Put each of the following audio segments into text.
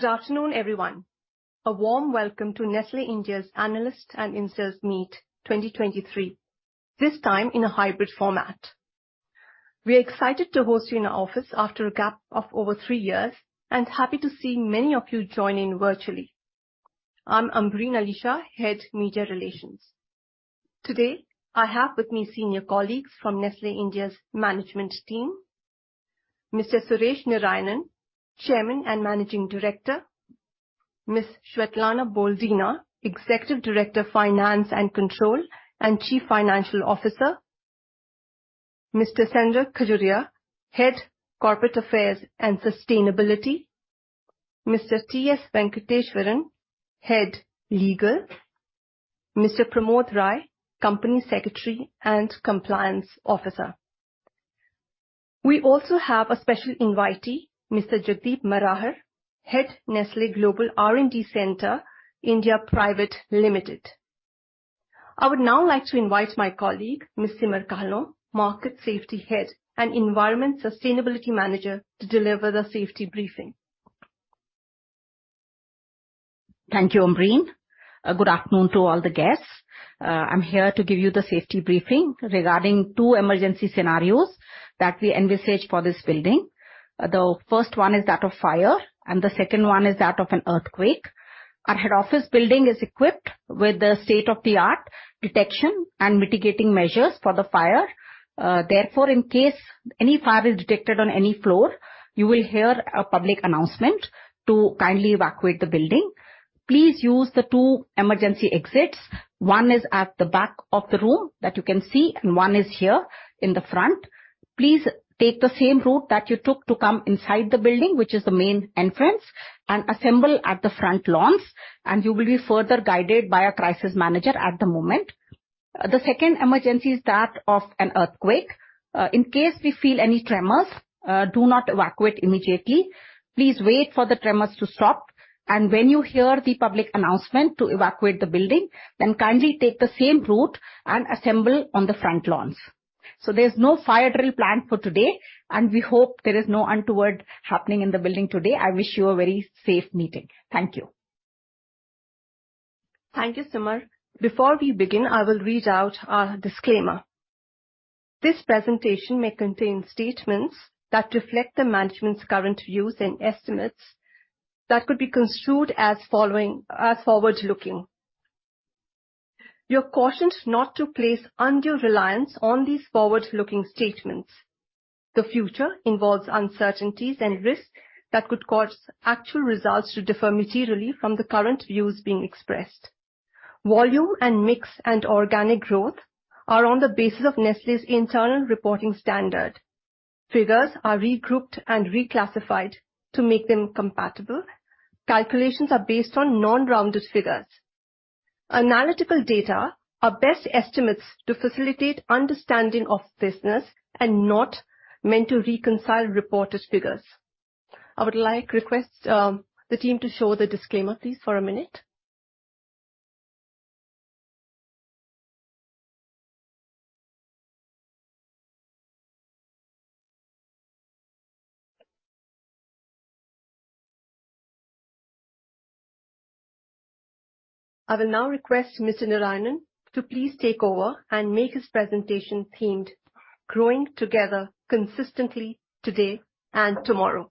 Good afternoon, everyone. A warm welcome to Nestlé India's Analyst and Investors Meet 2023, this time in a hybrid format. We are excited to host you in our office after a gap of over three years, and happy to see many of you join in virtually. I'm Ambreen Ali Shah, Head, Media Relations. Today, I have with me senior colleagues from Nestlé India's management team: Mr. Suresh Narayanan, Chairman and Managing Director; Ms. Svetlana Boldina, Executive Director, Finance and Control and Chief Financial Officer; Mr. Sanjay Khajuria, Head, Corporate Affairs and Sustainability; Mr. T.S. Venkateswaran, Head, Legal; Mr. Pramod Rai, Company Secretary and Compliance Officer. We also have a special invitee, Mr. Jagdeep Marahar, Head, Nestlé Global R&D Centre, India Private Limited. I would now like to invite my colleague, Ms. Simar Kahlon, Market Safety Head and Environment Sustainability Manager, to deliver the safety briefing. Thank you, Ambreen. good afternoon to all the guests. I'm here to give you the safety briefing regarding two emergency scenarios that we envisage for this building. The first one is that of fire, and the second one is that of an earthquake. Our head office building is equipped with the state-of-the-art detection and mitigating measures for the fire. Therefore, in case any fire is detected on any floor, you will hear a public announcement to kindly evacuate the building. Please use the two emergency exits. One is at the back of the room that you can see, and one is here in the front. Please take the same route that you took to come inside the building, which is the main entrance, and assemble at the front lawns, and you will be further guided by a crisis manager at the moment. The second emergency is that of an earthquake. In case we feel any tremors, do not evacuate immediately. Please wait for the tremors to stop. When you hear the public announcement to evacuate the building, then kindly take the same route and assemble on the front lawns. There's no fire drill planned for today. We hope there is no untoward happening in the building today. I wish you a very safe meeting. Thank you. Thank you, Simar. Before we begin, I will read out our disclaimer. This presentation may contain statements that reflect the management's current views and estimates that could be construed as forward-looking. You are cautioned not to place undue reliance on these forward-looking statements. The future involves uncertainties and risks that could cause actual results to differ materially from the current views being expressed. Volume and mix and organic growth are on the basis of Nestlé's internal reporting standard. Figures are regrouped and reclassified to make them compatible. Calculations are based on non-rounded figures. Analytical data are best estimates to facilitate understanding of business and not meant to reconcile reported figures. I would like request the team to show the disclaimer, please, for a minute. I will now request Mr. Narayanan to please take over and make his presentation themed: Growing Together Consistently, Today and Tomorrow.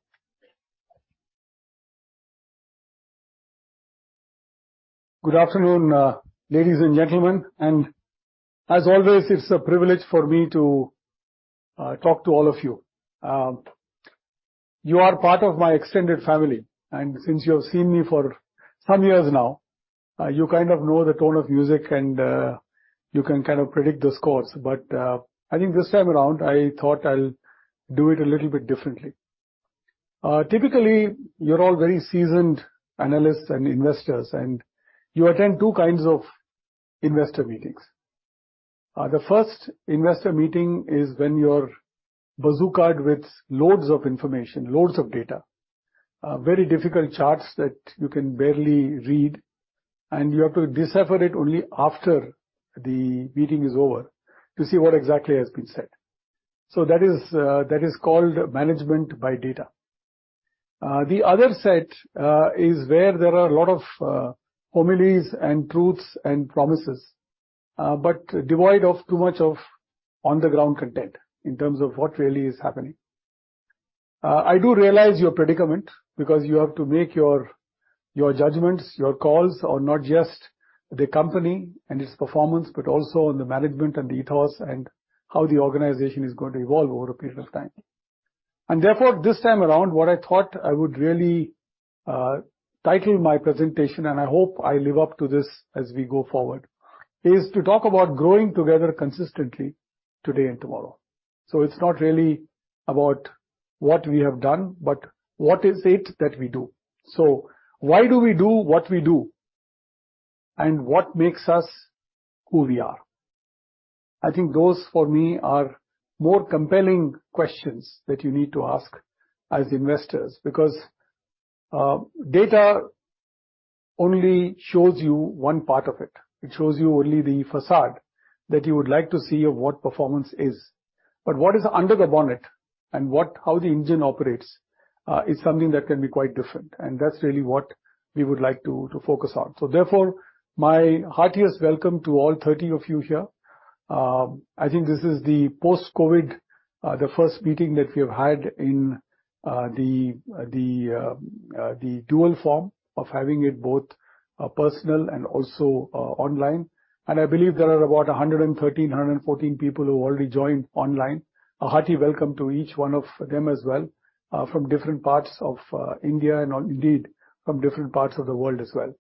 Good afternoon, ladies and gentlemen, and as always, it's a privilege for me to talk to all of you. You are part of my extended family, and since you have seen me for some years now, you kind of know the tone of music, and you can kind of predict the scores. I think this time around, I thought I'll do it a little bit differently. Typically, you're all very seasoned analysts and investors, and you attend two kinds of investor meetings. The first investor meeting is when you're bazooka-ed with loads of information, loads of data, very difficult charts that you can barely read, and you have to decipher it only after the meeting is over to see what exactly has been said. That is, that is called management by data. The other set, is where there are a lot of, homilies and truths and promises, but devoid of too much of on-the-ground content in terms of what really is happening. I do realize your predicament because you have to make your judgments, your calls on not just the company and its performance, but also on the management and ethos and how the organization is going to evolve over a period of time. Therefore, this time around, what I thought I would really, title my presentation, and I hope I live up to this as we go forward, is to talk about growing together consistently, today and tomorrow. It's not really about what we have done, but what is it that we do? Why do we do what we do, and what makes us who we are? I think those, for me, are more compelling questions that you need to ask as investors, because data only shows you one part of it. It shows you only the facade that you would like to see of what performance is, but what is under the bonnet and how the engine operates is something that can be quite different, and that's really what we would like to focus on. Therefore, my heartiest welcome to all 30 of you here. I think this is the post-COVID, the first meeting that we have had in the dual form of having it both personal and also online. I believe there are about 113, 114 people who have already joined online. A hearty welcome to each one of them as well, from different parts of India and indeed from different parts of the world as well.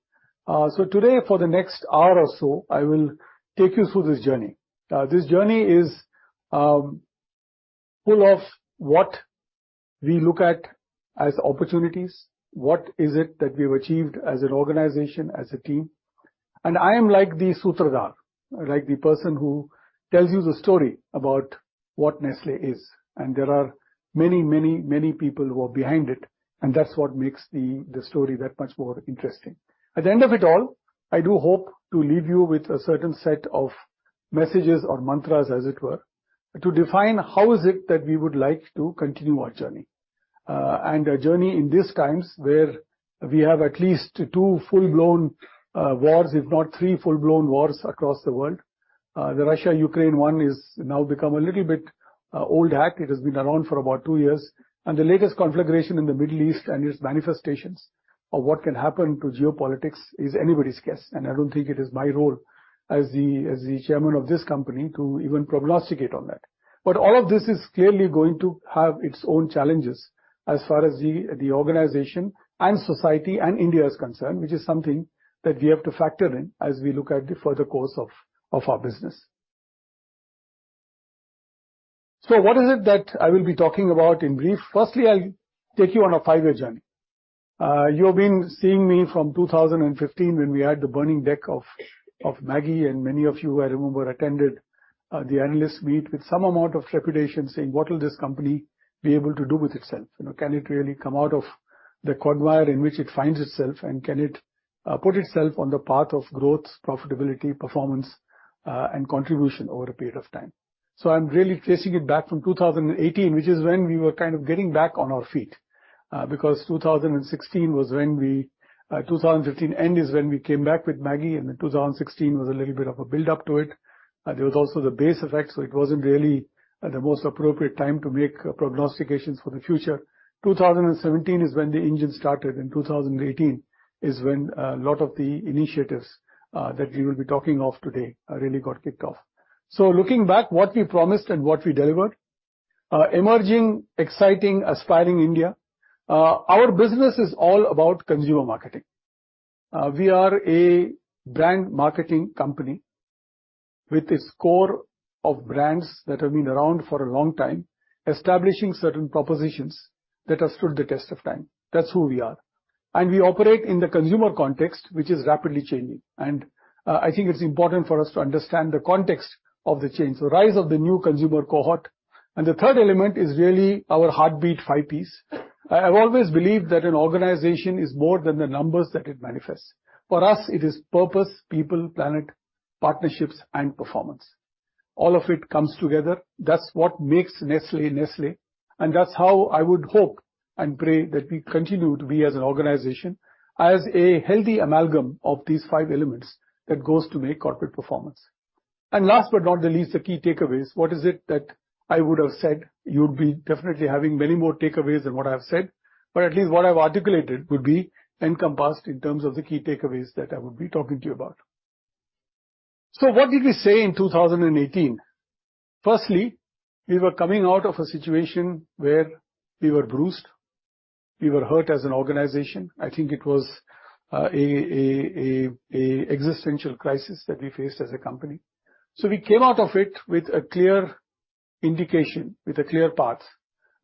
Today, for the next hour or so, I will take you through this journey. This journey is full of what we look at as opportunities, what is it that we've achieved as an organization, as a team? I am like the sutradhar, like the person who tells you the story about what Nestlé is. There are many, many, many people who are behind it, and that's what makes the story that much more interesting. At the end of it all, I do hope to leave you with a certain set of messages or mantras, as it were, to define how is it that we would like to continue our journey. A journey in these times where we have at least two full-blown wars, if not three full-blown wars across the world. The Russia-Ukraine one is now become a little bit old act. It has been around for about two years, and the latest conflagration in the Middle East and its manifestations of what can happen to geopolitics is anybody's guess, and I don't think it is my role as the chairman of this company to even prognosticate on that. All of this is clearly going to have its own challenges as far as the organization and society and India is concerned, which is something that we have to factor in as we look at the further course of our business. What is it that I will be talking about in brief? Firstly, I'll take you on a five-year journey. You've been seeing me from 2015, when we had the burning deck of MAGGI, and many of you, I remember, attended the analyst meet with some amount of trepidation, saying: "What will this company be able to do with itself? You know, can it really come out of the quagmire in which it finds itself, and can it put itself on the path of growth, profitability, performance, and contribution over a period of time?" I'm really tracing it back from 2018, which is when we were kind of getting back on our feet, 2015 end is when we came back with MAGGI, and then 2016 was a little bit of a build-up to it. There was also the base effect, so it wasn't really the most appropriate time to make prognostications for the future. 2017 is when the engine started, and 2018 is when a lot of the initiatives that we will be talking of today really got kicked off. Looking back, what we promised and what we delivered. Emerging, exciting, aspiring India. Our business is all about consumer marketing. We are a brand marketing company with a score of brands that have been around for a long time, establishing certain propositions that have stood the test of time. That's who we are. We operate in the consumer context, which is rapidly changing, and I think it's important for us to understand the context of the change, the rise of the new consumer cohort. The third element is really our heartbeat, five Ps. I've always believed that an organization is more than the numbers that it manifests. For us, it is purpose, people, planet, partnerships, and performance. All of it comes together. That's what makes Nestlé, and that's how I would hope and pray that we continue to be as an organization, as a healthy amalgam of these five elements that goes to make corporate performance. Last but not the least, the key takeaways. What is it that I would have said? You'd be definitely having many more takeaways than what I've said, but at least what I've articulated would be encompassed in terms of the key takeaways that I would be talking to you about. What did we say in 2018? Firstly, we were coming out of a situation where we were bruised, we were hurt as an organization. I think it was a existential crisis that we faced as a company. We came out of it with a clear indication, with a clear path,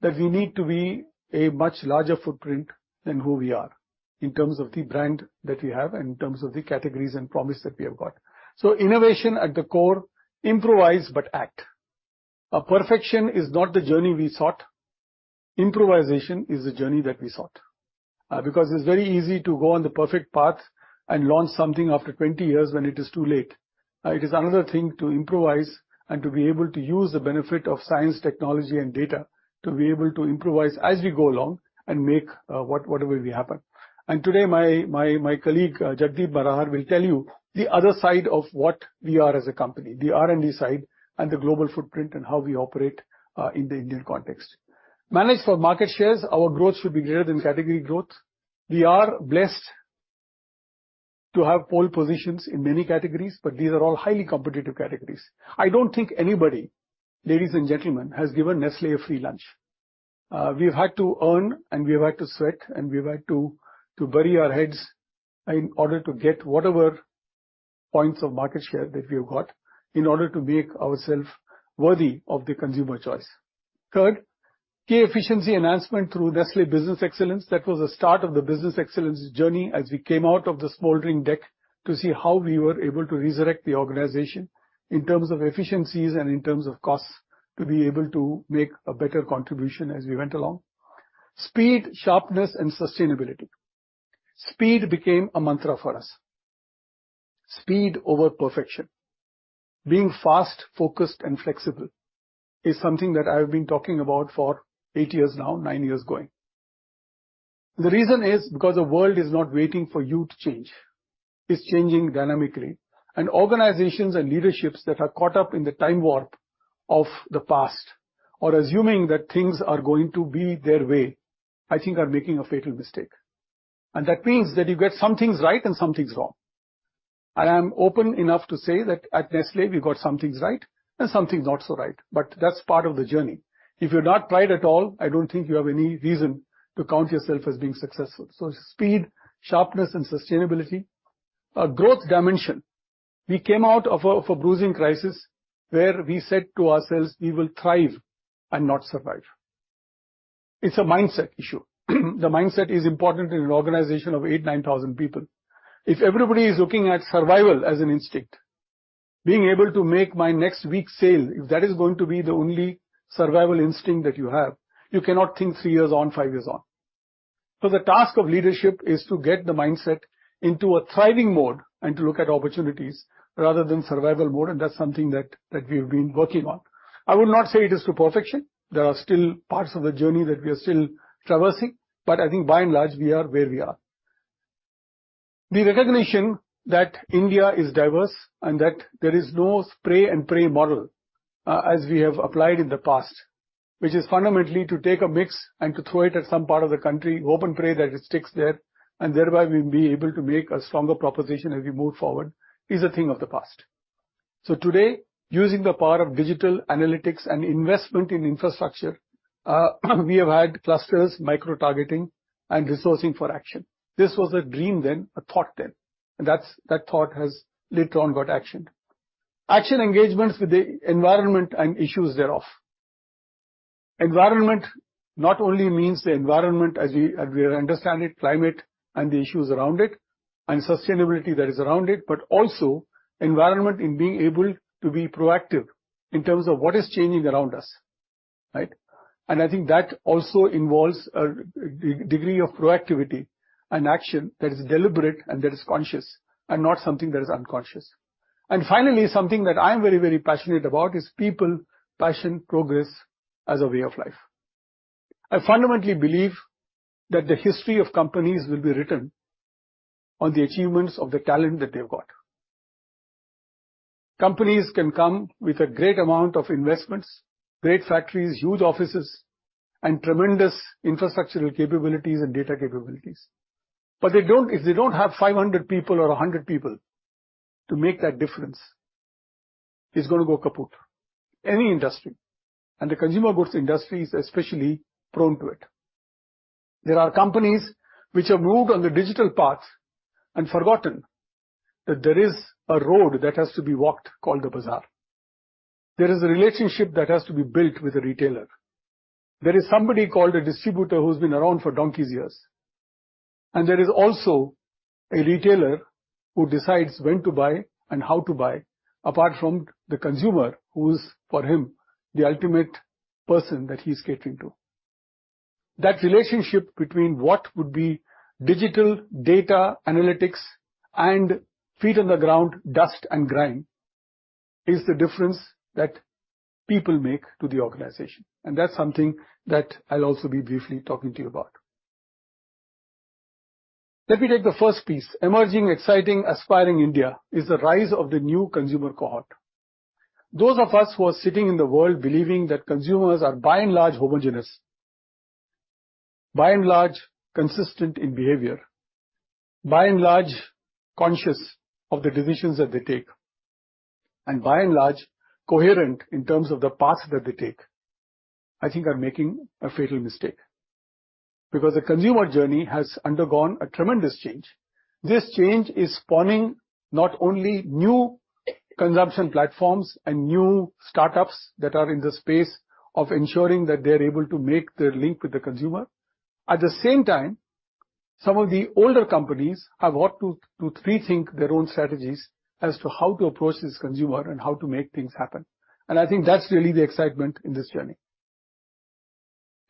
that we need to be a much larger footprint than who we are in terms of the brand that we have and in terms of the categories and promise that we have got. Innovation at the core, improvise, but act. Perfection is not the journey we sought. Improvisation is the journey that we sought, because it's very easy to go on the perfect path and launch something after 20 years when it is too late. It is another thing to improvise and to be able to use the benefit of science, technology, and data to be able to improvise as we go along and make, whatever we happen. Today, my colleague, Jagdeep Marahar, will tell you the other side of what we are as a company, the R&D side and the global footprint, and how we operate in the Indian context. Manage for market shares, our growth should be greater than category growth. We are blessed to have pole positions in many categories, but these are all highly competitive categories. I don't think anybody, ladies and gentlemen, has given Nestlé a free lunch. We've had to earn, we've had to sweat, we've had to bury our heads in order to get whatever points of market share that we've got in order to make ourself worthy of the consumer choice. Third, key efficiency enhancement through Nestlé Business Excellence. That was the start of the business excellence journey as we came out of the smoldering deck to see how we were able to resurrect the organization. In terms of efficiencies and in terms of costs, to be able to make a better contribution as we went along. Speed, sharpness, and sustainability. Speed became a mantra for us. Speed over perfection. Being fast, focused, and flexible is something that I have been talking about for eight years now, nine years going. The reason is because the world is not waiting for you to change. It's changing dynamically, organizations and leaderships that are caught up in the time warp of the past or assuming that things are going to be their way, I think are making a fatal mistake. That means that you get some things right and some things wrong. I am open enough to say that at Nestlé we got some things right and some things not so right, but that's part of the journey. If you've not tried at all, I don't think you have any reason to count yourself as being successful. Speed, sharpness, and sustainability. A growth dimension. We came out of a bruising crisis where we said to ourselves: "We will thrive and not survive." It's a mindset issue. The mindset is important in an organization of 8,000-9,000 people. If everybody is looking at survival as an instinct, being able to make my next week's sale, if that is going to be the only survival instinct that you have, you cannot think three years on, five years on. The task of leadership is to get the mindset into a thriving mode and to look at opportunities rather than survival mode, and that's something that we've been working on. I would not say it is to perfection. There are still parts of the journey that we are still traversing, but I think by and large, we are where we are. The recognition that India is diverse and that there is no spray and pray model, as we have applied in the past, which is fundamentally to take a mix and to throw it at some part of the country, hope and pray that it sticks there, and thereby we'll be able to make a stronger proposition as we move forward, is a thing of the past. Today, using the power of digital analytics and investment in infrastructure, we have had clusters, micro-targeting, and resourcing for action. This was a dream then, a thought then, that thought has later on got actioned. Actual engagements with the environment and issues thereof. Environment not only means the environment as we understand it, climate and the issues around it, and sustainability that is around it, but also environment in being able to be proactive in terms of what is changing around us, right? I think that also involves a degree of proactivity and action that is deliberate and that is conscious, and not something that is unconscious. Finally, something that I am very passionate about is people, passion, progress, as a way of life. I fundamentally believe that the history of companies will be written on the achievements of the talent that they've got. Companies can come with a great amount of investments, great factories, huge offices, and tremendous infrastructural capabilities and data capabilities, but if they don't have 500 people or 100 people to make that difference, it's gonna go kaput. Any industry, and the consumer goods industry is especially prone to it. There are companies which have moved on the digital path and forgotten that there is a road that has to be walked, called the bazaar. There is a relationship that has to be built with the retailer. There is somebody called a distributor who's been around for donkey's years, and there is also a retailer who decides when to buy and how to buy, apart from the consumer, who is, for him, the ultimate person that he's catering to. That relationship between what would be digital, data, analytics, and feet on the ground, dust and grime, is the difference that people make to the organization, and that's something that I'll also be briefly talking to you about. Let me take the first piece. Emerging, exciting, aspiring India is the rise of the new consumer cohort. Those of us who are sitting in the world believing that consumers are by and large homogenous, by and large consistent in behavior, by and large conscious of the decisions that they take, and by and large coherent in terms of the paths that they take, I think are making a fatal mistake, because the consumer journey has undergone a tremendous change. This change is spawning not only new consumption platforms and new startups that are in the space of ensuring that they're able to make their link with the consumer, at the same time, some of the older companies have ought to rethink their own strategies as to how to approach this consumer and how to make things happen. I think that's really the excitement in this journey.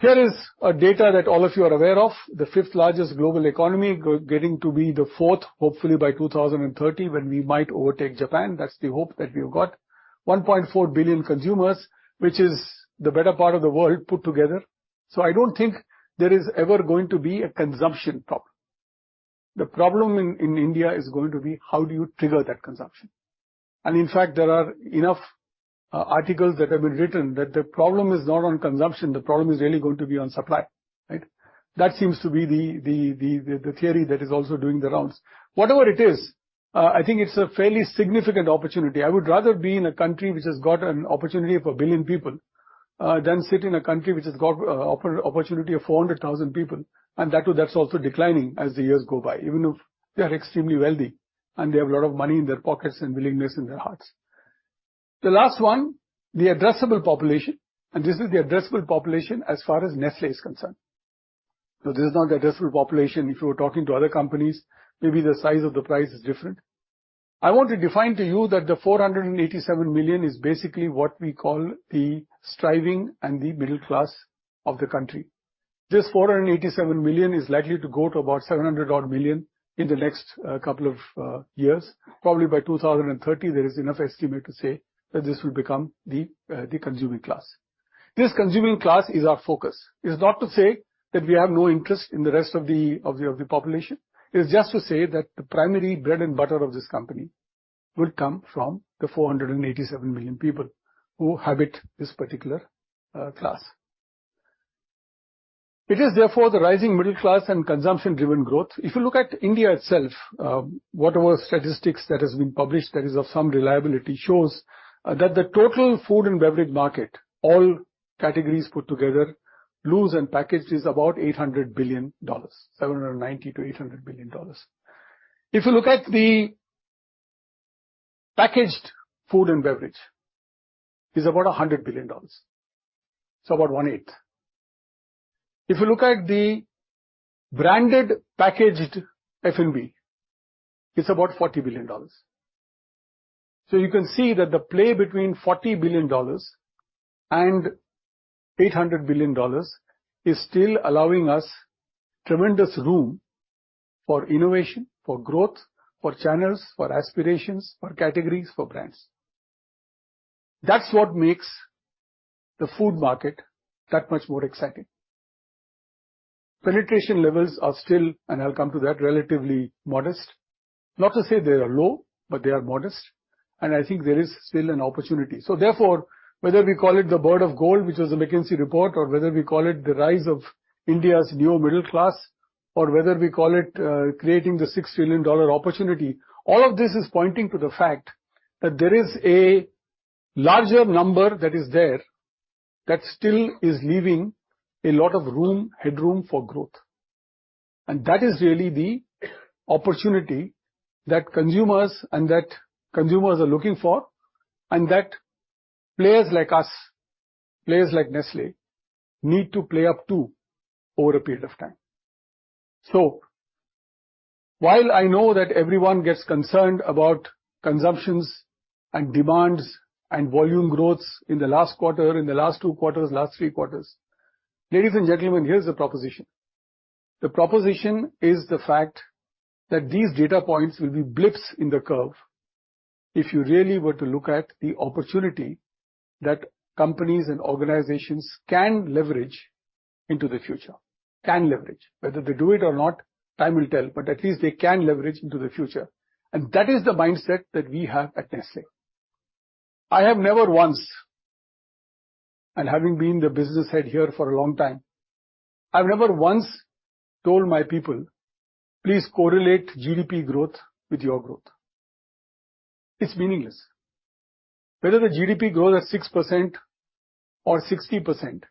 Here is a data that all of you are aware of, the fifth-largest global economy, getting to be the fourth, hopefully by 2030, when we might overtake Japan. That's the hope that we've got. 1.4 billion consumers, which is the better part of the world put together. I don't think there is ever going to be a consumption problem. The problem in India is going to be: how do you trigger that consumption? In fact, there are enough articles that have been written, that the problem is not on consumption, the problem is really going to be on supply, right? That seems to be the theory that is also doing the rounds. Whatever it is, I think it's a fairly significant opportunity. I would rather be in a country which has got an opportunity of one billion people, than sit in a country which has got opportunity of 400,000 people, and that too, that's also declining as the years go by, even if they are extremely wealthy and they have a lot of money in their pockets and willingness in their hearts. The last one, the addressable population, and this is the addressable population as far as Nestlé is concerned. This is not the addressable population. If you were talking to other companies, maybe the size of the price is different. I want to define to you that the 487 million is basically what we call the striving and the middle class of the country. This 487 million is likely to go to about 700 odd million in the next couple of years. Probably by 2030, there is enough estimate to say that this will become the consuming class. This consuming class is our focus. It is not to say that we have no interest in the rest of the, of the, of the population. It is just to say that the primary bread and butter of this company will come from the 487 million people who inhabit this particular class. It is therefore the rising middle class and consumption-driven growth. If you look at India itself, whatever statistics that has been published, that is of some reliability, shows that the total food and beverage market, all categories put together, loose and packaged, is about $800 billion, $790-800 billion. If you look at the packaged food and beverage, is about $100 billion, so about one-eighth. If you look at the branded, packaged F&B, it's about $40 billion. You can see that the play between $40 and 800 billion is still allowing us tremendous room for innovation, for growth, for channels, for aspirations, for categories, for brands. That's what makes the food market that much more exciting. Penetration levels are still, and I'll come to that, relatively modest. Not to say they are low, but they are modest, and I think there is still an opportunity. Therefore, whether we call it the Bird of Gold, which is a McKinsey report, or whether we call it the rise of India's new middle class, or whether we call it creating the $6 trillion opportunity, all of this is pointing to the fact that there is a larger number that is there, that still is leaving a lot of room, headroom for growth. That is really the opportunity that consumers, and that consumers are looking for, and that players like us, players like Nestlé, need to play up to over a period of time. While I know that everyone gets concerned about consumptions and demands and volume growths in the last quarter, in the last two quarters, last three quarters, ladies and gentlemen, here's the proposition. The proposition is the fact that these data points will be blips in the curve if you really were to look at the opportunity that companies and organizations can leverage into the future. Can leverage. Whether they do it or not, time will tell, but at least they can leverage into the future, and that is the mindset that we have at Nestlé. I have never once, and having been the business head here for a long time, I've never once told my people, "Please correlate GDP growth with your growth." It's meaningless. Whether the GDP grows at 6% or 60%,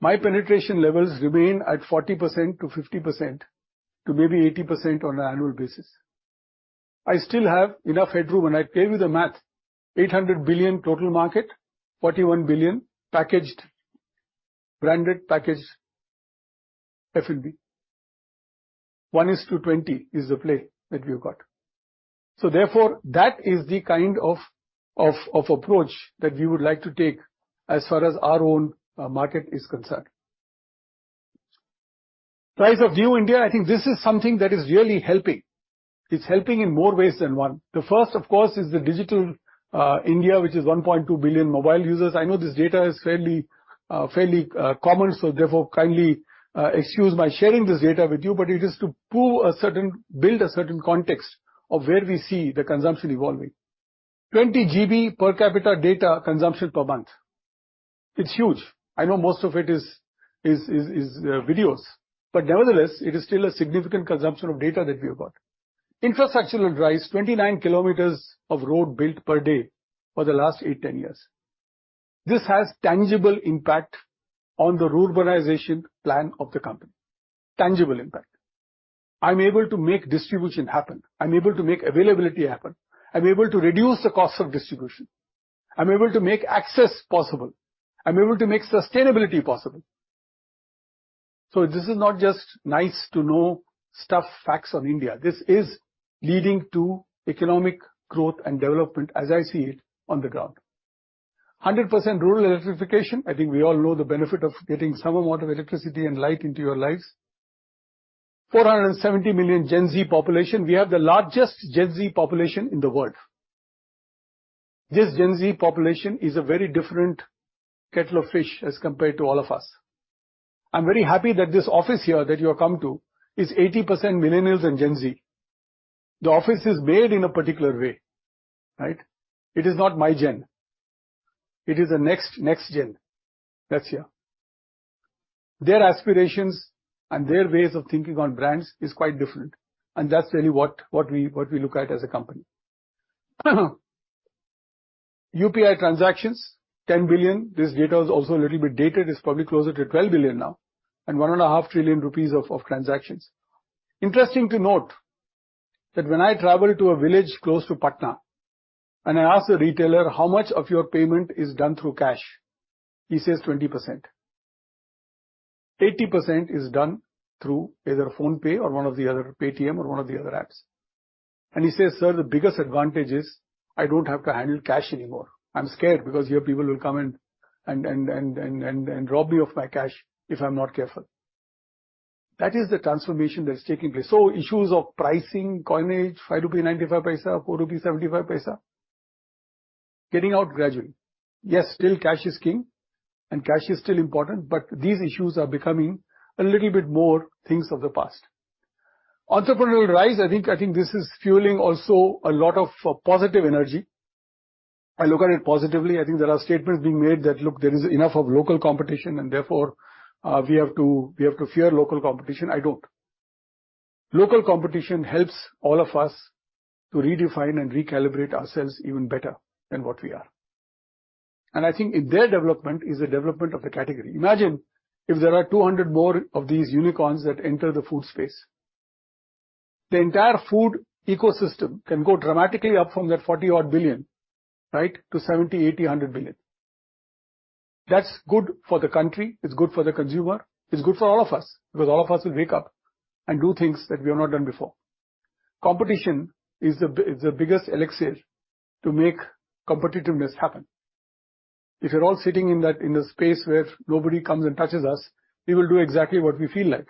my penetration levels remain at 40% to 50% to maybe 80% on an annual basis. I still have enough headroom, and I tell you the math, 800 billion total market, 41 billion packaged, branded, packaged F&B. One is to 20 is the play that we have got. That is the kind of approach that we would like to take as far as our own market is concerned. Rise of New India, I think this is something that is really helping. It's helping in more ways than one. The first, of course, is the digital India, which is 1.2 billion mobile users. I know this data is fairly common, kindly excuse my sharing this data with you, but it is to build a certain context of where we see the consumption evolving. 20GB per capita data consumption per month. It's huge. I know most of it is videos, but nevertheless, it is still a significant consumption of data that we have got. Infrastructural rise, 29km of road built per day for the last eight to 10 years. This has tangible impact on the ruralization plan of the company. Tangible impact. I'm able to make distribution happen. I'm able to make availability happen. I'm able to reduce the cost of distribution. I'm able to make access possible. I'm able to make sustainability possible. This is not just nice to know stuff, facts on India. This is leading to economic growth and development as I see it on the ground. 100% rural electrification. I think we all know the benefit of getting some amount of electricity and light into your lives. 470 million Gen Z population. We have the largest Gen Z population in the world. This Gen Z population is a very different kettle of fish as compared to all of us. I'm very happy that this office here that you have come to is 80% millennials and Gen Z. The office is made in a particular way, right? It is not my gen. It is the next gen that's here. Their aspirations and their ways of thinking on brands is quite different, and that's really what we look at as a company. UPI transactions, 10 billion. This data is also a little bit dated. It's probably closer to 12 billion now, and one and a half trillion INR of transactions. Interesting to note that when I travel to a village close to Patna, and I ask the retailer: "How much of your payment is done through cash?" He says, "20%." 80% is done through either PhonePe or one of the other, Paytm, or one of the other apps. He says, "Sir, the biggest advantage is I don't have to handle cash anymore. I'm scared because your people will come in and rob me of my cash if I'm not careful." That is the transformation that is taking place. Issues of pricing, coinage, 5 rupees, 95 paisa, 4, 75 paisa, getting out gradually. Still cash is king and cash is still important, but these issues are becoming a little bit more things of the past. Entrepreneurial rise, I think, this is fueling also a lot of positive energy. I look at it positively. I think there are statements being made that, look, there is enough of local competition and therefore, we have to fear local competition. I don't. Local competition helps all of us to redefine and recalibrate ourselves even better than what we are. I think their development is a development of the category. Imagine if there are 200 more of these unicorns that enter the food space. The entire food ecosystem can go dramatically up from that $40 odd billion, right, to 70, 80, 100 billion. That's good for the country, it's good for the consumer, it's good for all of us, because all of us will wake up and do things that we have not done before. Competition is the biggest elixir to make competitiveness happen. If you're all sitting in that, in a space where nobody comes and touches us, we will do exactly what we feel like,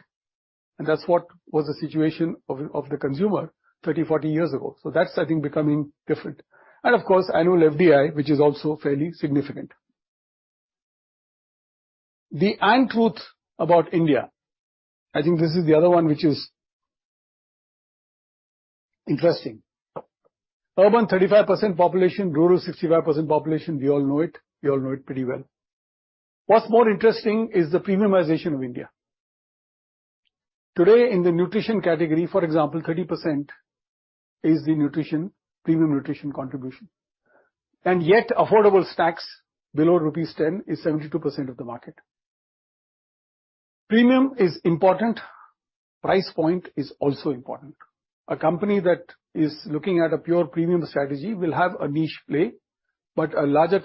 and that's what was the situation of the consumer 30, 40 years ago. That's, I think, becoming different. Of course, annual FDI, which is also fairly significant. The untruth about India, I think this is the other one, which is interesting. Urban, 35% population, rural, 65% population. We all know it. We all know it pretty well. What's more interesting is the premiumization of India. Today, in the nutrition category, for example, 30% is the nutrition, premium nutrition contribution, and yet affordable stacks below rupees 10 is 72% of the market. Premium is important. Price point is also important. A company that is looking at a pure premium strategy will have a niche play, but a larger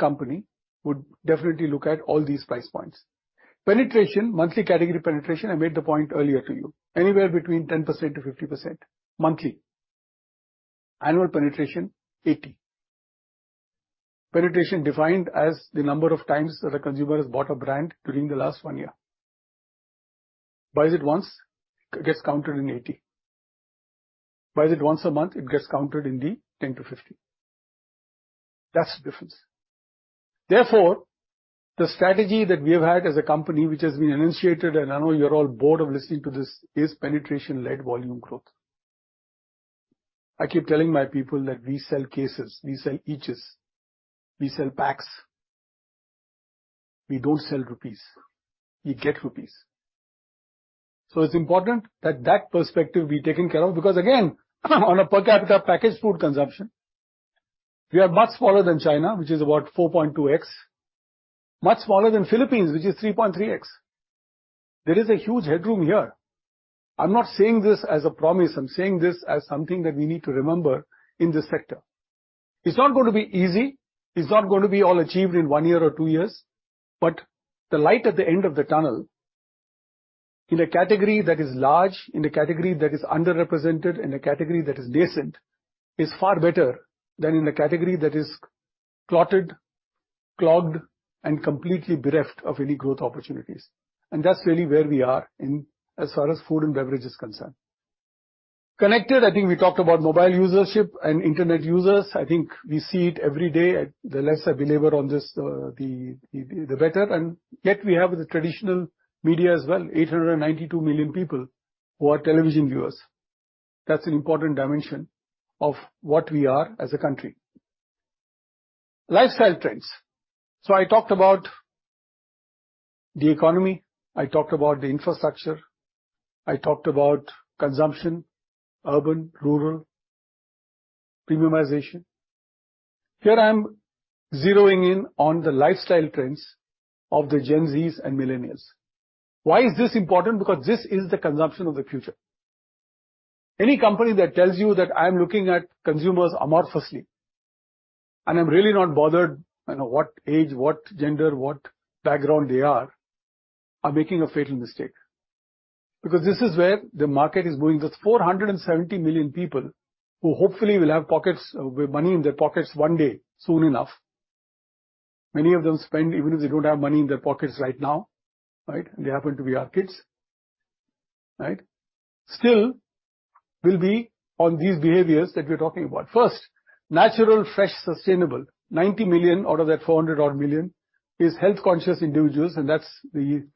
company would definitely look at all these price points. Penetration, monthly category penetration, I made the point earlier to you, anywhere between 10%-50% monthly. Annual penetration, 80%. Penetration defined as the number of times that a consumer has bought a brand during the last one year. Buys it once, it gets counted in 80%. Buys it once a month, it gets counted in the 10%-50%. That's the difference. The strategy that we have had as a company, which has been initiated, and I know you're all bored of listening to this, is penetration-led volume growth. I keep telling my people that we sell cases, we sell inches, we sell packs. We don't sell rupees, we get rupees. It's important that that perspective be taken care of, because again, on a per capita packaged food consumption, we are much smaller than China, which is about 4.2x, much smaller than Philippines, which is 3.3x. There is a huge headroom here. I'm not saying this as a promise. I'm saying this as something that we need to remember in this sector. It's not going to be easy. It's not going to be all achieved in one year or two years, but the light at the end of the tunnel in a category that is large, in a category that is underrepresented, in a category that is nascent, is far better than in a category that is clotted, clogged, and completely bereft of any growth opportunities. That's really where we are in as far as food and beverage is concerned. Connected, I think we talked about mobile usership and internet users. I think we see it every day. The less I belabor on this, the better, and yet we have the traditional media as well. 892 million people who are television viewers. That's an important dimension of what we are as a country. Lifestyle trends. I talked about the economy, I talked about the infrastructure, I talked about consumption, urban, rural, premiumization. Here I am zeroing in on the lifestyle trends of the Gen Zs and millennials. Why is this important? Because this is the consumption of the future. Any company that tells you that I am looking at consumers amorphously, and I'm really not bothered, you know, what age, what gender, what background they are making a fatal mistake, because this is where the market is going. There's 470 million people who hopefully will have money in their pockets one day, soon enough. Many of them spend, even if they don't have money in their pockets right now, right? They happen to be our kids, right? Still will be on these behaviors that we're talking about. First, natural, fresh, sustainable. 90 million out of that 400 odd million is health-conscious individuals, and that's the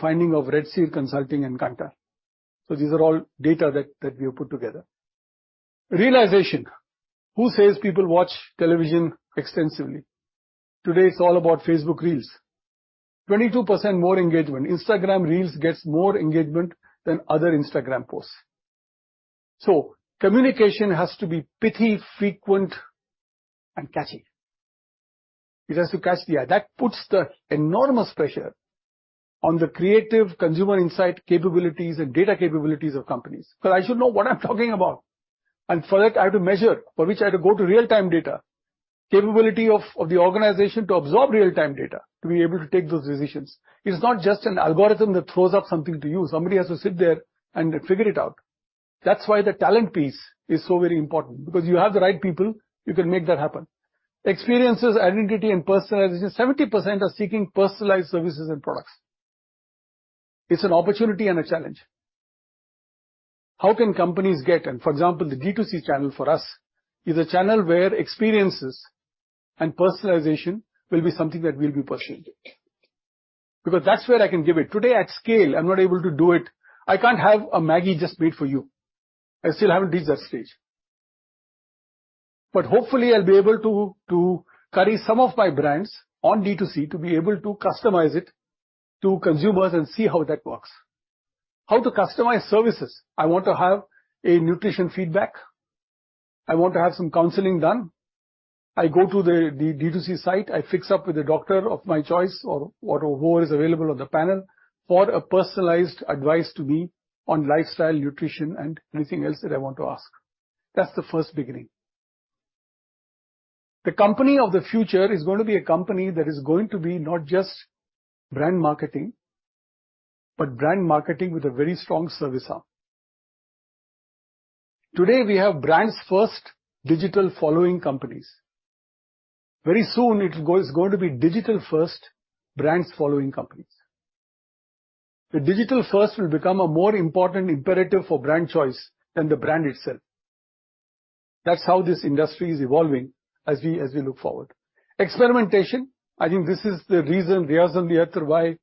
finding of Redseer Strategy Consultants and Kantar. These are all data that we have put together. Realization. Who says people watch television extensively? Today, it's all about Facebook Reels. 22% more engagement. Instagram Reels gets more engagement than other Instagram posts. Communication has to be pithy, frequent, and catchy. It has to catch the eye. That puts the enormous pressure on the creative consumer insight capabilities and data capabilities of companies, because I should know what I'm talking about, and for that, I have to measure, for which I have to go to real-time data. Capability of the organization to absorb real-time data, to be able to take those decisions. It's not just an algorithm that throws up something to you. Somebody has to sit there and figure it out. That's why the talent piece is so very important, because you have the right people, you can make that happen. Experiences, identity, and personalization. 70% are seeking personalized services and products. It's an opportunity and a challenge. How can companies. For example, the D2C channel for us is a channel where experiences and personalization will be something that will be personally done. Because that's where I can give it. Today, at scale, I'm not able to do it. I can't have a MAGGI just made for you. I still haven't reached that stage. Hopefully I'll be able to carry some of my brands on D2C to be able to customize it to consumers and see how that works. How to customize services? I want to have a nutrition feedback. I want to have some counseling done. I go to the D2C site. I fix up with a doctor of my choice or who is available on the panel for a personalized advice to me on lifestyle, nutrition, and anything else that I want to ask. That's the first beginning. The company of the future is going to be a company that is going to be not just brand marketing, but brand marketing with a very strong service arm. Today, we have brands first, digital following companies. Very soon it is going to be digital first, brands following companies. The digital first will become a more important imperative for brand choice than the brand itself. That's how this industry is evolving as we look forward. Experimentation, I think this is the reason on the earth why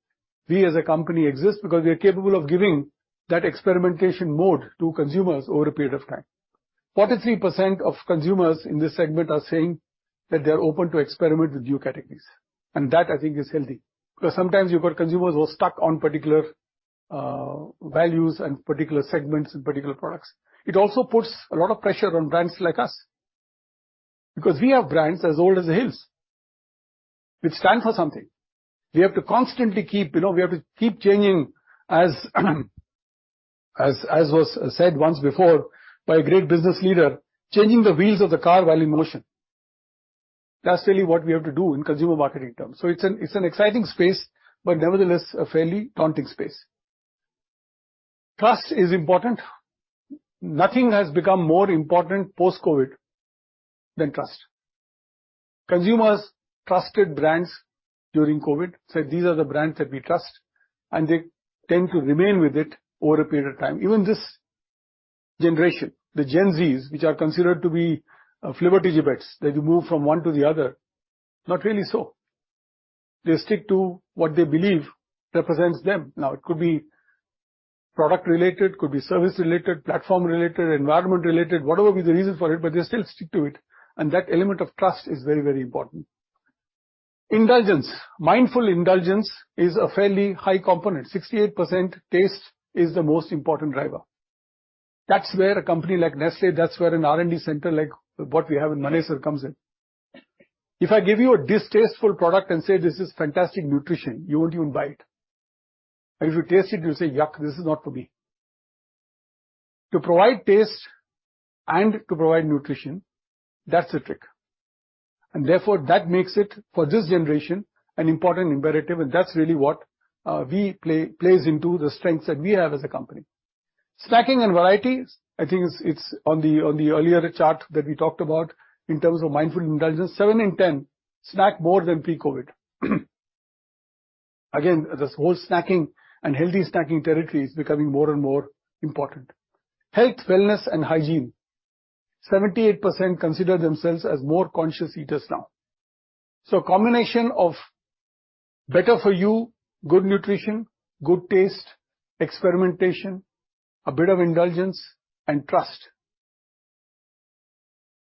we as a company exist, because we are capable of giving that experimentation mode to consumers over a period of time. 43% of consumers in this segment are saying that they are open to experiment with new categories, and that, I think, is healthy, because sometimes you've got consumers who are stuck on particular values and particular segments and particular products. It also puts a lot of pressure on brands like us, because we have brands as old as the hills, which stand for something. We have to constantly keep, you know, we have to keep changing as was said once before by a great business leader, "Changing the wheels of the car while in motion." That's really what we have to do in consumer marketing terms. It's an exciting space, but nevertheless, a fairly daunting space. Trust is important. Nothing has become more important post-COVID than trust. Consumers trusted brands during COVID, said, "These are the brands that we trust," and they tend to remain with it over a period of time. Even this generation, the Gen Zs, which are considered to be flibbertigibbets, they move from one to the other, not really so. They stick to what they believe represents them. It could be product-related, could be service-related, platform-related, environment-related, whatever be the reason for it, but they still stick to it, and that element of trust is very, very important. Indulgence. Mindful indulgence is a fairly high component. 68% taste is the most important driver. That's where a company like Nestlé, that's where an R&D center like what we have in Manesar comes in. If I give you a distasteful product and say, "This is fantastic nutrition," you won't even buy it. If you taste it, you'll say, "Yuck! This is not for me." To provide taste and to provide nutrition, that's the trick. Therefore, that makes it, for this generation, an important imperative, and that's really what we play plays into the strengths that we have as a company. Snacking and variety, I think it's on the, on the earlier chart that we talked about in terms of mindful indulgence. Seven in 10 snack more than pre-COVID. This whole snacking and healthy snacking territory is becoming more and more important. Health, wellness, and hygiene. 78% consider themselves as more conscious eaters now. A combination of better for you, good nutrition, good taste, experimentation, a bit of indulgence, and trust,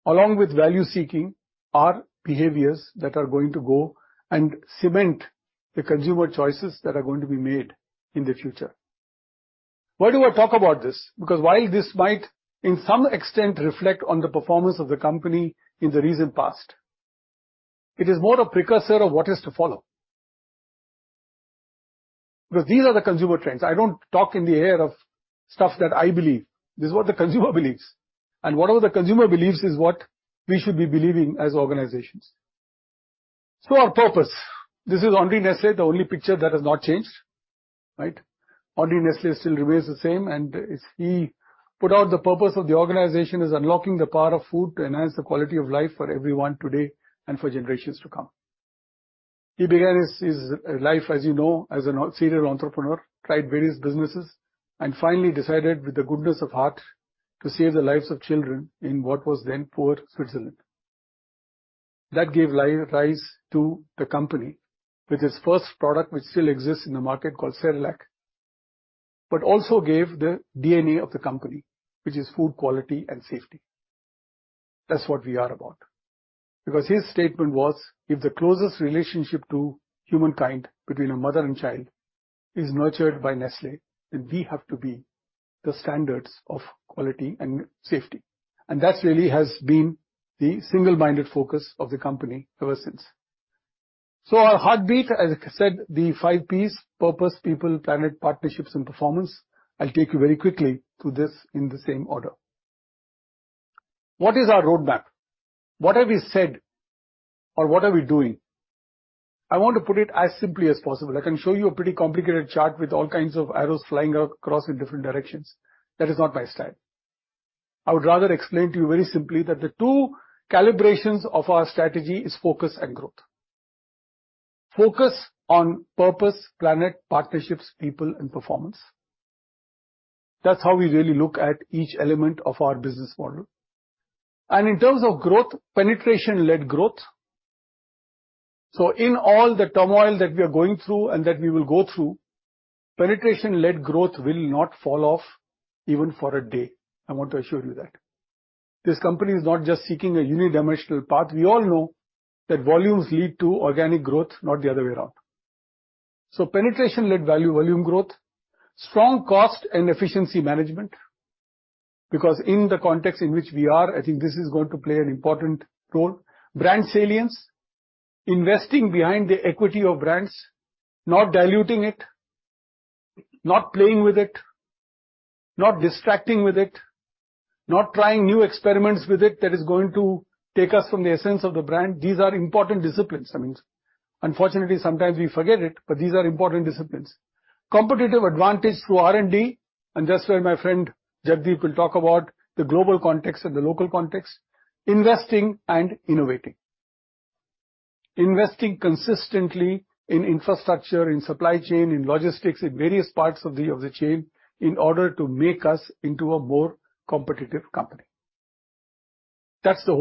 along with value-seeking, are behaviors that are going to go and cement the consumer choices that are going to be made in the future. Why do I talk about this? While this might, in some extent, reflect on the performance of the company in the recent past, it is more a precursor of what is to follow. These are the consumer trends. I don't talk in the air of stuff that I believe. This is what the consumer believes, and whatever the consumer believes is what we should be believing as organizations. Our purpose. This is Henri Nestlé, the only picture that has not changed, right? Henri Nestlé still remains the same, he put out the purpose of the organization is unlocking the power of food to enhance the quality of life for everyone today and for generations to come. He began his life, as you know, as a serial entrepreneur, tried various businesses, and finally decided, with the goodness of heart, to save the lives of children in what was then poor Switzerland. That gave rise to the company, with its first product, which still exists in the market, called Crelac, but also gave the DNA of the company, which is food quality and safety. That's what we are about. His statement was: If the closest relationship to humankind between a mother and child is nurtured by Nestlé, and we have to be the standards of quality and safety. That really has been the single-minded focus of the company ever since. Our heartbeat, as I said, the five Ps: purpose, people, planet, partnerships, and performance. I'll take you very quickly through this in the same order. What is our roadmap? What have we said or what are we doing? I want to put it as simply as possible. I can show you a pretty complicated chart with all kinds of arrows flying across in different directions. That is not my style. I would rather explain to you very simply, that the two calibrations of our strategy is focus and growth. Focus on purpose, planet, partnerships, people and performance. That's how we really look at each element of our business model. In terms of growth, penetration-led growth. In all the turmoil that we are going through and that we will go through, penetration-led growth will not fall off even for a day, I want to assure you that. This company is not just seeking a unidimensional path. We all know that volumes lead to organic growth, not the other way around. Penetration-led value, volume growth, strong cost and efficiency management, because in the context in which we are, I think this is going to play an important role. Brand salience, investing behind the equity of brands, not diluting it, not playing with it, not distracting with it, not trying new experiments with it that is going to take us from the essence of the brand. These are important disciplines. I mean, unfortunately, sometimes we forget it, but these are important disciplines. Competitive advantage through R&D, and that's where my friend Jagdeep will talk about the global context and the local context. Investing and innovating. Investing consistently in infrastructure, in supply chain, in logistics, in various parts of the chain, in order to make us into a more competitive company. That's the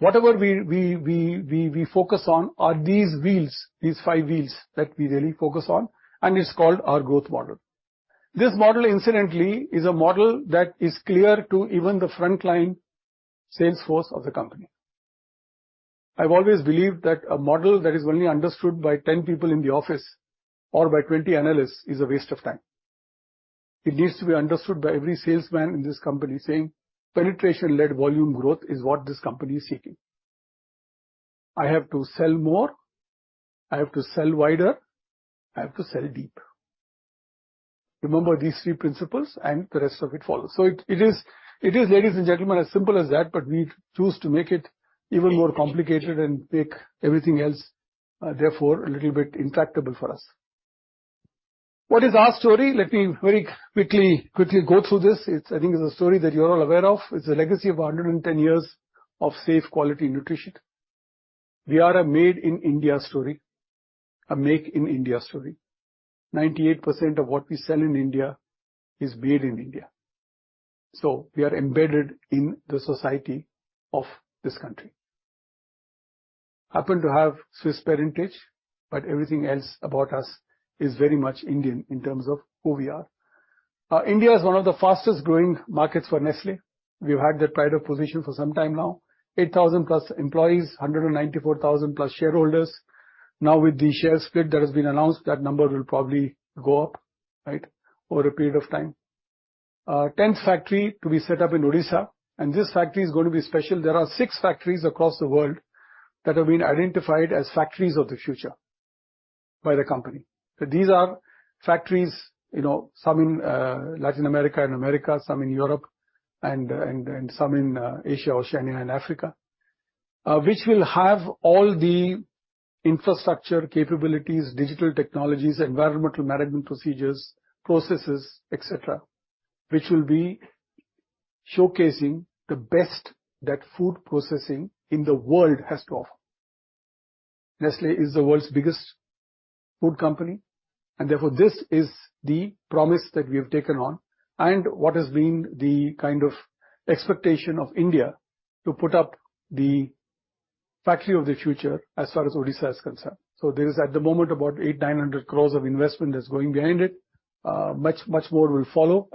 whole core. Whatever we focus on are these wheels, these 5 wheels that we really focus on, and it's called our growth model. This model, incidentally, is a model that is clear to even the front-line sales force of the company. I've always believed that a model that is only understood by 10 people in the office or by 20 analysts is a waste of time. It needs to be understood by every salesman in this company, saying: penetration-led volume growth is what this company is seeking. I have to sell more, I have to sell wider, I have to sell deeper. Remember these three principles and the rest of it follows. It is, ladies and gentlemen, as simple as that, but we choose to make it even more complicated and make everything else, therefore, a little bit intractable for us. What is our story? Let me very quickly go through this. It's, I think, it's a story that you're all aware of. It's a legacy of 110 years of safe, quality nutrition. We are a Made in India story, a Make in India story. 98% of what we sell in India is made in India, so we are embedded in the society of this country. Happen to have Swiss parentage, but everything else about us is very much Indian in terms of who we are. India is one of the fastest growing markets for Nestlé. We've had that pride of position for some time now. 8,000 plus employees, 194,000 plus shareholders. With the share split that has been announced, that number will probably go up, right, over a period of time. 10th factory to be set up in Odisha, and this factory is going to be special. There are 6 factories across the world that have been identified as factories of the future by the company. These are factories, you know, some in Latin America and America, some in Europe and some in Asia, Oceania and Africa, which will have all the infrastructure, capabilities, digital technologies, environmental management procedures, processes, et cetera, which will be showcasing the best that food processing in the world has to offer. Nestlé is the world's biggest food company, therefore, this is the promise that we have taken on and what has been the kind of expectation of India to put up the factory of the future as far as Odisha is concerned. There is, at the moment, about 800-900 crores of investment that's going behind it. Much, much more will follow,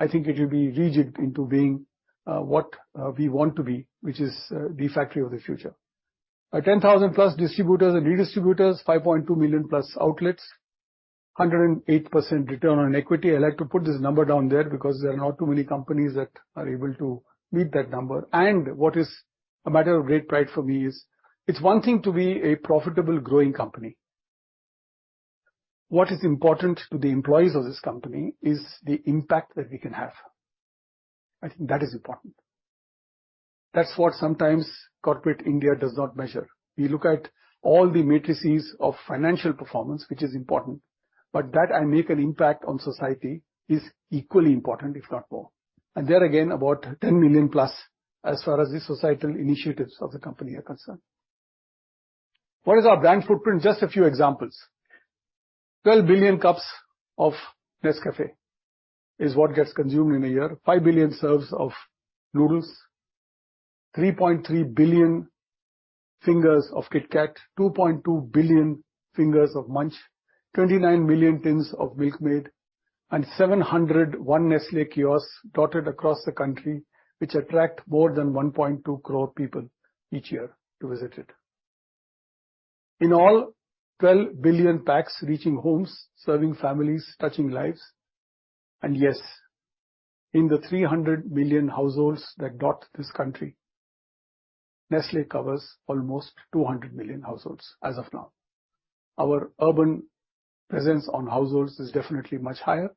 I think it will be rigid into being what we want to be, which is the factory of the future. 10,000 plus distributors and redistributors, 5.2 million plus outlets, 108% return on equity. I like to put this number down there, because there are not too many companies that are able to meet that number. What is a matter of great pride for me is, it's one thing to be a profitable, growing company. What is important to the employees of this company is the impact that we can have. I think that is important. That's what sometimes Corporate India does not measure. We look at all the matrices of financial performance, which is important, that I make an impact on society is equally important, if not more. There again, about 10 million+, as far as the societal initiatives of the company are concerned. What is our brand footprint? Just a few examples. 12 billion cups of NESCAFÉ is what gets consumed in a year, five billion serves of noodles, 3.3 billion fingers of KitKat, 2.2 billion fingers of Munch, 29 million tins of MILKMAID... 701 Nestlé kiosks dotted across the country, which attract more than 1.2 crore people each year to visit it. In all, 12 billion packs reaching homes, serving families, touching lives. Yes, in the 300 million households that dot this country, Nestlé covers almost 200 million households as of now. Our urban presence on households is definitely much higher.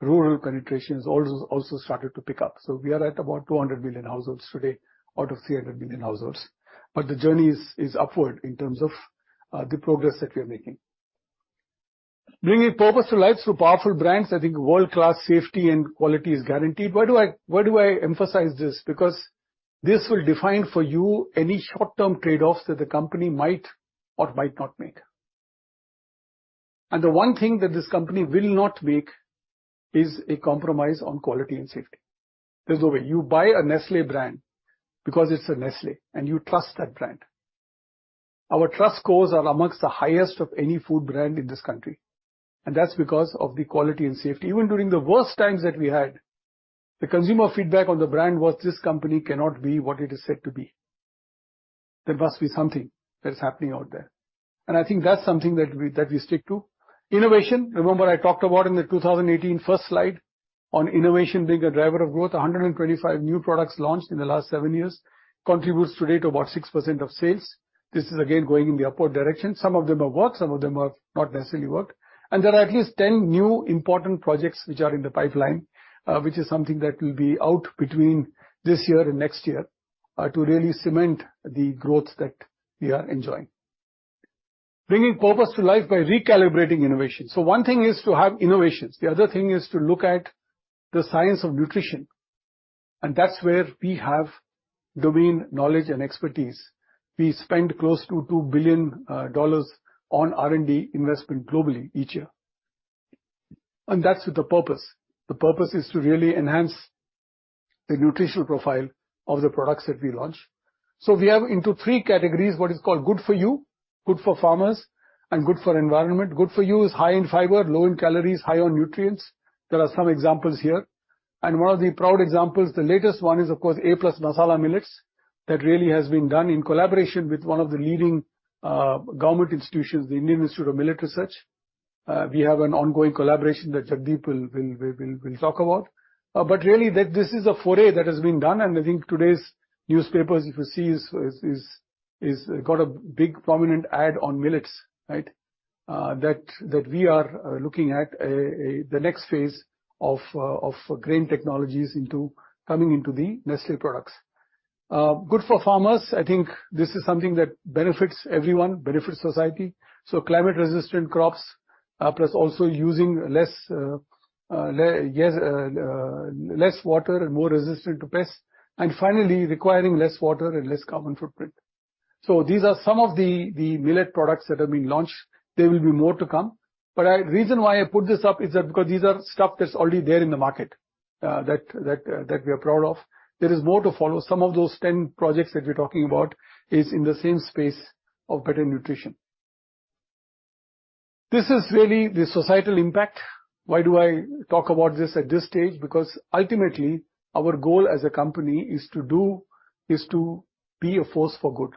Rural penetration has also started to pick up, we are at about 200 million households today out of 300 million households. The journey is upward in terms of the progress that we are making. Bringing purpose to life through powerful brands, I think world-class safety and quality is guaranteed. Why do I emphasize this? Because this will define for you any short-term trade-offs that the company might or might not make. The one thing that this company will not make is a compromise on quality and safety. There's no way. You buy a Nestlé brand because it's a Nestlé, and you trust that brand. Our trust scores are amongst the highest of any food brand in this country, and that's because of the quality and safety. Even during the worst times that we had, the consumer feedback on the brand was: this company cannot be what it is said to be. There must be something that is happening out there, and I think that's something that we stick to. Innovation, remember I talked about in the 2018 first slide on innovation being a driver of growth? 125 new products launched in the last seven years, contributes today to about 6% of sales. This is again, going in the upward direction. Some of them have worked, some of them have not necessarily worked. There are at least 10 new important projects which are in the pipeline, which is something that will be out between this year and next year, to really cement the growth that we are enjoying. Bringing purpose to life by recalibrating innovation. One thing is to have innovations, the other thing is to look at the science of nutrition, and that's where we have domain knowledge and expertise. We spend close to $2 billion on R&D investment globally each year, and that's with a purpose. The purpose is to really enhance the nutritional profile of the products that we launch. We have into three categories what is called Good For You, Good For Farmers, and Good For Environment. Good For You is high in fiber, low in calories, high on nutrients. There are some examples here, and one of the proud examples, the latest one is, of course, a+ Masala Millet. That really has been done in collaboration with one of the leading government institutions, the Indian Institute of Millets Research. We have an ongoing collaboration that Jagdeep will talk about. Really, this is a foray that has been done, and I think today's newspapers, if you see, is, got a big prominent ad on millets, right? That we are looking at the next phase of grain technologies coming into the Nestlé products. Good for farmers, I think this is something that benefits everyone, benefits society. Climate-resistant crops, plus also using less water and more resistant to pests, and finally, requiring less water and less carbon footprint. These are some of the millet products that have been launched. There will be more to come, but reason why I put this up is that because these are stuff that's already there in the market, that we are proud of. There is more to follow. Some of those 10 projects that we're talking about is in the same space of better nutrition. This is really the societal impact. Why do I talk about this at this stage? Ultimately, our goal as a company is to be a force for good.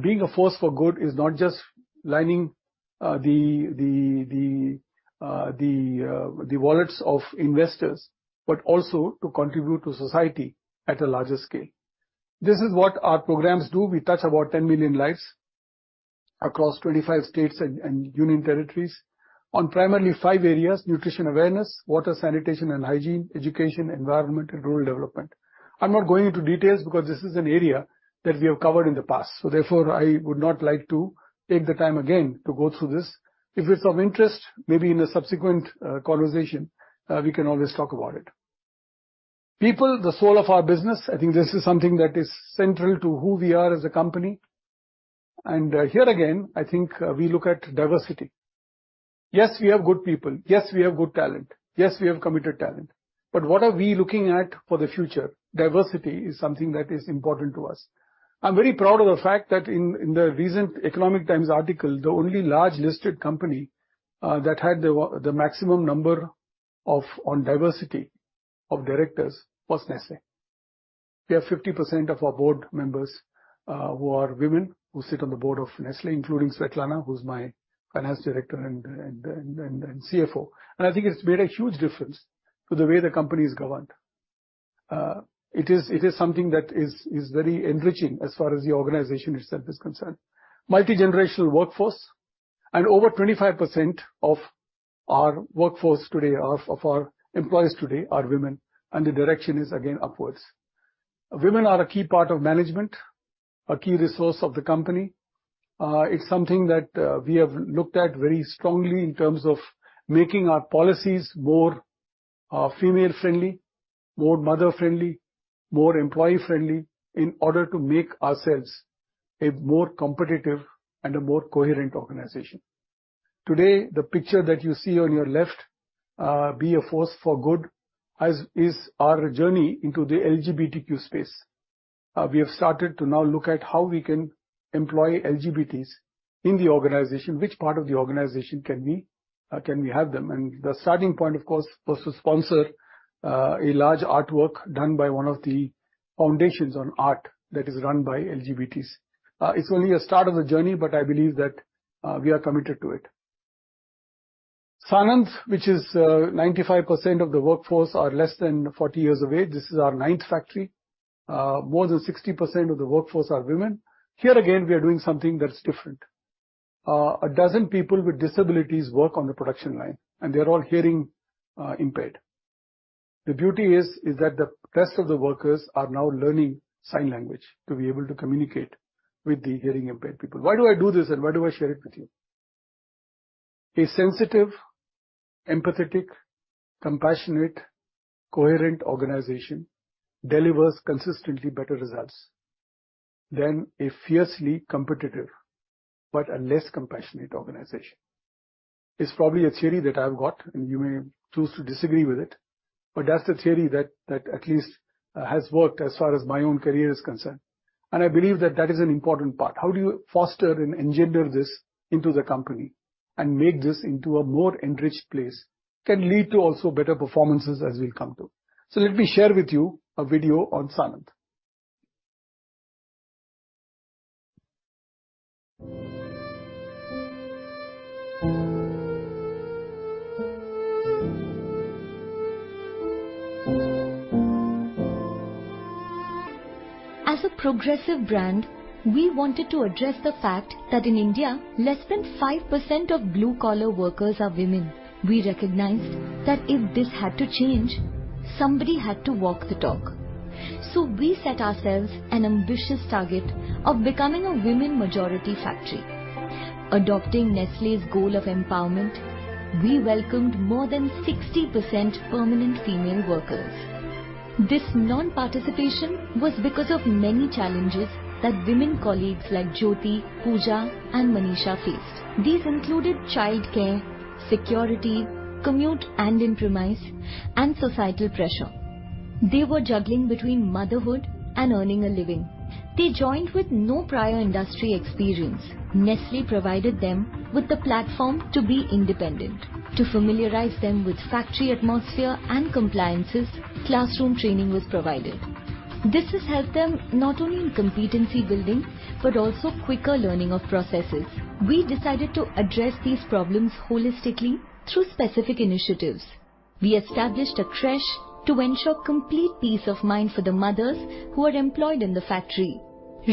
Being a force for good is not just lining the wallets of investors, but also to contribute to society at a larger scale. This is what our programs do. We touch about 10 million lives across 25 states and union territories on primarily five areas: nutrition awareness, water, sanitation, and hygiene, education, environment, and rural development. I'm not going into details because this is an area that we have covered in the past, so therefore, I would not like to take the time again to go through this. If it's of interest, maybe in a subsequent conversation, we can always talk about it. People, the soul of our business. I think this is something that is central to who we are as a company. Here again, I think we look at diversity. Yes, we have good people. Yes, we have good talent. Yes, we have committed talent. What are we looking at for the future? Diversity is something that is important to us. I'm very proud of the fact that in the recent The Economic Times article, the only large listed company that had the maximum number of, on diversity of directors was Nestlé. We have 50% of our board members who are women, who sit on the board of Nestlé, including Svetlana, who's my Finance Director and CFO. I think it's made a huge difference to the way the company is governed. It is something that is very enriching as far as the organization itself is concerned. Multigenerational workforce. Over 25% of our workforce today, of our employees today are women, and the direction is again, upwards. Women are a key part of management, a key resource of the company. It's something that we have looked at very strongly in terms of making our policies more female-friendly, more mother-friendly, more employee-friendly, in order to make ourselves a more competitive and a more coherent organization. Today, the picture that you see on your left, Be a Force for Good, is our journey into the LGBTQ space. We have started to now look at how we can employ LGBTs in the organization, which part of the organization can we, can we have them? The starting point, of course, was to sponsor a large artwork done by one of the foundations on art that is run by LGBTs. It's only a start of a journey, but I believe that we are committed to it. Sanand, which is 95% of the workforce are less than 40 years of age. This is our ninth factory. More than 60% of the workforce are women. Here again, we are doing something that is different. A dozen people with disabilities work on the production line, and they're all hearing impaired. The beauty is that the rest of the workers are now learning sign language to be able to communicate with the hearing-impaired people. Why do I do this, and why do I share it with you? A sensitive, empathetic, compassionate, coherent organization delivers consistently better results than a fiercely competitive but a less compassionate organization. It's probably a theory that I've got, and you may choose to disagree with it, but that's the theory that at least has worked as far as my own career is concerned, and I believe that that is an important part. How do you foster and engender this into the company and make this into a more enriched place? Can lead to also better performances, as we'll come to. Let me share with you a video on Sanand. As a progressive brand, we wanted to address the fact that in India, less than 5% of blue-collar workers are women. We recognized that if this had to change, somebody had to walk the talk. We set ourselves an ambitious target of becoming a women-majority factory. Adopting Nestlé's goal of empowerment, we welcomed more than 60% permanent female workers. This non-participation was because of many challenges that women colleagues like Jyoti, Puja, and Manisha faced. These included childcare, security, commute and improvise, and societal pressure. They were juggling between motherhood and earning a living. They joined with no prior industry experience. Nestlé provided them with the platform to be independent. To familiarize them with factory atmosphere and compliances, classroom training was provided. This has helped them not only in competency building, but also quicker learning of processes. We decided to address these problems holistically through specific initiatives. We established a creche to ensure complete peace of mind for the mothers who are employed in the factory.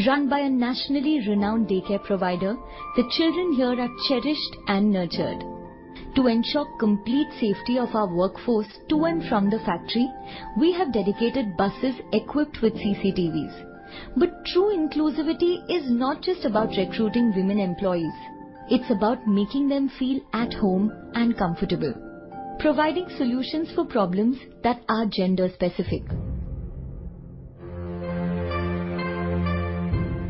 Run by a nationally renowned daycare provider, the children here are cherished and nurtured. To ensure complete safety of our workforce to and from the factory, we have dedicated buses equipped with CCTVs. True inclusivity is not just about recruiting women employees, it's about making them feel at home and comfortable, providing solutions for problems that are gender-specific.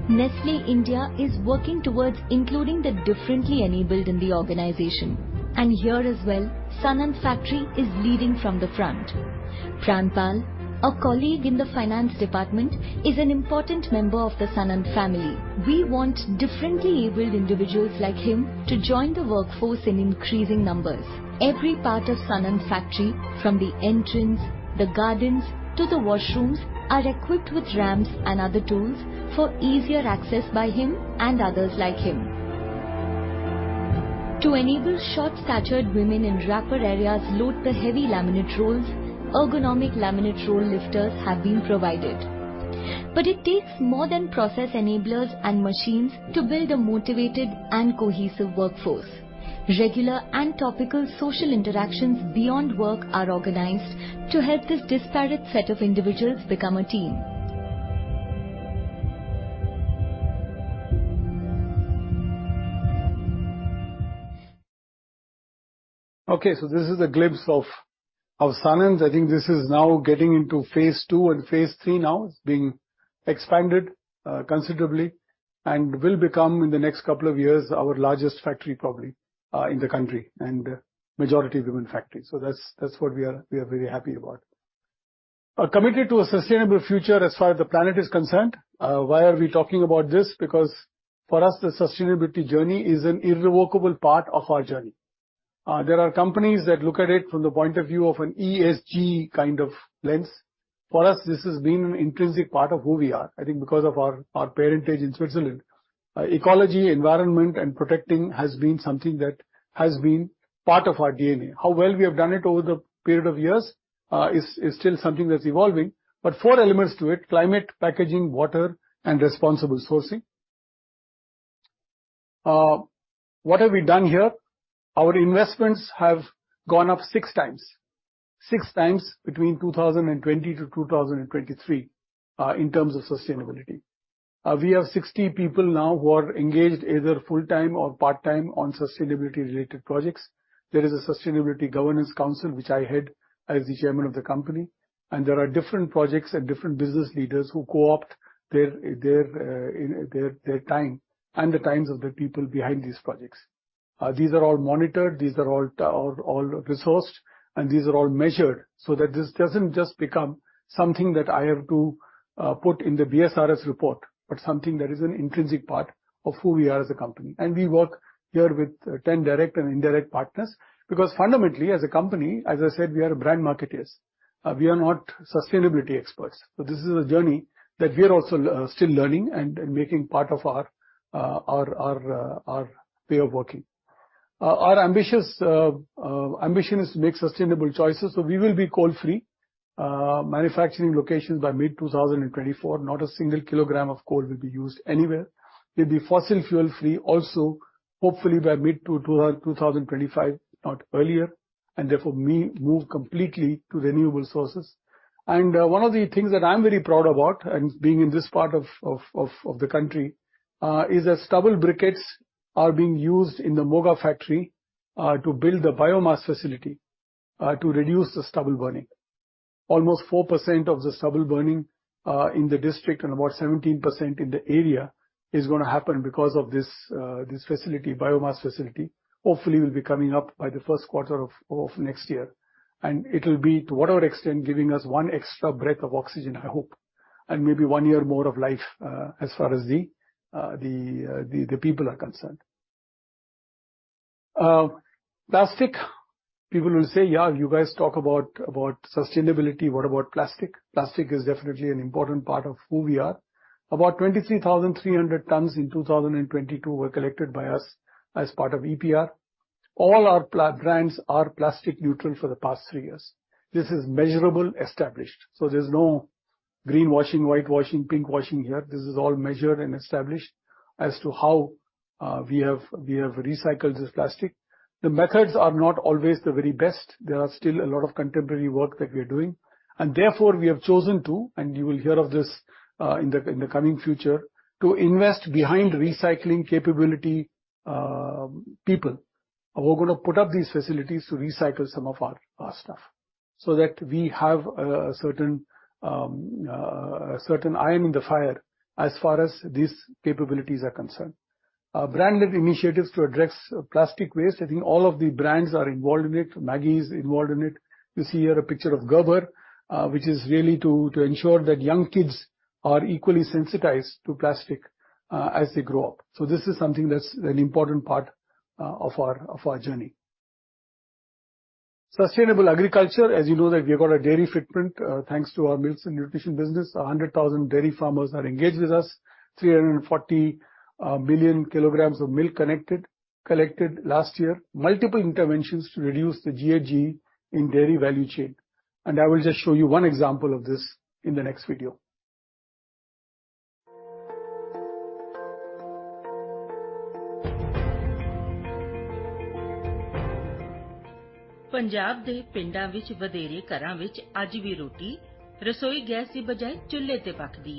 Nestlé India is working towards including the differently enabled in the organization, and here as well, Sanand factory is leading from the front. Prampal, a colleague in the finance department, is an important member of the Sanand family. We want differently abled individuals like him to join the workforce in increasing numbers. Every part of Sanand factory, from the entrance, the gardens, to the washrooms, are equipped with ramps and other tools for easier access by him and others like him. To enable short-statured women in wrapper areas load the heavy laminate rolls, ergonomic laminate roll lifters have been provided. It takes more than process enablers and machines to build a motivated and cohesive workforce. Regular and topical social interactions beyond work are organized to help this disparate set of individuals become a team. This is a glimpse of Sanand. I think this is now getting into phase 2 and phase 3 now. It's being expanded considerably, and will become, in the next couple of years, our largest factory, probably, in the country and majority women factory. That's what we are very happy about. Committed to a sustainable future as far as the planet is concerned. Why are we talking about this? For us, the sustainability journey is an irrevocable part of our journey. There are companies that look at it from the point of view of an ESG kind of lens. For us, this has been an intrinsic part of who we are. I think because of our parentage in Switzerland, ecology, environment and protecting has been something that has been part of our DNA. How well we have done it over the period of years is still something that's evolving, but four elements to it: climate, packaging, water, and responsible sourcing. What have we done here? Our investments have gone up 6x between 2020 to 2023 in terms of sustainability. We have 60 people now who are engaged, either full-time or part-time, on sustainability-related projects. There is a sustainability governance council, which I head as the chairman of the company. There are different projects and different business leaders who co-opt their time and the times of the people behind these projects. These are all monitored, these are all resourced, and these are all measured so that this doesn't just become something that I have to put in the BRSR report, but something that is an intrinsic part of who we are as a company. We work here with 10 direct and indirect partners. Fundamentally, as a company, as I said, we are brand marketers. We are not sustainability experts. This is a journey that we are also still learning and making part of our way of working. Our ambitious ambition is to make sustainable choices. We will be coal-free manufacturing locations by mid 2024. Not a single kilogram of coal will be used anywhere. We'll be fossil fuel-free also, hopefully by mid to 2025, if not earlier, me move completely to renewable sources. One of the things that I'm very proud about, and being in this part of the country, is that stubble briquettes are being used in the Moga factory to build a biomass facility to reduce the stubble burning. Almost 4% of the stubble burning in the district and about 17% in the area is going to happen because of this facility, biomass facility, hopefully will be coming up by the first quarter of next year. It will be, to whatever extent, giving us one extra breath of oxygen, I hope, and maybe one year more of life, as far as the people are concerned. Plastic. People will say, "Yeah, you guys talk about sustainability. What about plastic?" Plastic is definitely an important part of who we are. About 23,300 tons in 2022 were collected by us as part of EPR. All our brands are plastic neutral for the past three years. This is measurable, established, so there's no greenwashing, whitewashing, pinkwashing here. This is all measured and established as to how we have recycled this plastic. The methods are not always the very best. There are still a lot of contemporary work that we are doing, therefore we have chosen to, and you will hear of this in the coming future, to invest behind recycling capability, people. We're going to put up these facilities to recycle some of our stuff so that we have a certain iron in the fire as far as these capabilities are concerned. Branded initiatives to address plastic waste. I think all of the brands are involved in it. MAGGI is involved in it. You see here a picture of GOBAR-Dhan, which is really to ensure that young kids are equally sensitized to plastic as they grow up. This is something that's an important part of our journey. Sustainable agriculture, as you know, that we have got a dairy footprint, thanks to our meals and nutrition business. 100,000 dairy farmers are engaged with us. 340 million kilograms of milk connected, collected last year. Multiple interventions to reduce the GHG in dairy value chain. I will just show you one example of this in the next video. Punjab de pinda vich vadere gharan vich aaj vi roti rasoi gas di bajaye chulhe te pakdi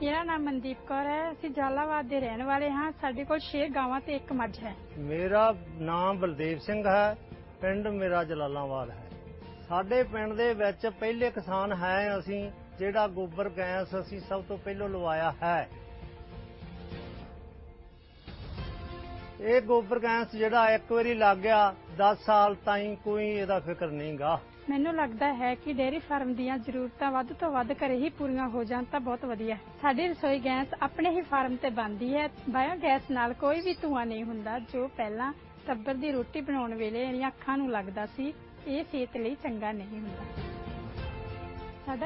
hai. Salabi pathiyan, gilli lakdan te rasoi vich kam karan vele sare ghar vich dhuan, ehdan de drish bade aam ne. Kuch pragati shil kisan navi technique, jive ke biodigester nu apna rahe ne, jis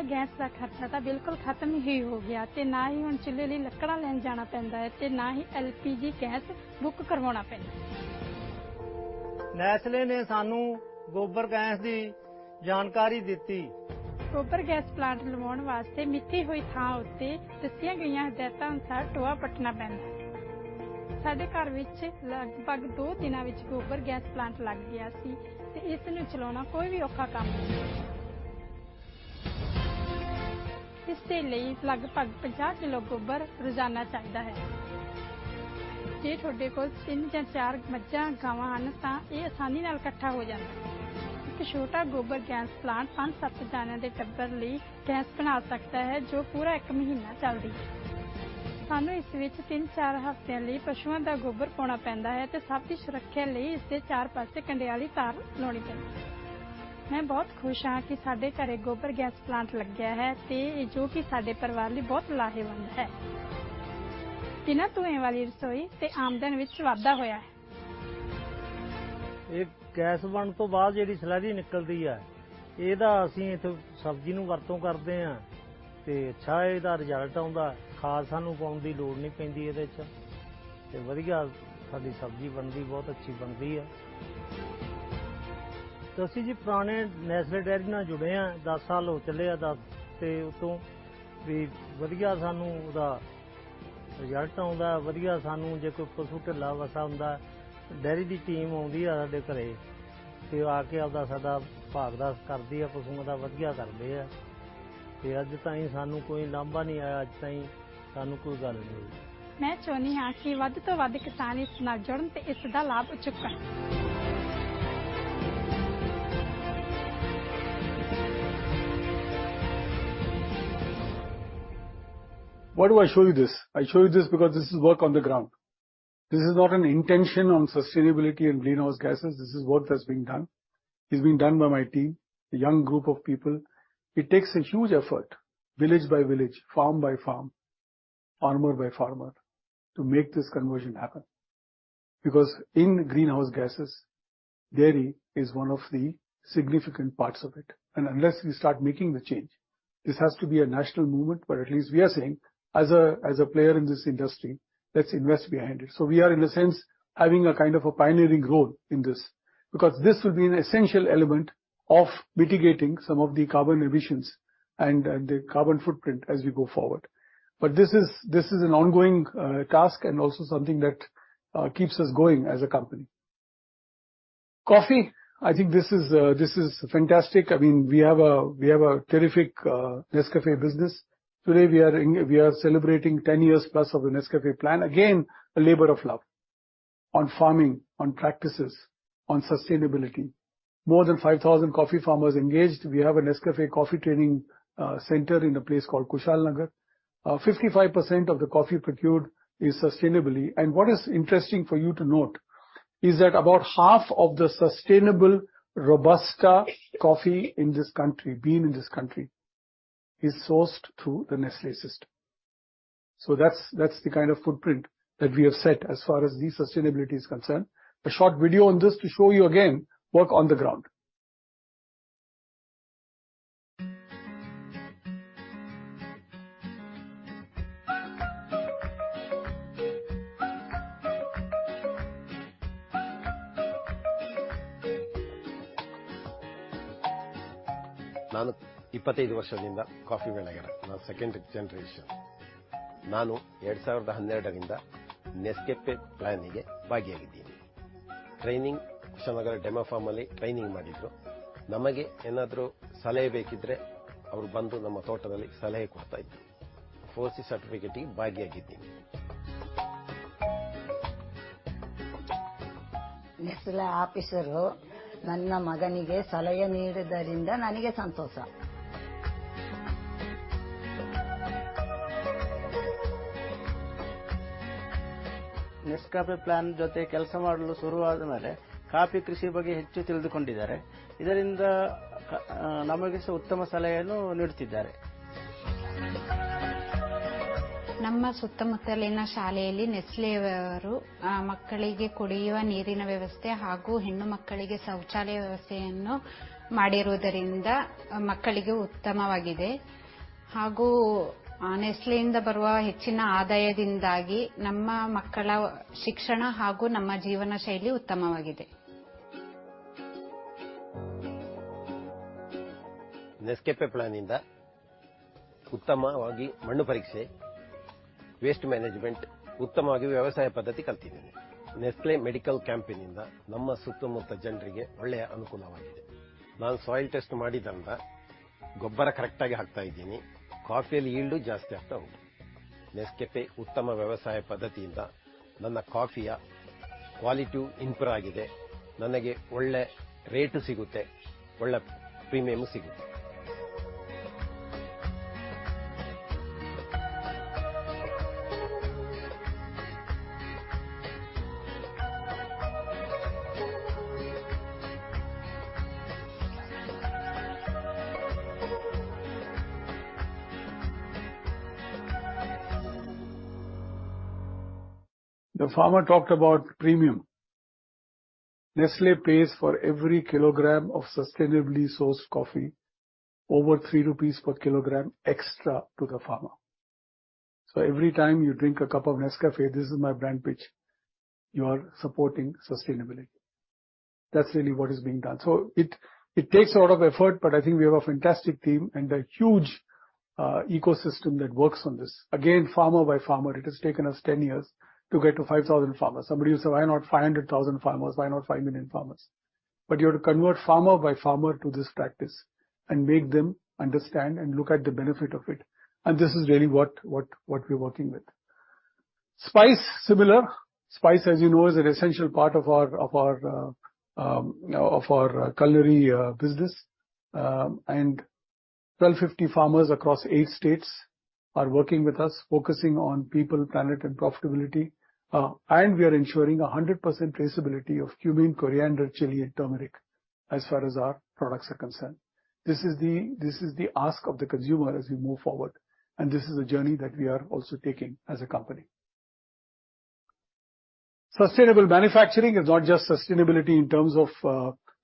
de sette vajo unadi zindagi saukhy ho rahi hai. Mera naam Mandeep Kaur hai. Asi Jalalabad de rehne wale han. Sade kol 6 gawan te 1 majra hai. Mera naam Baldev Singh hai. Pind mera Jalalabad hai. Sade pind de vich pehle kisan hai layi isde 4 parsse kande wali taar launi chahide. Main bahut khush han ki sade ghare gobar gas plant lagya hai, te jo ki sade parivar layi bahot lahayevand hai. Tina dhuye wali rasoi te aamdan vich vadha hoya hai. Eh gas bann to baad jehdi silaji nikal di. Result comes out very good. Why do I show you this? I show you this because this is work on the ground. This is not an intention on sustainability and greenhouse gases. This is work that's being done. It's being done by my team, a young group of people. It takes a huge effort, village by village, farm by farm, farmer by farmer, to make this conversion happen, because in greenhouse gases, dairy is one of the significant parts of it. Unless we start making the change, this has to be a national movement, but at least we are saying as a, as a player in this industry, let's invest behind it. We are, in a sense, having a kind of a pioneering role in this, because this will be an essential element of mitigating some of the carbon emissions and the carbon footprint as we go forward. This is, this is an ongoing task and also something that keeps us going as a company. Coffee. I think this is, this is fantastic. I mean, we have a terrific NESCAFÉ business. Today, we are celebrating 10 years plus of the Nescafé Plan. Again, a labor of love on farming, on practices, on sustainability. More than 5,000 coffee farmers engaged. We have a NESCAFÉ coffee training center in a place called Kushalnagar. 55% of the coffee procured is sustainably. What is interesting for you to note is that about half of the sustainable Robusta coffee in this country, bean in this country, is sourced through the Nestlé system. That's, that's the kind of footprint that we have set as far as the sustainability is concerned. A short video on this to show you again, work on the ground. The farmer talked about premium. Nestlé pays for every kilogram of sustainably sourced coffee over 3 rupees per kg extra to the farmer. Every time you drink a cup of NESCAFÉ, this is my brand pitch, you are supporting sustainability. That's really what is being done. It takes a lot of effort, but I think we have a fantastic team and a huge ecosystem that works on this. Again, farmer by farmer, it has taken us 10 years to get to 5,000 farmers. Somebody will say, "Why not 500,000 farmers? Why not five million farmers?" You have to convert farmer by farmer to this practice and make them understand and look at the benefit of it, and this is really what we're working with. Spice, similar. Spice, as you know, is an essential part of our, of our culinary business. 1,250 farmers across eight states are working with us, focusing on people, planet, and profitability. We are ensuring 100% traceability of cumin, coriander, chili, and turmeric as far as our products are concerned. This is the ask of the consumer as we move forward, and this is a journey that we are also taking as a company. Sustainable manufacturing is not just sustainability in terms of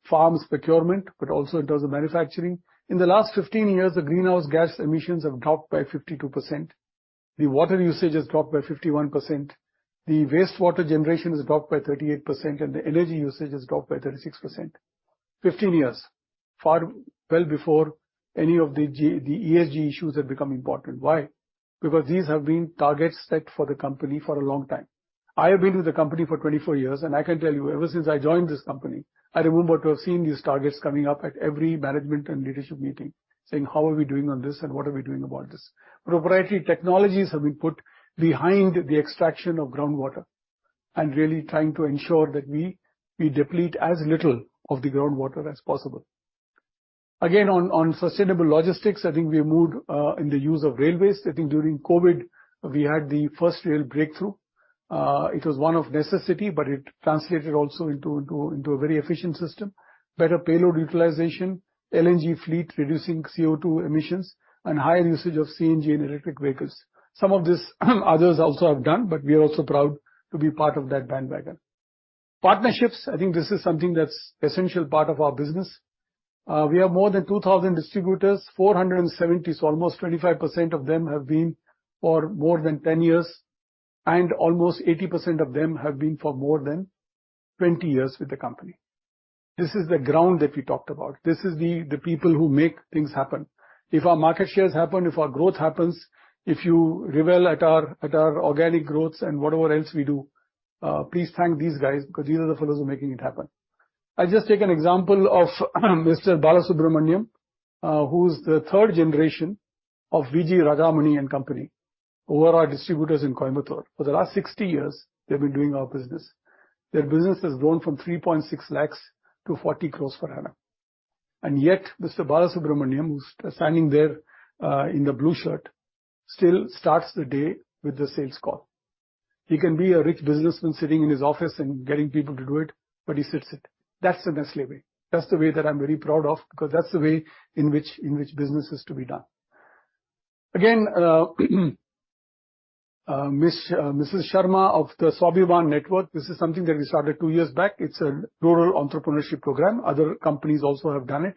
farms procurement, but also in terms of manufacturing. In the last 15 years, the greenhouse gas emissions have dropped by 52%, the water usage has dropped by 51%, the wastewater generation has dropped by 38%, and the energy usage has dropped by 36%. 15 years, far well before any of the ESG issues have become important. Why? Because these have been targets set for the company for a long time. I have been with the company for 24 years, and I can tell you, ever since I joined this company, I remember to have seen these targets coming up at every management and leadership meeting, saying: How are we doing on this, and what are we doing about this? Proprietary technologies have been put behind the extraction of groundwater, and really trying to ensure that we deplete as little of the groundwater as possible. Again, on sustainable logistics, I think we moved in the use of railways. I think during COVID, we had the first real breakthrough. It was one of necessity, but it translated also into a very efficient system. Better payload utilization, LNG fleet, reducing CO₂ emissions, and higher usage of CNG and electric vehicles. Some of this, others also have done. We are also proud to be part of that bandwagon. Partnerships, I think this is something that's essential part of our business. We have more than 2,000 distributors, 470, so almost 25% of them have been for more than 10 years. Almost 80% of them have been for more than 20 years with the company. This is the ground that we talked about. This is the people who make things happen. If our market shares happen, if our growth happens, if you revel at our organic growths and whatever else we do, please thank these guys, because these are the fellows who are making it happen. I'll just take an example of, Mr. Balasubramaniam, who's the third generation of V.G. Ragamani and Company, who are our distributors in Coimbatore. For the last 60 years, they've been doing our business. Their business has grown from 3.6 lakhs to 40 crores per annum. Yet, Mr. Balasubramaniam, who's standing there, in the blue shirt, still starts the day with a sales call. He can be a rich businessman sitting in his office and getting people to do it, but he still sits it. That's the Nestlé way. That's the way that I'm very proud of, because that's the way in which business is to be done. Mrs. Sharma of the Swabhimaan Network, this is something that we started two years back. It's a rural entrepreneurship program. Other companies also have done it.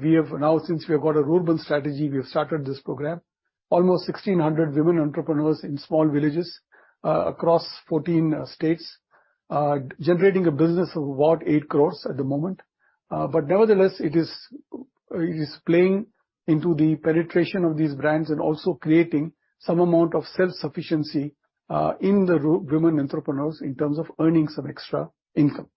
We have now, since we have got a rural strategy, we have started this program. Almost 1,600 women entrepreneurs in small villages across 14 states generating a business of about 8 crores at the moment. Nevertheless, it is playing into the penetration of these brands and also creating some amount of self-sufficiency in the women entrepreneurs in terms of earning some extra income.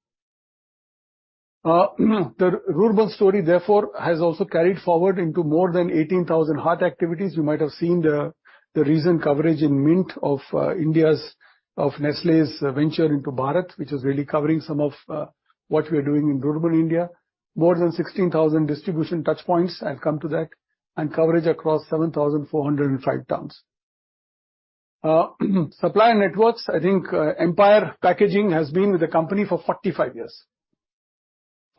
The rural story, therefore, has also carried forward into more than 18,000 HALT activities. You might have seen the recent coverage in Mint of Nestlé's venture into Bharat, which is really covering some of what we are doing in rural India. More than 16,000 distribution touchpoints, I'll come to that, and coverage across 7,405 towns. Supply networks, I think, Empire Packaging has been with the company for 45 years.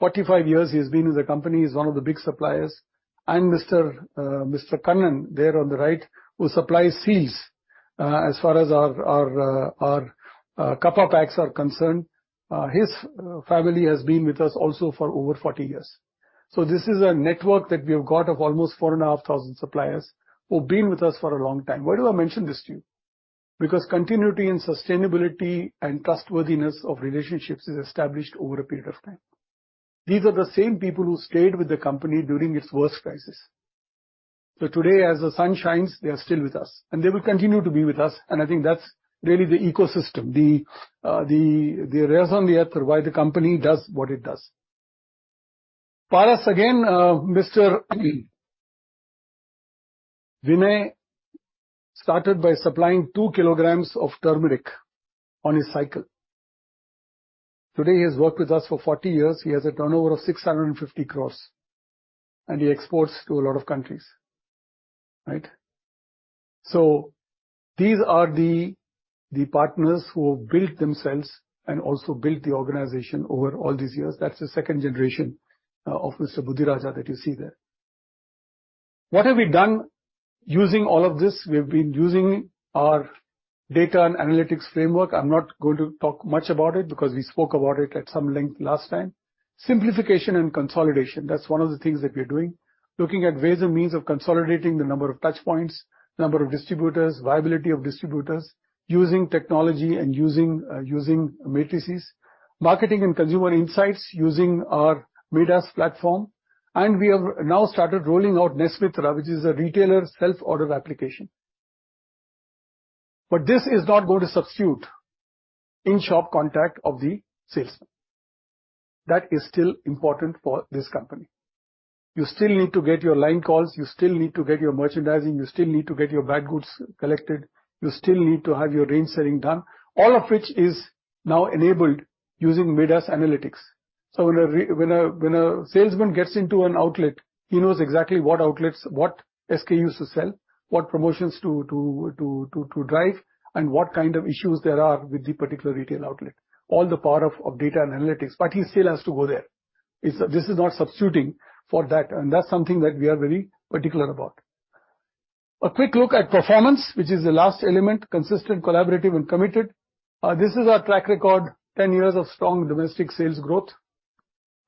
45 years he has been with the company, he's one of the big suppliers. Mr. Kannan there on the right, who supplies seals, as far as our Cuppa packs are concerned, his family has been with us also for over 40 years. This is a network that we have got of almost 4,500 suppliers who've been with us for a long time. Why do I mention this to you? Because continuity and sustainability and trustworthiness of relationships is established over a period of time. These are the same people who stayed with the company during its worst crisis. Today, as the sun shines, they are still with us, and they will continue to be with us, and I think that's really the ecosystem, the raison d'être, why the company does what it does. For us, again, Mr. Vinay started by supplying two kilograms of turmeric on his cycle. Today, he has worked with us for 40 years. He has a turnover of 650 crores, and he exports to a lot of countries, right? These are the partners who have built themselves and also built the organization over all these years. That's the second generation of Mr. Budiraja that you see there. What have we done using all of this? We've been using our data and analytics framework. I'm not going to talk much about it, because we spoke about it at some length last time. Simplification and consolidation, that's one of the things that we're doing, looking at ways and means of consolidating the number of touchpoints, number of distributors, viability of distributors, using technology and using matrices. Marketing and consumer insights using our Midas platform, and we have now started rolling out Nestmitra, which is a retailer self-order application. This is not going to substitute in-shop contact of the salesman. That is still important for this company. You still need to get your line calls, you still need to get your merchandising, you still need to get your bad goods collected, you still need to have your range setting done, all of which is now enabled using Midas analytics. When a salesman gets into an outlet, he knows exactly what outlets, what SKUs to sell, what promotions to drive, and what kind of issues there are with the particular retail outlet, all the power of data and analytics, but he still has to go there. This is not substituting for that, and that's something that we are very particular about. A quick look at performance, which is the last element: consistent, collaborative, and committed. This is our track record, 10 years of strong domestic sales growth.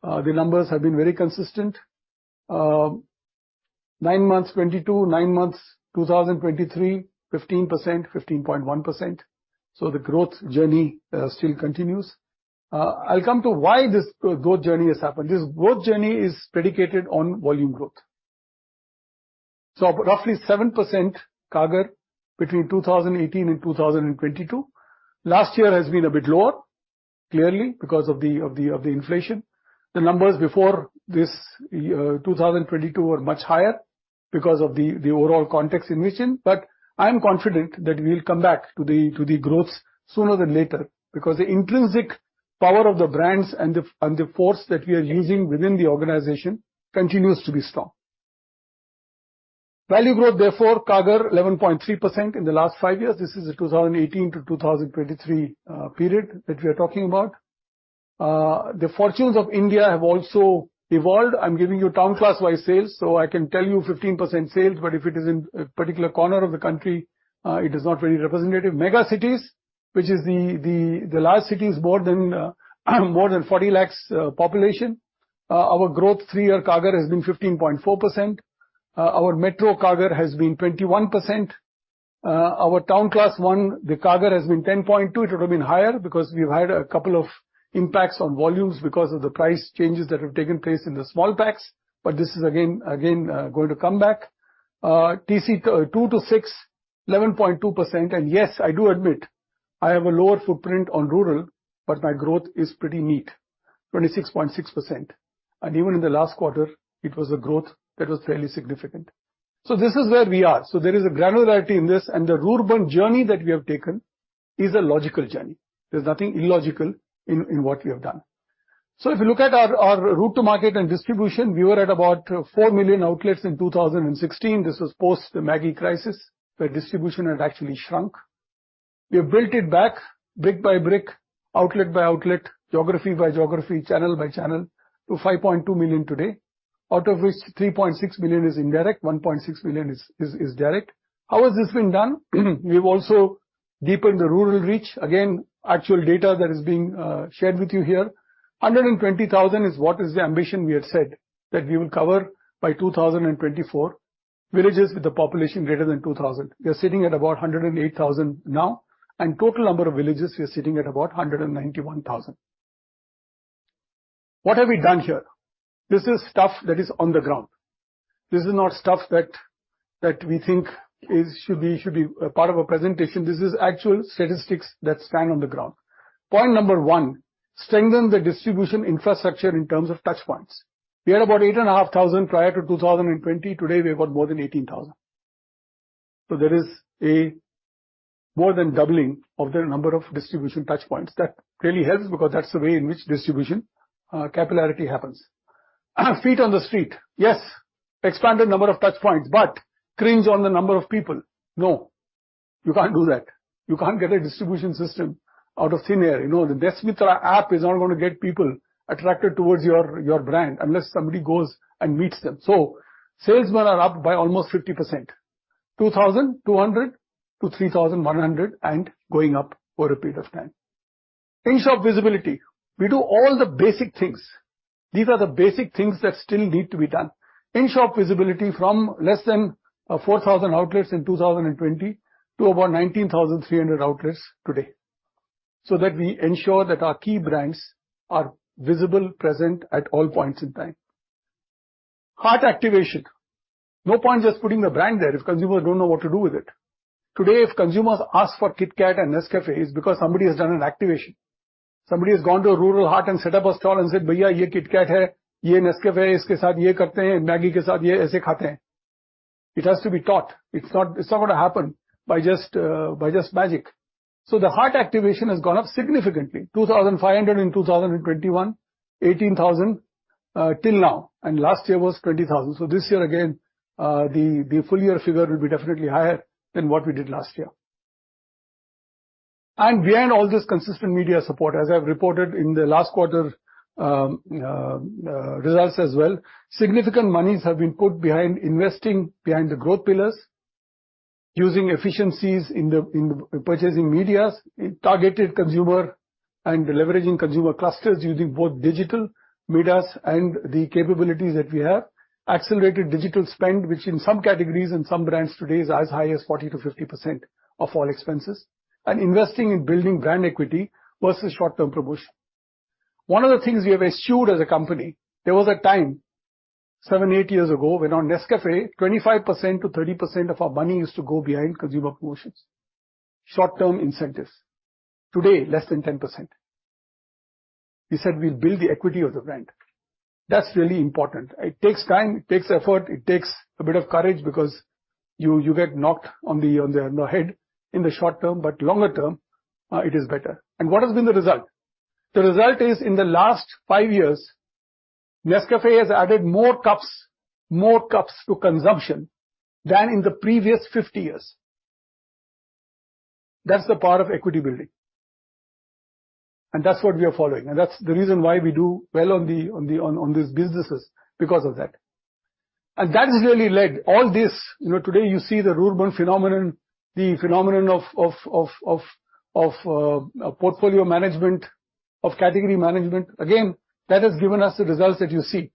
The numbers have been very consistent. Nine months 2022, nine months 2023, 15%, 15.1%. The growth journey still continues. I'll come to why this growth journey has happened. This growth journey is predicated on volume growth. Roughly 7% CAGR between 2018 and 2022. Last year has been a bit lower, clearly, because of the inflation. The numbers before this 2022 were much higher because of the overall context in which in. I am confident that we will come back to the growth sooner than later, because the intrinsic power of the brands and the force that we are using within the organization continues to be strong. Value growth, therefore, CAGR 11.3% in the last five years. This is the 2018-2023 period that we are talking about. The fortunes of India have also evolved. I'm giving you town class-wise sales. I can tell you 15% sales, but if it is in a particular corner of the country, it is not very representative. Mega cities, which is the large cities, more than 40 lakhs population, our growth three-year CAGR has been 15.4%. Our metro CAGR has been 21%. Our town class one, the CAGR has been 10.2%. It would have been higher because we've had a couple of impacts on volumes because of the price changes that have taken place in the small packs. This is again going to come back. TC two to six, 11.2%. Yes, I do admit I have a lower footprint on rural. My growth is pretty neat, 26.6%. Even in the last quarter, it was a growth that was fairly significant. This is where we are. There is a granularity in this, and the rural burn journey that we have taken is a logical journey. There's nothing illogical in what we have done. If you look at our route to market and distribution, we were at about four million outlets in 2016. This was post the MAGGI crisis, where distribution had actually shrunk. We have built it back, brick by brick, outlet by outlet, geography by geography, channel by channel, to 5.2 million today, out of which 3.6 million is indirect, 1.6 million is direct. How has this been done? We've also deepened the rural reach. Again, actual data that is being shared with you here. 120,000 is what is the ambition we have said that we will cover by 2024, villages with a population greater than 2,000. We are sitting at about 108,000 now, and total number of villages, we are sitting at about 191,000. What have we done here? This is stuff that is on the ground. This is not stuff that we think is, should be, should be a part of a presentation. This is actual statistics that stand on the ground. Point number one: strengthen the distribution infrastructure in terms of touch points. We had about 8,500 prior to 2020. Today, we have got more than 18,000. There is a more than doubling of the number of distribution touch points. That really helps, because that's the way in which distribution capillarity happens. Feet on the street. Yes, expanded number of touch points, but cringe on the number of people. No, you can't do that. You can't get a distribution system out of thin air. you know, the Deshmitra app is not going to get people attracted towards your brand unless somebody goes and meets them. Salesmen are up by almost 50%, 2,200 to 3,100 and going up over a period of time. In-shop visibility. We do all the basic things. These are the basic things that still need to be done. In-shop visibility from less than 4,000 outlets in 2020 to about 19,300 outlets today, so that we ensure that our key brands are visible, present at all points in time. Heart activation. No point just putting the brand there if consumers don't know what to do with it. Today, if consumers ask for KitKat and NESCAFÉ, it's because somebody has done an activation. Somebody has gone to a rural heart and set up a stall and said, "Bhaiya, ye KitKat hai, ye NESCAFÉ hai, iske saath ye karte hain, MAGGI ke saath ye aise khate hain." It has to be taught. It's not gonna happen by just magic. The heart activation has gone up significantly. 2,500 in 2021, 18,000 till now, and last year was 20,000. This year again, the full year figure will be definitely higher than what we did last year. Behind all this consistent media support, as I have reported in the last quarter, results as well, significant monies have been put behind investing behind the growth pillars, using efficiencies in the purchasing medias, in targeted consumer and leveraging consumer clusters using both digital medias and the capabilities that we have. Accelerated digital spend, which in some categories and some brands today is as high as 40%-50% of all expenses, and investing in building brand equity versus short-term promotion. One of the things we have eschewed as a company, there was a time, seven, eight years ago, when on NESCAFÉ, 25%-30% of our money used to go behind consumer promotions, short-term incentives. Today, less than 10%. We said we'll build the equity of the brand. That's really important. It takes time, it takes effort, it takes a bit of courage because you get knocked on the head in the short term, but longer term, it is better. What has been the result? The result is, in the last five years, NESCAFÉ has added more cups to consumption than in the previous 50 years. That's the power of equity building, and that's what we are following, and that's the reason why we do well on these businesses, because of that. That has really led all this. You know, today you see the rural burn phenomenon, the phenomenon of portfolio management, of category management, again, that has given us the results that you see.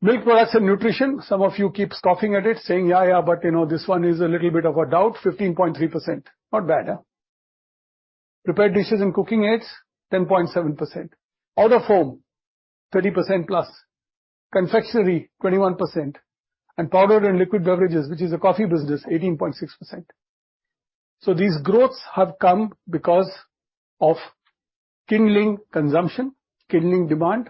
Milk products and nutrition, some of you keep scoffing at it, saying, "Yeah, yeah, you know, this one is a little bit of a doubt." 15.3%. Not bad, huh? Prepared dishes and cooking aids, 10.7%. Out-of-home, 30%+. Confectionery, 21%, powdered and liquid beverages, which is the coffee business, 18.6%. These growths have come because of kindling consumption, kindling demand,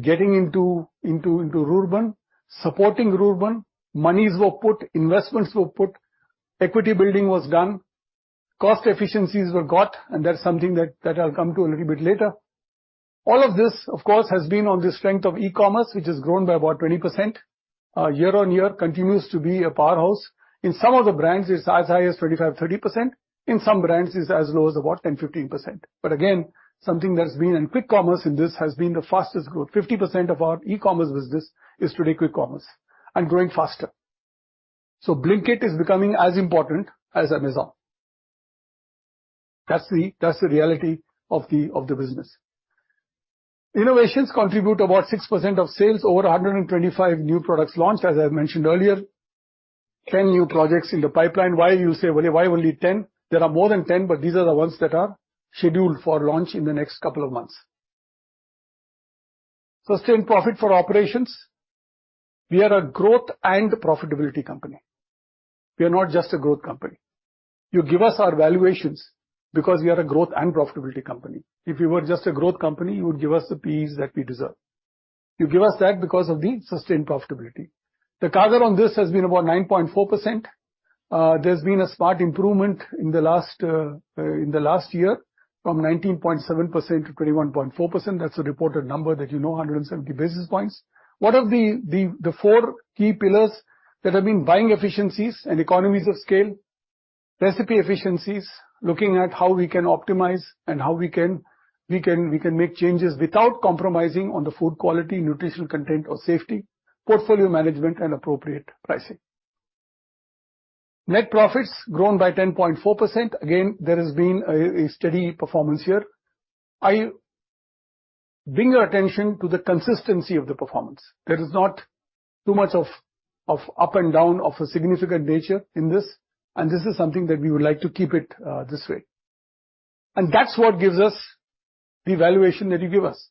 getting into rural, supporting rural. Monies were put, investments were put, equity building was done, cost efficiencies were got, that's something that I'll come to a little bit later. All of this, of course, has been on the strength of e-commerce, which has grown by about 20%. Year-on-year continues to be a powerhouse. In some of the brands, it's as high as 25%, 30%. In some brands, it's as low as about 10%, 15%. Again, something that's been. Quick commerce in this has been the fastest growth. 50% of our e-commerce business is today quick commerce, and growing faster. Blinkit is becoming as important as Amazon. That's the reality of the business. Innovations contribute about 6% of sales, over 125 new products launched, as I mentioned earlier. 10 new projects in the pipeline. Why you say, "Well, why only 10?" There are more than 10, but these are the ones that are scheduled for launch in the next couple of months. Sustained profit for operations. We are a growth and profitability company. We are not just a growth company. You give us our valuations because we are a growth and profitability company. If we were just a growth company, you would give us the Ps that we deserve. You give us that because of the sustained profitability. The CAGR on this has been about 9.4%. There's been a smart improvement in the last year from 19.7% to 21.4%. That's the reported number that you know, 170 basis points. What are the four key pillars: That have been buying efficiencies and economies of scale, recipe efficiencies, looking at how we can optimize and how we can make changes without compromising on the food quality, nutritional content, or safety, portfolio management, and appropriate pricing. Net profits grown by 10.4%. Again, there has been a steady performance here. I bring your attention to the consistency of the performance. There is not too much of up and down of a significant nature in this is something that we would like to keep it this way. That's what gives us the valuation that you give us,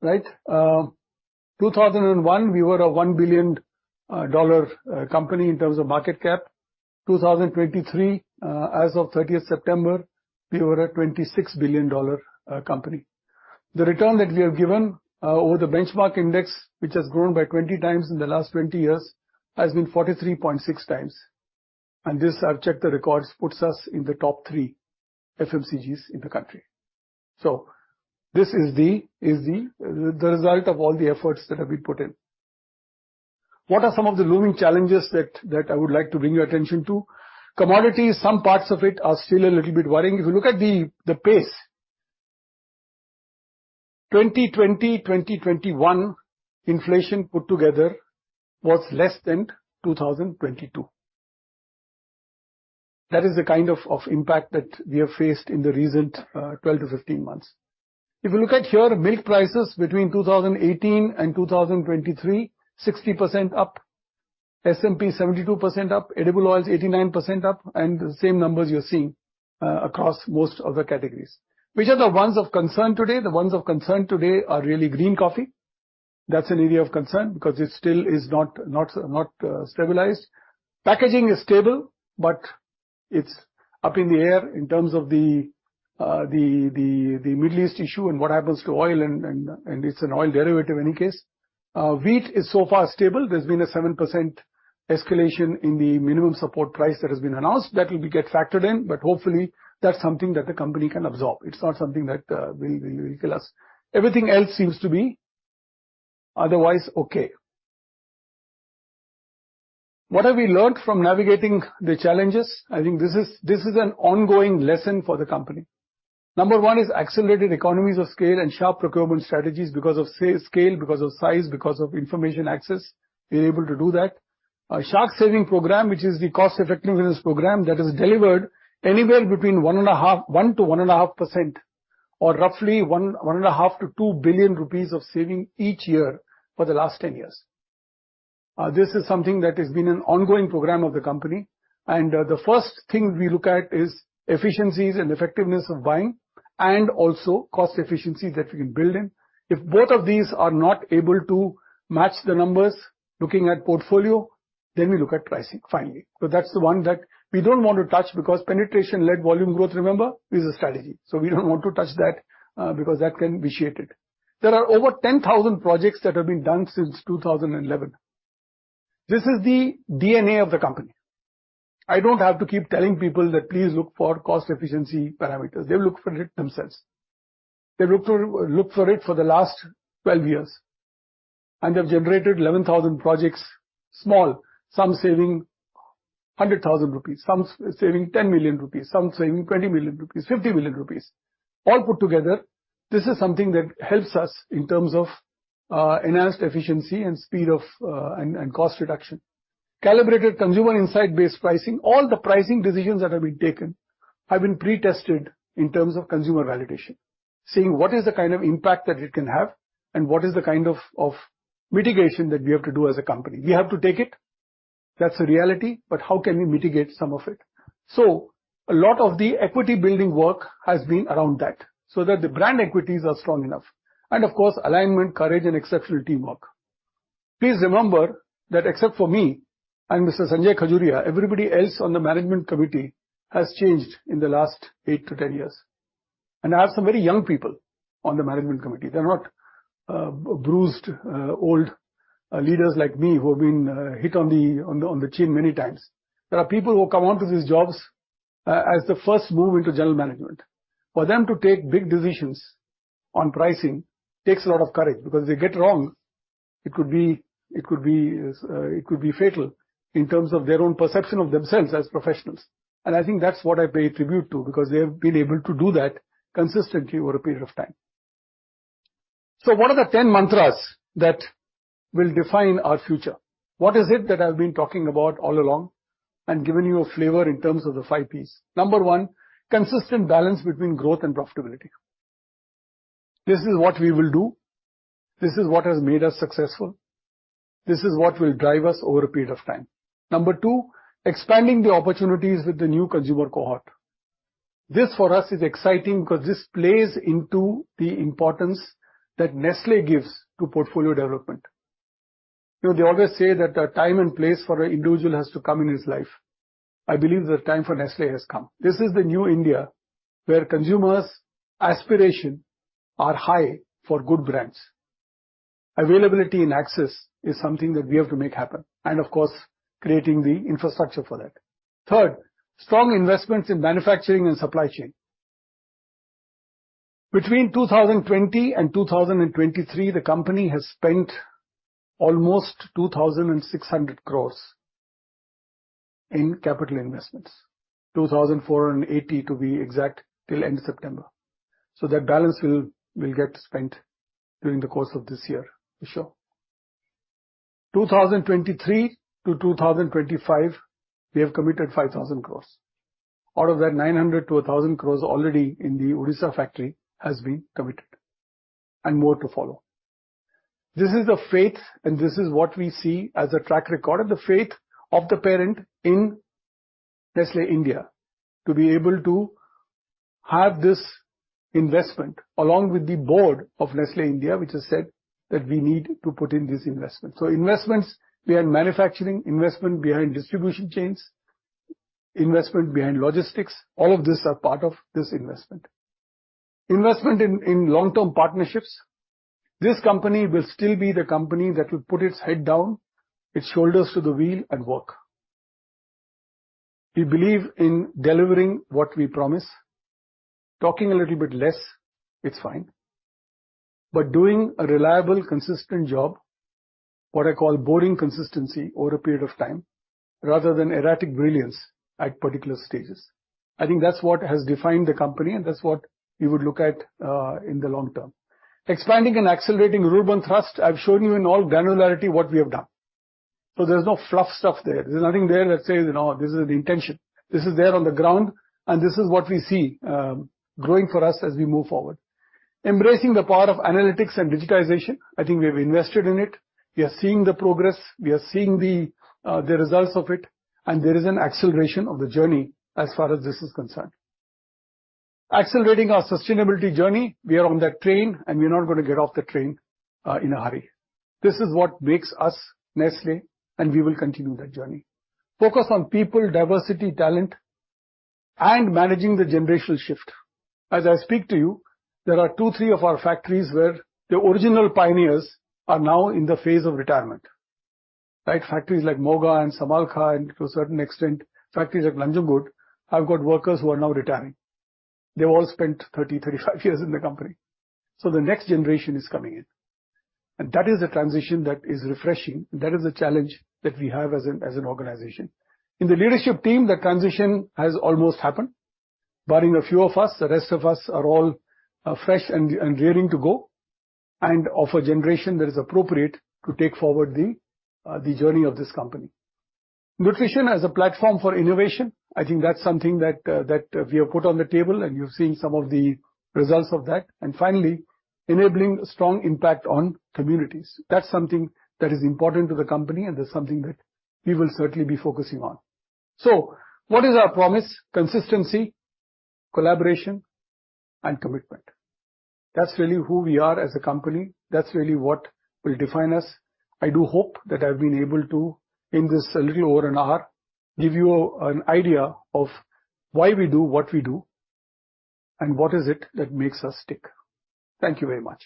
right? 2001, we were a $1 billion company in terms of market cap. 2023, as of 30th September, we were a $26 billion company. The return that we have given over the benchmark index, which has grown by 20x in the last 20 years, has been 43.6x, this, I've checked the records, puts us in the top three FMCGs in the country. This is the result of all the efforts that have been put in. What are some of the looming challenges that I would like to bring your attention to? Commodities, some parts of it are still a little bit worrying. If you look at the pace, 2020, 2021 inflation put together was less than 2022. That is the kind of impact that we have faced in the recent 12 to 15 months. If you look at here, milk prices between 2018 and 2023, 60% up, SMP 72% up, edible oils 89% up, and the same numbers you're seeing across most of the categories. Which are the ones of concern today? The ones of concern today are really green coffee. That's an area of concern, because it still is not stabilized. Packaging is stable, but it's up in the air in terms of the Middle East issue and what happens to oil, and it's an oil derivative in any case. Wheat is so far stable. There's been a 7% escalation in the minimum support price that has been announced. That will be get factored in, but hopefully that's something that the company can absorb. It's not something that will kill us. Everything else seems to be otherwise okay. What have we learned from navigating the challenges? I think this is an ongoing lesson for the company. Number one is accelerated economies of scale and sharp procurement strategies. Because of scale, because of size, because of information access, we are able to do that. Our Sharp saving program, which is the cost effectiveness program that has delivered anywhere between 1% to 1.5%, or roughly 1.5- 2 billion of saving each year for the last 10 years. This is something that has been an ongoing program of the company, and the first thing we look at is efficiencies and effectiveness of buying, and also cost efficiencies that we can build in. If both of these are not able to match the numbers looking at portfolio, then we look at pricing finally. That's the one that we don't want to touch because penetration-led volume growth, remember, is a strategy, so we don't want to touch that because that can vitiate it. There are over 10,000 projects that have been done since 2011. This is the DNA of the company. I don't have to keep telling people that, "Please look for cost efficiency parameters." They'll look for it themselves. They looked for it for the last 12 years, and they've generated 11,000 projects, small, some saving 100,000 rupees, some saving 10 million rupees, some saving 20, 50 million. All put together, this is something that helps us in terms of enhanced efficiency and speed of and cost reduction. Calibrated consumer insight-based pricing, all the pricing decisions that have been taken have been pre-tested in terms of consumer validation, seeing what is the kind of impact that it can have, and what is the kind of mitigation that we have to do as a company. We have to take it, that's the reality, but how can we mitigate some of it? A lot of the equity building work has been around that, so that the brand equities are strong enough and, of course, alignment, courage, and exceptional teamwork. Please remember that except for me and Mr. Sanjay Khajuria, everybody else on the management committee has changed in the last eight to 10 years, and I have some very young people on the management committee. They're not bruised, old leaders like me, who have been hit on the chin many times. There are people who come onto these jobs as the first move into general management. For them to take big decisions on pricing takes a lot of courage, because if they get it wrong, it could be fatal in terms of their own perception of themselves as professionals. I think that's what I pay tribute to, because they have been able to do that consistently over a period of time. What are the 10 mantras that will define our future? What is it that I've been talking about all along and given you a flavor in terms of the five Ps? Number one, consistent balance between growth and profitability. This is what we will do. This is what has made us successful. This is what will drive us over a period of time. Number two, expanding the opportunities with the new consumer cohort. This, for us, is exciting because this plays into the importance that Nestlé gives to portfolio development. You know, they always say that the time and place for an individual has to come in his life. I believe the time for Nestlé has come. This is the new India, where consumers' aspiration are high for good brands. Availability and access is something that we have to make happen and, of course, creating the infrastructure for that. Third, strong investments in manufacturing and supply chain. Between 2020 and 2023, the company has spent almost 2,600 crores in capital investments, 2,480 to be exact, till end of September. That balance will get spent during the course of this year for sure. 2023 to 2025, we have committed 5,000 crores. Out of that, 900-1,000 crores already in the Odisha factory has been committed, and more to follow. This is the faith, this is what we see as a track record of the faith of the parent in Nestlé India, to be able to have this investment along with the board of Nestlé India, which has said that we need to put in this investment. Investments behind manufacturing, investment behind distribution chains, investment behind logistics, all of these are part of this investment. Investment in long-term partnerships. This company will still be the company that will put its head down, its shoulders to the wheel and work. We believe in delivering what we promise. Talking a little bit less, it's fine, doing a reliable, consistent job, what I call boring consistency over a period of time, rather than erratic brilliance at particular stages, I think that's what has defined the company, and that's what you would look at in the long term. Expanding and accelerating rural thrust. I've shown you in all granularity what we have done, so there's no fluff stuff there. There's nothing there that says, you know, this is the intention. This is there on the ground, and this is what we see growing for us as we move forward. Embracing the power of analytics and digitization. I think we've invested in it. We are seeing the progress, we are seeing the results of it, and there is an acceleration of the journey as far as this is concerned. Accelerating our sustainability journey. We are on that train, and we're not going to get off the train in a hurry. This is what makes us Nestlé. We will continue that journey. Focus on people, diversity, talent, and managing the generational shift. As I speak to you, there are two, three of our factories where the original pioneers are now in the phase of retirement, right? Factories like Moga and Samalkha, and to a certain extent, factories like Nanjangud, have got workers who are now retiring. They've all spent 30, 35 years in the company. The next generation is coming in, and that is a transition that is refreshing. That is a challenge that we have as an organization. In the leadership team, the transition has almost happened, barring a few of us. The rest of us are all fresh and raring to go, and of a generation that is appropriate to take forward the journey of this company. Nutrition as a platform for innovation. I think that's something that we have put on the table, and you've seen some of the results of that. Finally, enabling strong impact on communities. That's something that is important to the company, and that's something that we will certainly be focusing on. What is our promise? Consistency, collaboration, and commitment. That's really who we are as a company. That's really what will define us. I do hope that I've been able to, in this a little over an hour, give you an idea of why we do what we do and what is it that makes us tick. Thank you very much.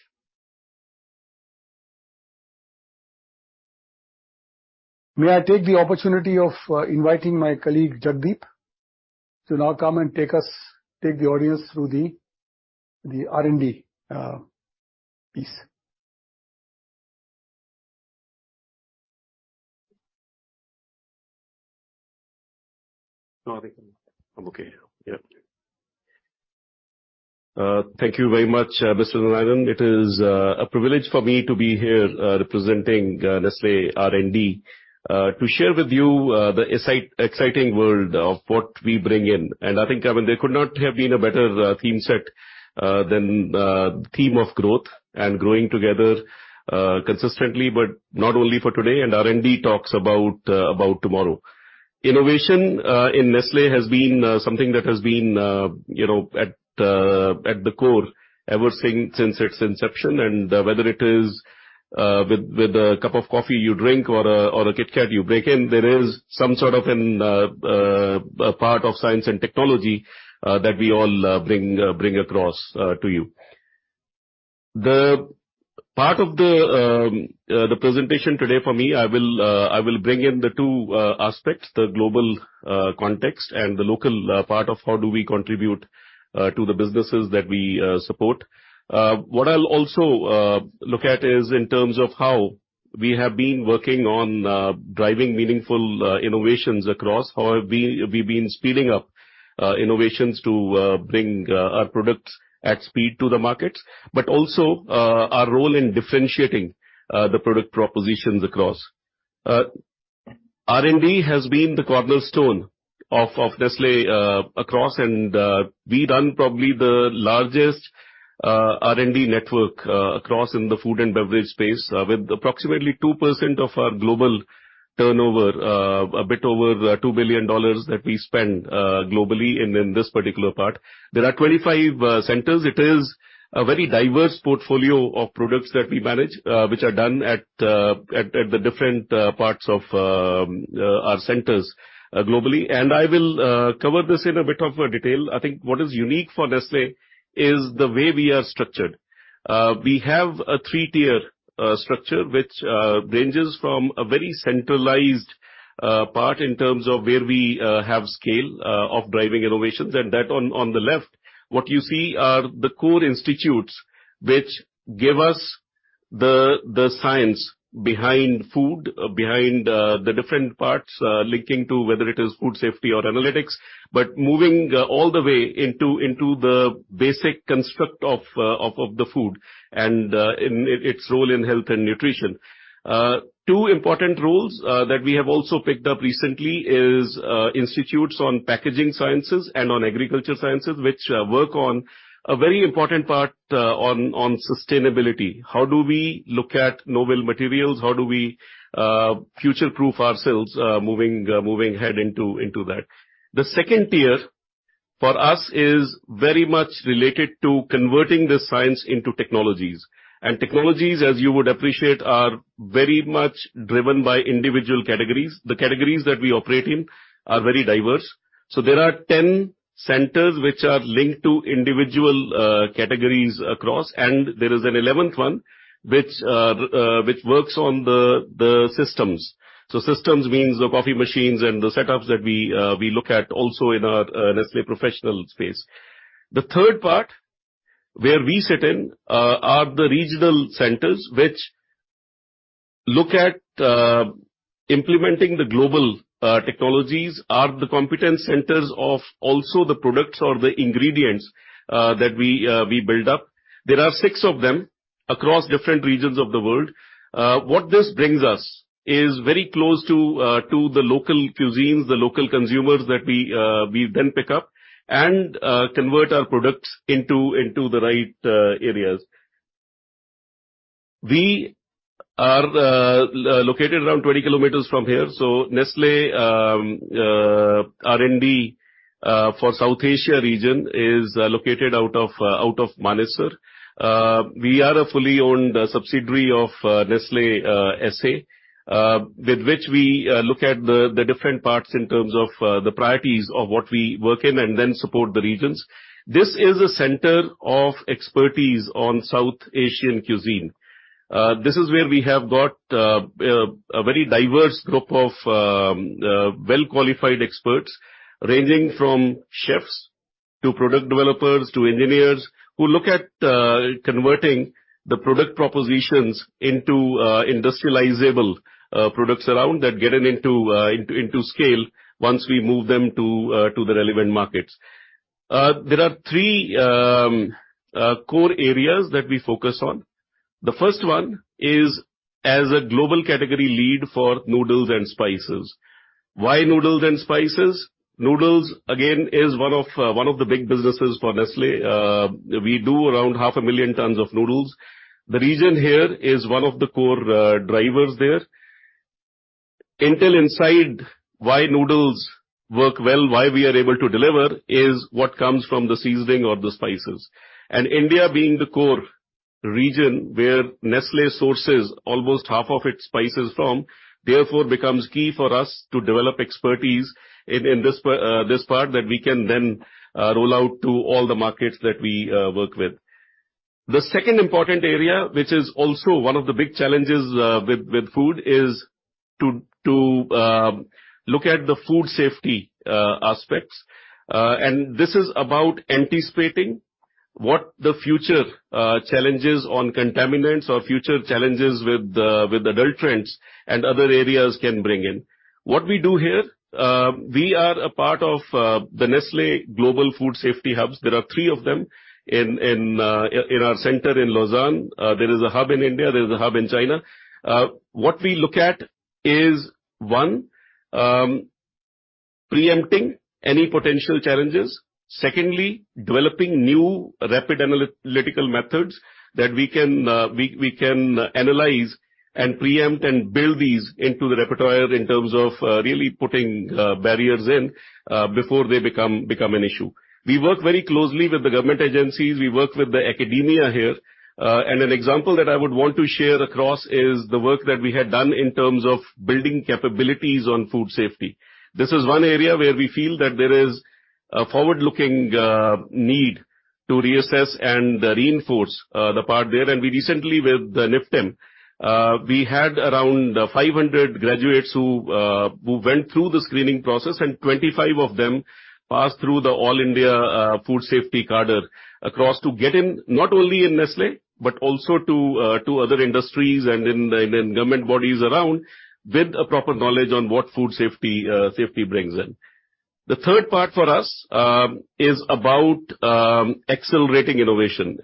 May I take the opportunity of inviting my colleague, Jagdeep, to now come and take us, take the audience through the R&D piece? No, I think I'm okay now. Yeah. Thank you very much, Mr. Narayanan. It is a privilege for me to be here, representing Nestlé R&D, to share with you the exciting world of what we bring in. I think, I mean, there could not have been a better theme set than theme of growth and growing together, consistently, but not only for today, and R&D talks about tomorrow. Innovation in Nestlé has been something that has been, you know, at the core ever since its inception. Whether it is with a cup of coffee you drink or a KitKat you break in, there is some sort of a part of science and technology that we all bring across to you. The part of the presentation today for me, I will bring in the two aspects, the global context, and the local part of how do we contribute to the businesses that we support. What I'll also look at is in terms of how we have been working on driving meaningful innovations across, how we've been speeding up innovations to bring our products at speed to the markets, but also our role in differentiating the product propositions across. R&D has been the cornerstone of Nestlé across, and we run probably the largest R&D network across in the food and beverage space, with approximately 2% of our global turnover, a bit over $2 billion that we spend globally in this particular part. There are 25 centers. It is a very diverse portfolio of products that we manage, which are done at the different parts of our centers, globally, and I will cover this in a bit of a detail. I think what is unique for Nestlé is the way we are structured. We have a three-tier structure, which ranges from a very centralized part in terms of where we have scale of driving innovations. That on the left, what you see are the core institutes, which give us the science behind food, behind the different parts, linking to whether it is food safety or analytics, but moving all the way into the basic construct of the food and its role in health and nutrition. Two important roles that we have also picked up recently is institutes on packaging sciences and on agricultural sciences, which work on a very important part on sustainability. How do we look at novel materials? How do we future-proof ourselves moving ahead into that? The second tier, for us, is very much related to converting the science into technologies. Technologies, as you would appreciate, are very much driven by individual categories. The categories that we operate in are very diverse. There are 10 centers which are linked to individual categories across, and there is an 11th one, which works on the systems. Systems means the coffee machines and the setups that we look at also in our Nestlé Professional space. The third part, where we sit in, are the regional centers, which look at implementing the global technologies, are the competent centers of also the products or the ingredients that we build up. There are six of them across different regions of the world. What this brings us is very close to the local cuisines, the local consumers that we then pick up and convert our products into the right areas. We are located around 20km from here. Nestlé R&D for South Asia region is located out of Manesar. We are a fully owned subsidiary of Nestlé SA, with which we look at the different parts in terms of the priorities of what we work in and then support the regions. This is a center of expertise on South Asian cuisine. This is where we have got a very diverse group of well-qualified experts, ranging from chefs, to product developers, to engineers, who look at converting the product propositions into industrializable products around that getting into scale once we move them to the relevant markets. There are three core areas that we focus on. The first one is as a global category lead for noodles and spices. Why noodles and spices? Noodles, again, is one of the big businesses for Nestlé. We do around 500,000 tons of noodles. The region here is one of the core drivers there. Intel inside, why noodles work well, why we are able to deliver, is what comes from the seasoning or the spices. India being the core region where Nestlé sources almost half of its spices from, therefore becomes key for us to develop expertise in this part, that we can then roll out to all the markets that we work with. The second important area, which is also one of the big challenges with food, is to look at the food safety aspects. This is about anticipating what the future challenges on contaminants or future challenges with the adulterants and other areas can bring in. What we do here, we are a part of, the Nestlé Global Food Safety hubs. There are three of them in our center in Lausanne. There is a hub in India, there is a hub in China. What we look at is, one, preempting any potential challenges. Secondly, developing new rapid analytical methods that we can, we can analyze and preempt and build these into the repertoire in terms of, really putting barriers in before they become an issue. We work very closely with the government agencies. We work with the academia here. An example that I would want to share across is the work that we had done in terms of building capabilities on food safety. This is one area where we feel that there is a forward-looking need to reassess and reinforce the part there. We recently, with the NIFTEM, we had around 500 graduates who went through the screening process, and 25 of them passed through the All India Food Safety Cadre across to get in, not only in Nestlé, but also to other industries and in government bodies around, with a proper knowledge on what food safety safety brings in. The third part for us is about accelerating innovation.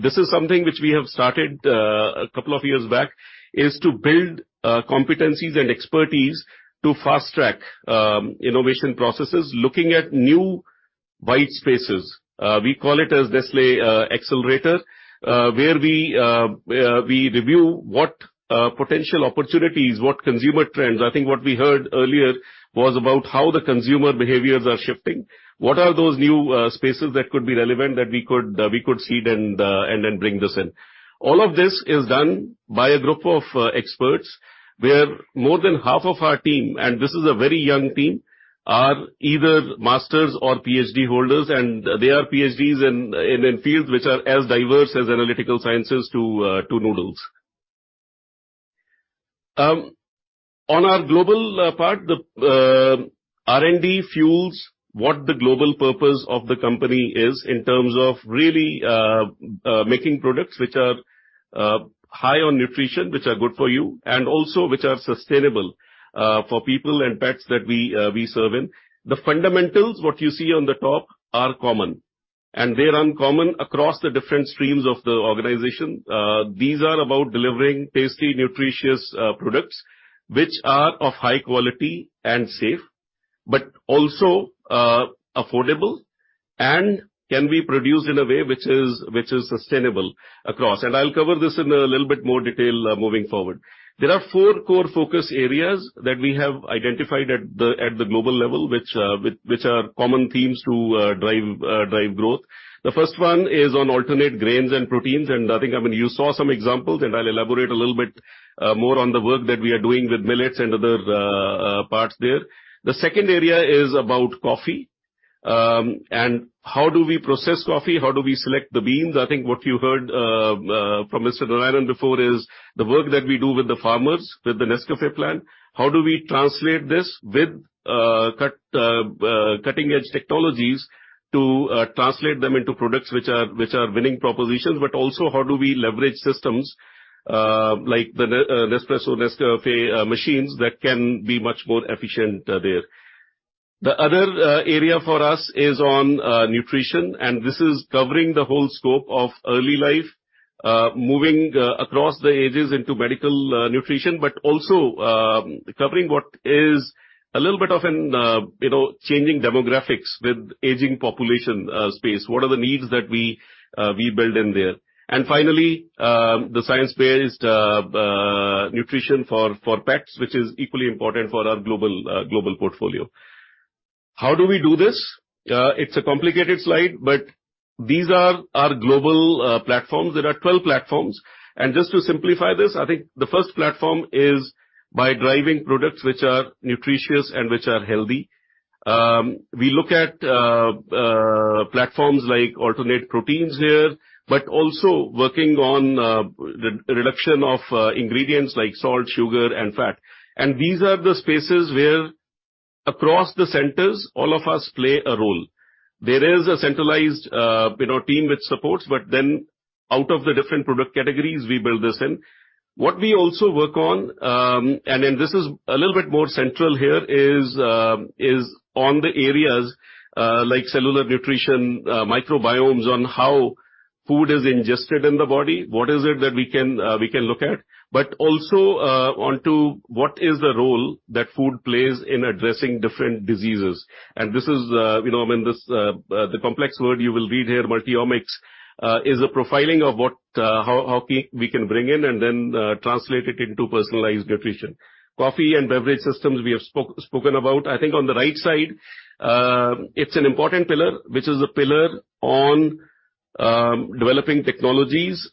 This is something which we have started a couple of years back, is to build competencies and expertise to fast-track innovation processes, looking at new white spaces. We call it as Nestlé Accelerator, where we review what potential opportunities, what consumer trends. I think what we heard earlier was about how the consumer behaviors are shifting. What are those new spaces that could be relevant that we could seed and then bring this in? All of this is done by a group of experts, where more than half of our team, and this is a very young team, are either masters or PhD holders, and they are PhDs in fields which are as diverse as analytical sciences to noodles. On our global part, the R&D fuels what the global purpose of the company is in terms of really making products which are high on nutrition, which are Good for you, and also which are sustainable for people and pets that we serve in. The fundamentals, what you see on the top, are common, and they're uncommon across the different streams of the organization. These are about delivering tasty, nutritious products which are of high quality and safe, but also affordable and can be produced in a way which is, which is sustainable across. I'll cover this in a little bit more detail moving forward. There are four core focus areas that we have identified at the global level, which are common themes to drive growth. The first one is on alternate grains and proteins, and I think, I mean, you saw some examples, and I'll elaborate a little bit more on the work that we are doing with millets and other parts there. The second area is about coffee, and how do we process coffee? How do we select the beans? I think what you heard from Mr. Narayanan before, is the work that we do with the farmers, with the NESCAFÉ Plan. How do we translate this with cutting-edge technologies to translate them into products which are, which are winning propositions, but also, how do we leverage systems like the Nespresso, NESCAFÉ machines that can be much more efficient there. The other area for us is on nutrition. This is covering the whole scope of early life, moving across the ages into medical nutrition, but also covering what is a little bit of an, you know, changing demographics with aging population space. What are the needs that we build in there? Finally, the science-based nutrition for pets, which is equally important for our global portfolio. How do we do this? It's a complicated slide, these are our global platforms. There are 12 platforms. Just to simplify this, I think the first platform is by driving products which are nutritious and which are healthy. We look at platforms like alternate proteins here, but also working on the reduction of ingredients like salt, sugar, and fat. These are the spaces where, across the centers, all of us play a role. There is a centralized, you know, team which supports, but then out of the different product categories, we build this in. What we also work on, and then this is a little bit more central here, is on the areas like cellular nutrition, microbiomes, on how food is ingested in the body, what is it that we can, we can look at? Also, on to what is the role that food plays in addressing different diseases. This is, you know, I mean, this the complex word you will read here, multi-omics, is a profiling of what, how we can bring in and then translate it into personalized nutrition. Coffee and beverage systems we have spoken about. I think on the right side, it's an important pillar, which is a pillar on developing technologies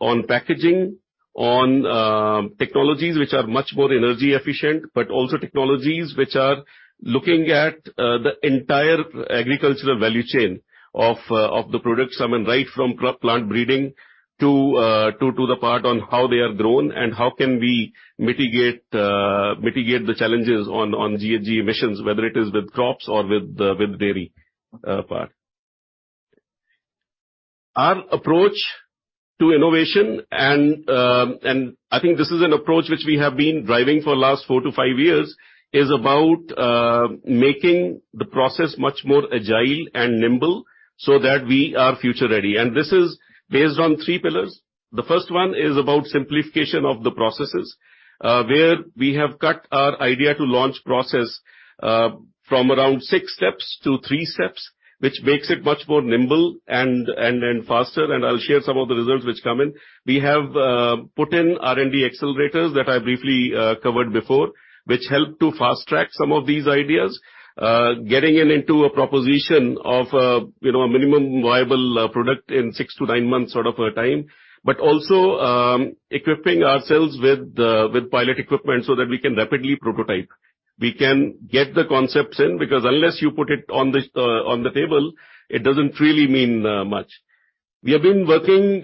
on packaging, on technologies which are much more energy efficient, but also technologies which are looking at the entire agricultural value chain of the products. I mean, right from crop plant breeding to the part on how they are grown and how can we mitigate the challenges on GHG emissions, whether it is with crops or with dairy part. Our approach to innovation, and I think this is an approach which we have been driving for last four to five years, is about making the process much more agile and nimble so that we are future-ready. This is based on three pillars. The first one is about simplification of the processes, where we have cut our idea to launch process from around six steps to three steps, which makes it much more nimble and faster, and I'll share some of the results which come in. We have put in R&D accelerators that I briefly covered before, which help to fast-track some of these ideas, getting it into a proposition of, you know, a minimum viable product in six to nine months sort of a time. Also, equipping ourselves with the, with pilot equipment so that we can rapidly prototype. We can get the concepts in, because unless you put it on the, on the table, it doesn't really mean much. We have been working,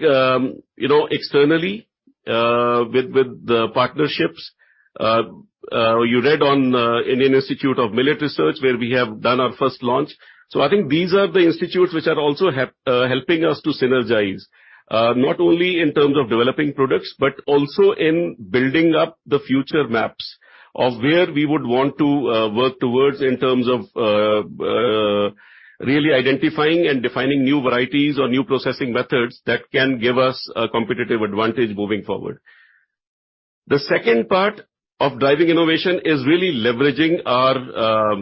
you know, externally, with the partnerships. You read on Indian Institute of Millets Research, where we have done our first launch. I think these are the institutes which are also helping us to synergize, not only in terms of developing products, but also in building up the future maps of where we would want to work towards in terms of really identifying and defining new varieties or new processing methods that can give us a competitive advantage moving forward. The second part of driving innovation is really leveraging our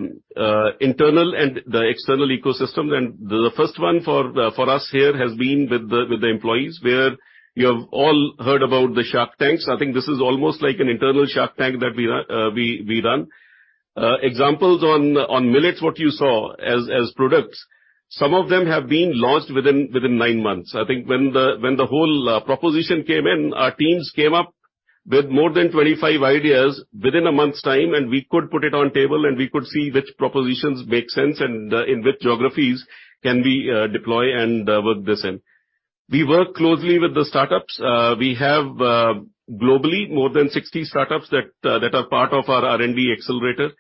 internal and the external ecosystem. The first one for us here has been with the employees, where you have all heard about the Shark Tanks. I think this is almost like an internal shark tank that we run. Examples on millets, what you saw as products, some of them have been launched within nine months. I think when the whole proposition came in, our teams came up with more than 25 ideas within a month's time, and we could put it on table, and we could see which propositions make sense and in which geographies can we deploy and work this in. We work closely with the startups. We have globally, more than 60 startups that are part of our R&D accelerator.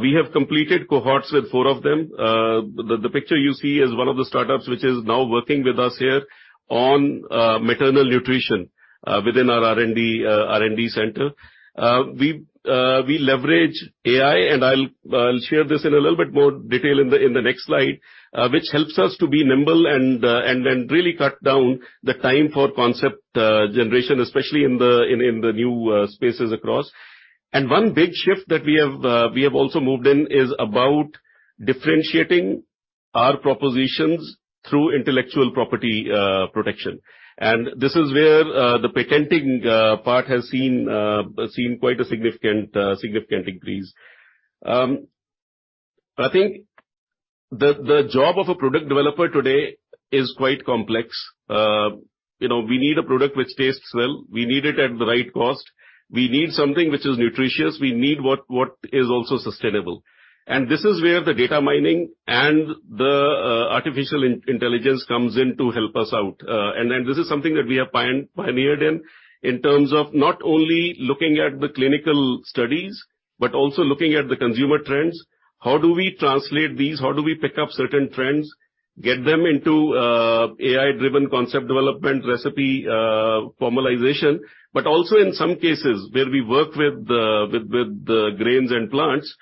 We have completed cohorts with four of them. The picture you see is one of the startups which is now working with us here on maternal nutrition within our R&D center. We leverage AI, and I'll share this in a little bit more detail in the next slide, which helps us to be nimble and really cut down the time for concept generation, especially in the new spaces across. One big shift that we have also moved in is about differentiating our propositions through intellectual property protection. This is where the patenting part has seen quite a significant increase. I think the job of a product developer today is quite complex. You know, we need a product which tastes well. We need it at the right cost. We need something which is nutritious. We need what is also sustainable. This is where the data mining and the artificial intelligence comes in to help us out. This is something that we have pioneered in terms of not only looking at the clinical studies, but also looking at the consumer trends. How do we translate these? How do we pick up certain trends, get them into AI-driven concept development, recipe formalization? Also in some cases where we work with the grains and plants,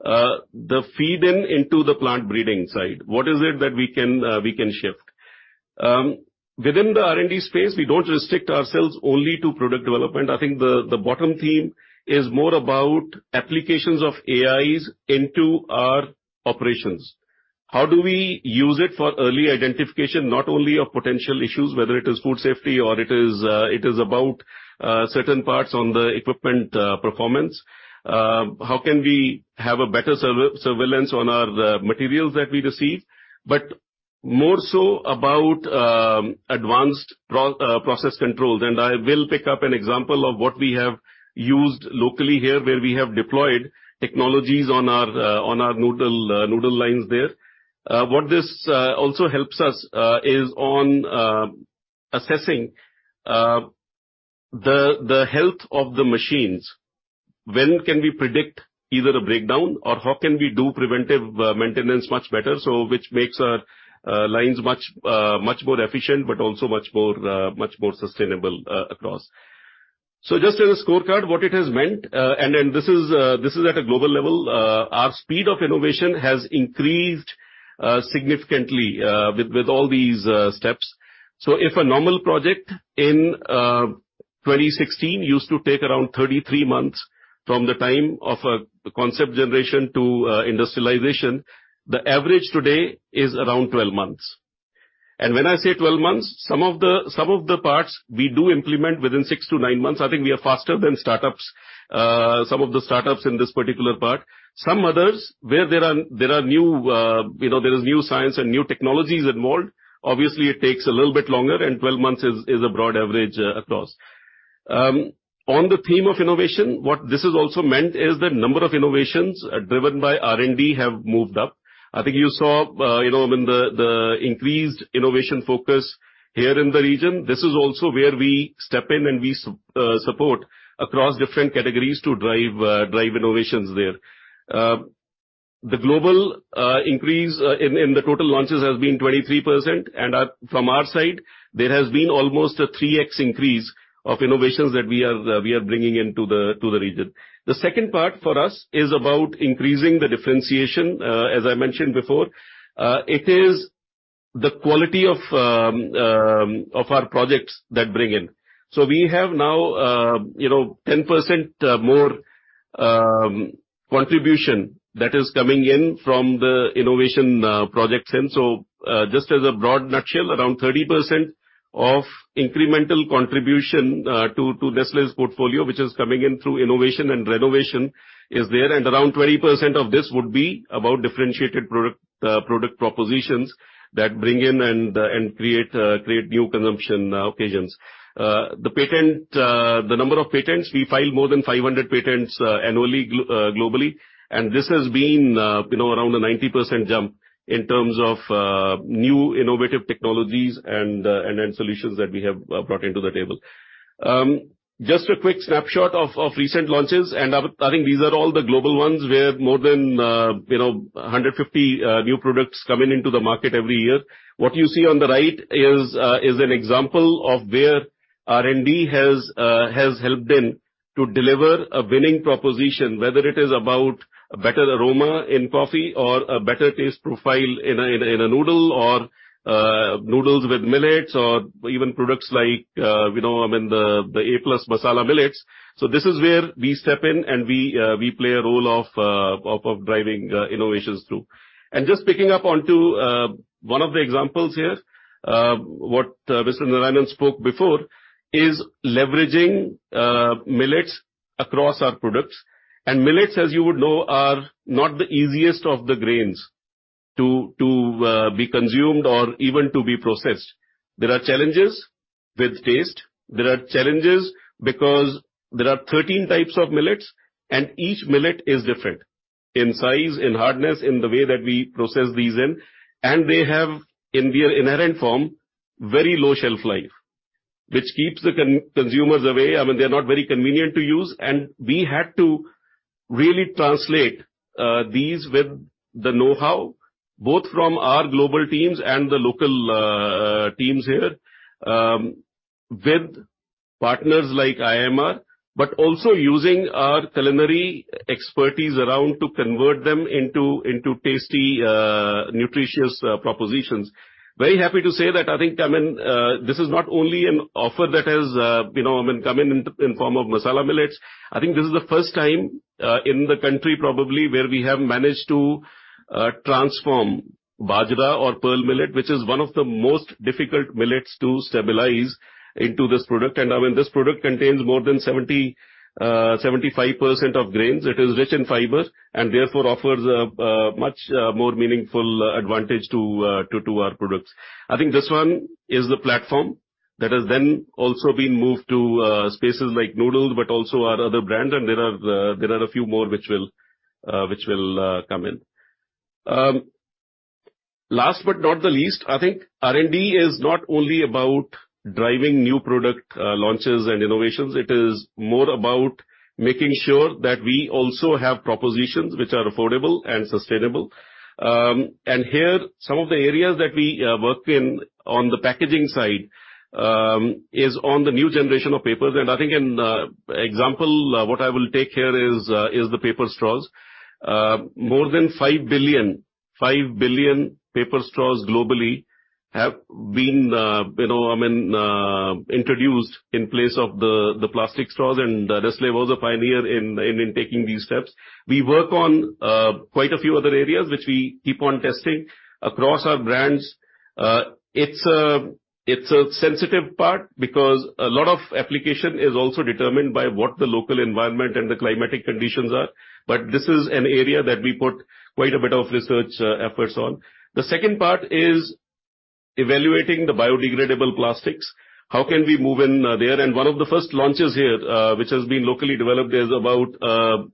the feed-in into the plant breeding side. What is it that we can we can shift? Within the R&D space, we don't restrict ourselves only to product development. I think the bottom theme is more about applications of AIs into our operations. How do we use it for early identification, not only of potential issues, whether it is food safety or it is, it is about certain parts on the equipment performance? How can we have a better surveillance on our materials that we receive? More so about advanced process controls. I will pick up an example of what we have used locally here, where we have deployed technologies on our noodle lines there. What this also helps us is on assessing the health of the machines. When can we predict either a breakdown, or how can we do preventive maintenance much better? Which makes our lines much more efficient, but also much more sustainable across. Just as a scorecard, what it has meant, and then this is, this is at a global level, our speed of innovation has increased significantly, with all these steps. If a normal project in 2016 used to take around 33 months from the time of a concept generation to industrialization, the average today is around 12 months. When I say 12 months, some of the parts we do implement within six to nine months. I think we are faster than startups, some of the startups in this particular part. Some others, where there are new, you know, there is new science and new technologies involved, obviously it takes a little bit longer, and 12 months is a broad average across. On the theme of innovation, what this has also meant is the number of innovations driven by R&D have moved up. I think you saw, you know, in the increased innovation focus here in the region. This is also where we step in, and we support across different categories to drive innovations there. The global increase in the total launches has been 23%, and from our side, there has been almost a 3x increase of innovations that we are bringing into the region. The second part for us is about increasing the differentiation, as I mentioned before. It is the quality of our projects that bring in. We have now, you know, 10% more contribution that is coming in from the innovation projects in. Just as a broad nutshell, around 30% of incremental contribution to Nestlé's portfolio, which is coming in through innovation and renovation, is there, and around 20% of this would be about differentiated product propositions that bring in and create new consumption occasions. The number of patents, we file more than 500 patents annually globally, and this has been, you know, around a 90% jump in terms of new innovative technologies and solutions that we have brought into the table. Just a quick snapshot of recent launches, and I think these are all the global ones, where more than, you know, 150 new products coming into the market every year. What you see on the right is an example of where R&D has helped them to deliver a winning proposition, whether it is about a better aroma in coffee or a better taste profile in a noodle or noodles with millets or even products like, you know, I mean, the a+ Masala Millet. So this is where we step in, and we play a role of driving innovations through. Just picking up onto one of the examples here, what Mr. Narayanan spoke before, is leveraging millets across our products. Millets, as you would know, are not the easiest of the grains to be consumed or even to be processed. There are challenges with taste. There are challenges because there are 13 types of millets, and each millet is different, in size, in hardness, in the way that we process these in, and they have, in their inherent form, very low shelf life, which keeps the consumers away. I mean, they are not very convenient to use. We had to really translate these with the know-how, both from our global teams and the local teams here, with partners like IIMR, but also using our culinary expertise around to convert them into tasty, nutritious propositions. Very happy to say that I think, I mean, this is not only an offer that has, you know, I mean, come in form of Masala Millets. I think this is the first time in the country, probably, where we have managed to transform bajra or pearl millet, which is one of the most difficult millets to stabilize into this product. I mean, this product contains more than 70%-75% of grains. It is rich in fiber and therefore offers a much more meaningful advantage to our products. I think this one is the platform that has then also been moved to spaces like noodles, but also our other brands, there are a few more which will come in. Last but not the least, I think R&D is not only about driving new product launches and innovations, it is more about making sure that we also have propositions which are affordable and sustainable. Some of the areas that we work in on the packaging side is on the new generation of papers. I think an example what I will take here is the paper straws. More than five billion paper straws globally have been, you know, I mean, introduced in place of the plastic straws, and Nestlé was a pioneer in taking these steps. We work on quite a few other areas, which we keep on testing across our brands. It's a sensitive part because a lot of application is also determined by what the local environment and the climatic conditions are, but this is an area that we put quite a bit of research efforts on. The second part is evaluating the biodegradable plastics. How can we move in there? One of the first launches here, which has been locally developed, is about,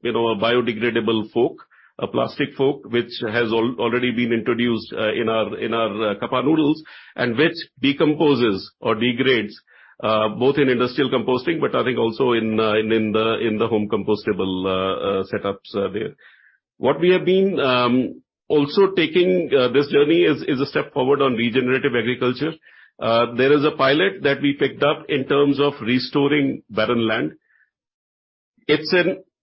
you know, a biodegradable fork, a plastic fork, which has already been introduced in our Cuppa noodles, and which decomposes or degrades both in industrial composting, but I think also in the home compostable setups there. What we have been also taking this journey is a step forward on regenerative agriculture. There is a pilot that we picked up in terms of restoring barren land. It's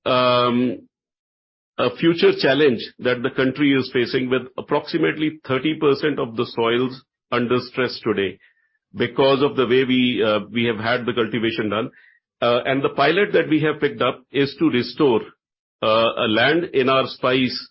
a future challenge that the country is facing with approximately 30% of the soils under stress today because of the way we have had the cultivation done. The pilot that we have picked up is to restore a land in our spice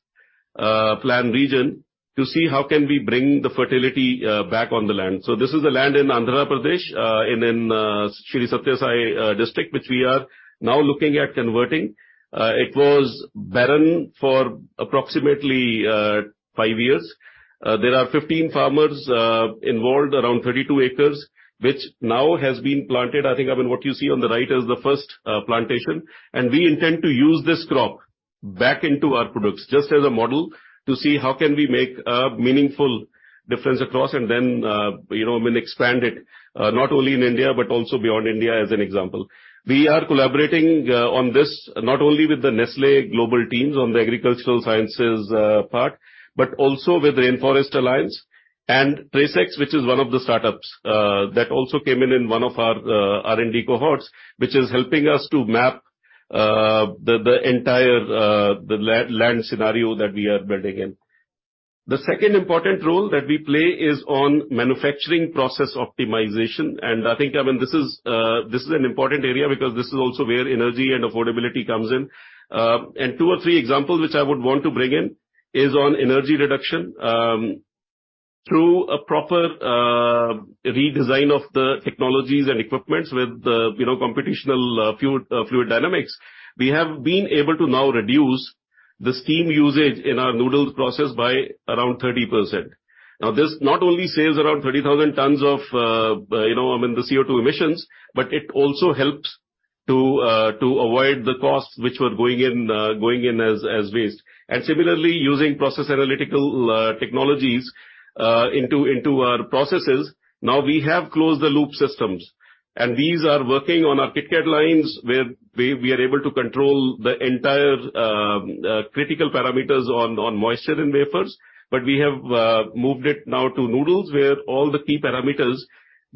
plan region to see how can we bring the fertility back on the land. This is a land in Andhra Pradesh, in Sri Satya Sai District, which we are now looking at converting. It was barren for approximately five years. There are 15 farmers involved, around 32 acres, which now has been planted. I think, I mean, what you see on the right is the first plantation, and we intend to use this crop back into our products, just as a model, to see how can we make a meaningful difference across, and then, you know, I mean, expand it, not only in India but also beyond India, as an example. We are collaborating on this, not only with the Nestlé global teams on the agricultural sciences part, but also with the Rainforest Alliance and TraceX, which is one of the startups that also came in in one of our R&D cohorts, which is helping us to map the entire land scenario that we are building in. The second important role that we play is on manufacturing process optimization, and I think, I mean, this is an important area because this is also where energy and affordability comes in. Two or three examples which I would want to bring in is on energy reduction. Through a proper redesign of the technologies and equipment with the, you know, computational fluid dynamics, we have been able to now reduce the steam usage in our noodles process by around 30%. Now, this not only saves around 30,000 tons of, you know, I mean, the CO2 emissions, but it also helps to avoid the costs which were going in as waste. Similarly, using process analytical technologies into our processes, now we have closed the loop systems, and these are working on our KitKat lines, where we are able to control the entire critical parameters on moisture and wafers. We have moved it now to noodles, where all the key parameters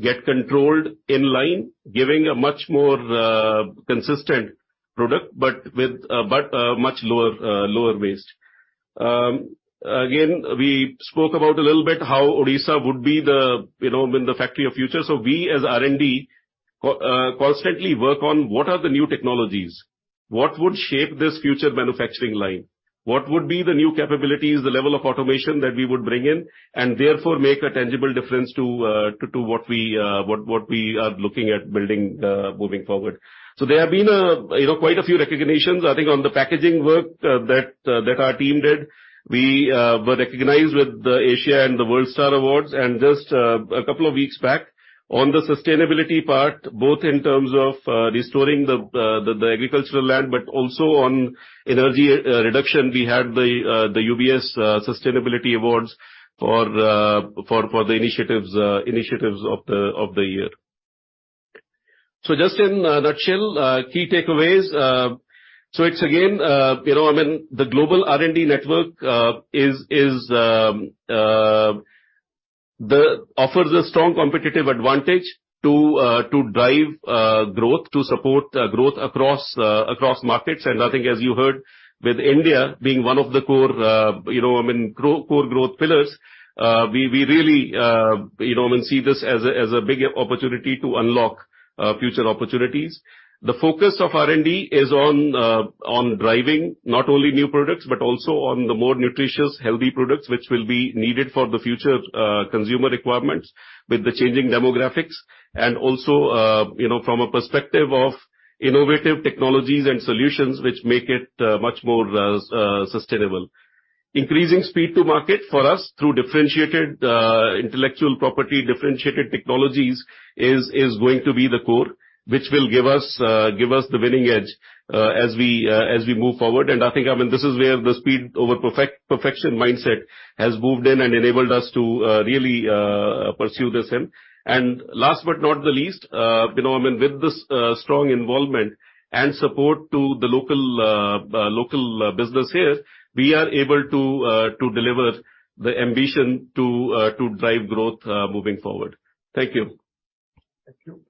get controlled in line, giving a much more consistent product, but with a much lower waste. Again, we spoke about a little bit how Odisha would be the, you know, I mean, the factory of future. We, as R&D, constantly work on what are the new technologies? What would shape this future manufacturing line? What would be the new capabilities, the level of automation that we would bring in, and therefore make a tangible difference to what we are looking at building moving forward. There have been, you know, quite a few recognitions, I think, on the packaging work that our team did. We were recognized with the Asia and the WorldStar Awards. Just a couple of weeks back, on the sustainability part, both in terms of restoring the agricultural land, but also on energy reduction, we had the UBS Sustainability Awards for the initiatives of the year. Just in a nutshell, key takeaways. It's again, you know, I mean, the global R&D network is offers a strong competitive advantage to drive growth, to support growth across markets. I think, as you heard, with India being one of the core, you know, I mean, core growth pillars, we really, you know, I mean, see this as a big opportunity to unlock future opportunities. The focus of R&D is on driving not only new products, but also on the more nutritious, healthy products, which will be needed for the future consumer requirements with the changing demographics. Also, you, from a perspective of innovative technologies and solutions which make it much more sustainable. Increasing speed to market for us through differentiated intellectual property, differentiated technologies, is going to be the core, which will give us the winning edge as we move forward. I think, I mean, this is where the speed over perfection mindset has moved in and enabled us to really pursue this aim. Last but not the least, you know, I mean, with this strong involvement and support to the local businesses, we are able to deliver the ambition to drive growth moving forward. Thank you. Thank you.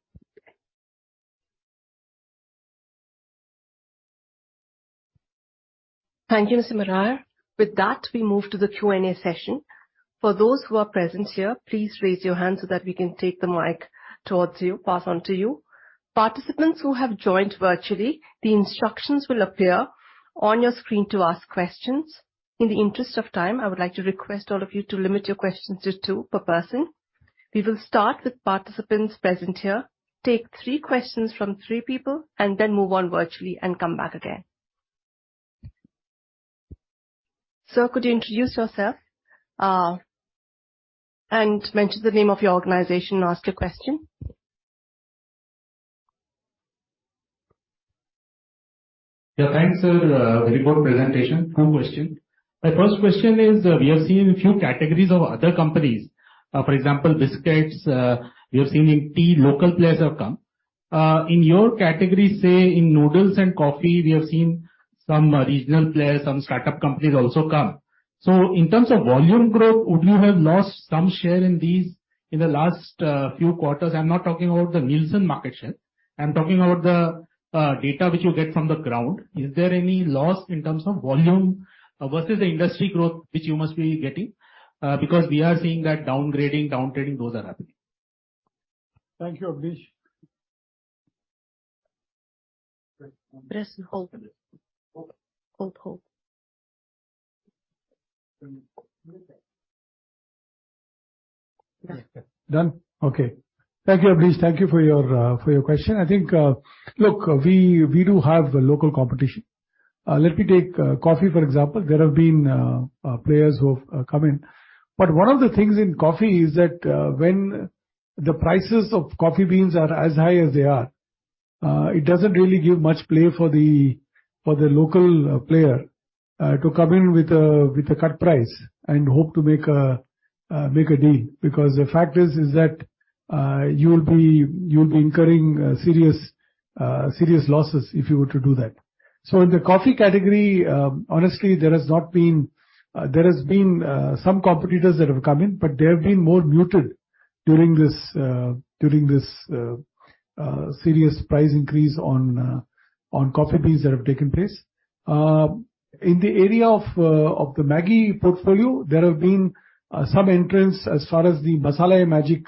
Thank you, Mr. Marahar. With that, we move to the Q&A session. For those who are present here, please raise your hand so that we can take the mic towards you, pass on to you. Participants who have joined virtually, the instructions will appear on your screen to ask questions. In the interest of time, I would like to request all of you to limit your questions to two per person. We will start with participants present here, take three questions from three people, and then move on virtually and come back again. Sir, could you introduce yourself and mention the name of your organization, and ask your question? Yeah, thanks, sir. Very good presentation. Two question. My first question is, we have seen a few categories of other companies, for example, biscuits, we have seen in tea, local players have come. In your category, say in noodles and coffee, we have seen some regional players, some startup companies also come. In terms of volume growth, would you have lost some share in these in the last few quarters? I'm not talking about the Nielsen market share. I'm talking about the data which you get from the ground. Is there any loss in terms of volume versus the industry growth, which you must be getting? Because we are seeing that downgrading, downtrending, those are happening. Thank you, Abhish. Press hold. Hold. Hold, hold. Done? Okay. Thank you, Abhish. Thank you for your for your question. I think... Look, we do have local competition. Let me take coffee, for example. There have been players who have come in, One of the things in coffee is that the prices of coffee beans are as high as they are, it doesn't really give much play for the local player to come in with a cut price and hope to make a deal. The fact is that you'll be incurring serious losses if you were to do that. In the coffee category, honestly, there has been some competitors that have come in, but they have been more muted during this during this serious price increase on coffee beans that have taken place. In the area of the MAGGI portfolio, there have been some entrants as far as the MAGGI Masala-ae-Magic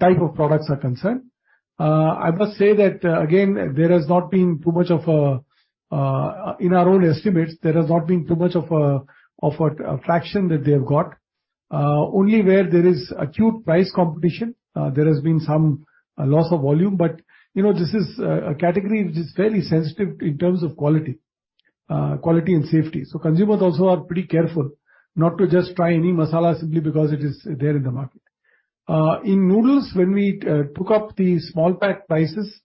type of products are concerned. I must say that again, there has not been too much of a..... In our own estimates, there has not been too much of a, of a fraction that they have got. Only where there is acute price competition, there has been some loss of volume. You know, this is a category which is fairly sensitive in terms of quality and safety. Consumers also are pretty careful not to just try any masala simply because it is there in the market. In noodles, when we took up the small pack prices,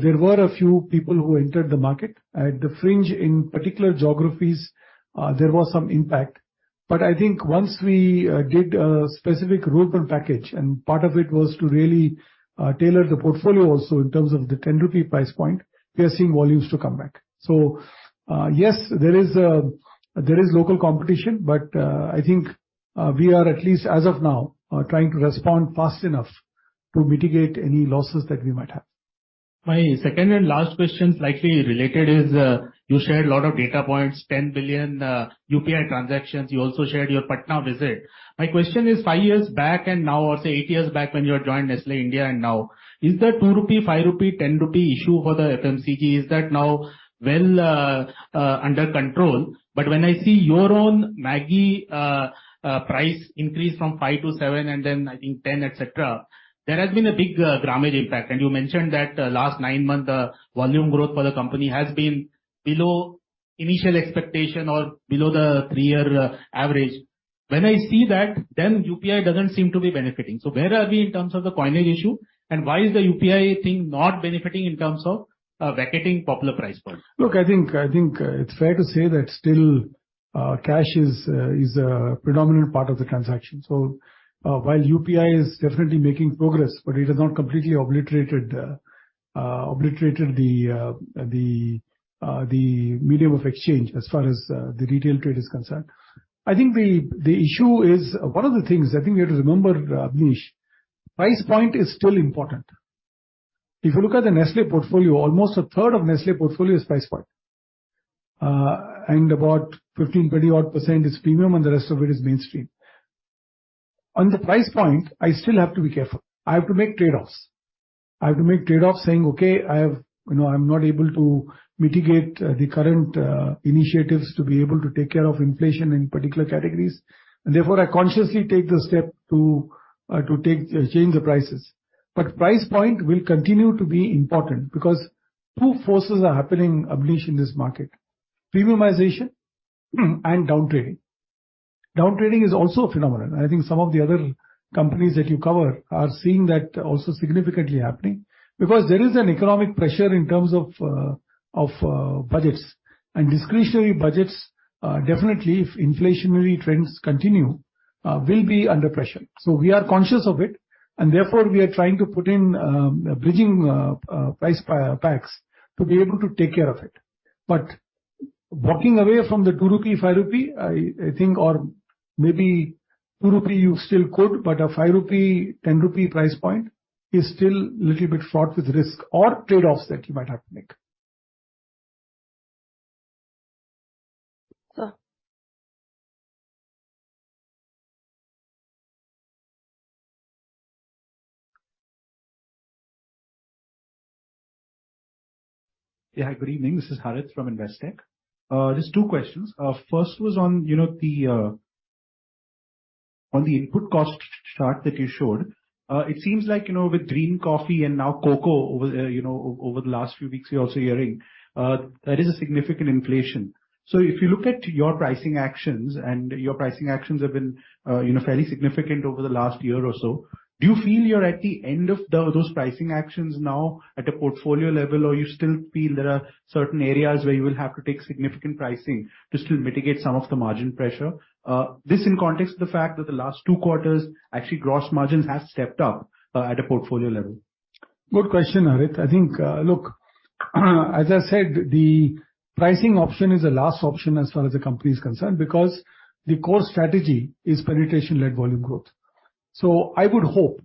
there were a few people who entered the market. At the fringe, in particular geographies, there was some impact. I think once we did a specific rural package, and part of it was to really tailor the portfolio also in terms of the 10 rupee price point, we are seeing volumes to come back. Yes, there is local competition, I think we are, at least as of now, trying to respond fast enough to mitigate any losses that we might have. My second and last question, slightly related, is, you shared a lot of data points, 10 billion UPI transactions. You also shared your Patna visit. My question is, five years back and now, or say eight years back when you joined Nestlé India and now, is the 2 rupee, 5, 10 issue for the FMCG, is that now well under control? When I see your own MAGGI price increase from 5 to 7, and then I think 10, et cetera, there has been a big grammage impact. You mentioned that the last nine months, the volume growth for the company has been below initial expectation or below the three-year average. When I see that, then UPI doesn't seem to be benefiting. Where are we in terms of the coinage issue, and why is the UPI thing not benefiting in terms of vacating popular price points? Look, I think, I think it's fair to say that still, cash is a predominant part of the transaction. While UPI is definitely making progress, but it has not completely obliterated the medium of exchange as far as the retail trade is concerned. I think the issue is... One of the things I think we have to remember, Manish, price point is still important. If you look at the Nestlé portfolio, almost a third of Nestlé portfolio is price point, and about 15%, 20% odd is premium, and the rest of it is mainstream. On the price point, I still have to be careful. I have to make trade-offs. I have to make trade-offs saying, "Okay, I have... You know, I'm not able to mitigate, the current, initiatives to be able to take care of inflation in particular categories. Therefore, I consciously take the step to take, change the prices. Price point will continue to be important because two forces are happening, in this market: premiumization and downtrading. Downtrading is also a phenomenon. I think some of the other companies that you cover are seeing that also significantly happening. There is an economic pressure in terms of, budgets, and discretionary budgets, definitely, if inflationary trends continue, will be under pressure. We are conscious of it, and therefore, we are trying to put in, bridging, price packs to be able to take care of it. Walking away from the 2 rupee, 5 rupee, I think, or maybe 2 rupee, you still could, but a 5 rupee, 10 rupee price point is still little bit fraught with risk or trade-offs that you might have to make. Sir. Hi, good evening. This is Harit from Investec. Just two questions. First was on, you know, the on the input cost chart that you showed. It seems like, you know, with green coffee and now cocoa over, you know, over the last few weeks, we're also hearing there is a significant inflation. So if you look at your pricing actions, and your pricing actions have been, you know, fairly significant over the last year or so, do you feel you're at the end of those pricing actions now at a portfolio level? Or you still feel there are certain areas where you will have to take significant pricing to still mitigate some of the margin pressure? This in context to the fact that the last two quarters, actually, gross margins have stepped up at a portfolio level. Good question, Harit. I think, look, as I said, the pricing option is the last option as far as the company is concerned, because the core strategy is penetration-led volume growth. I would hope,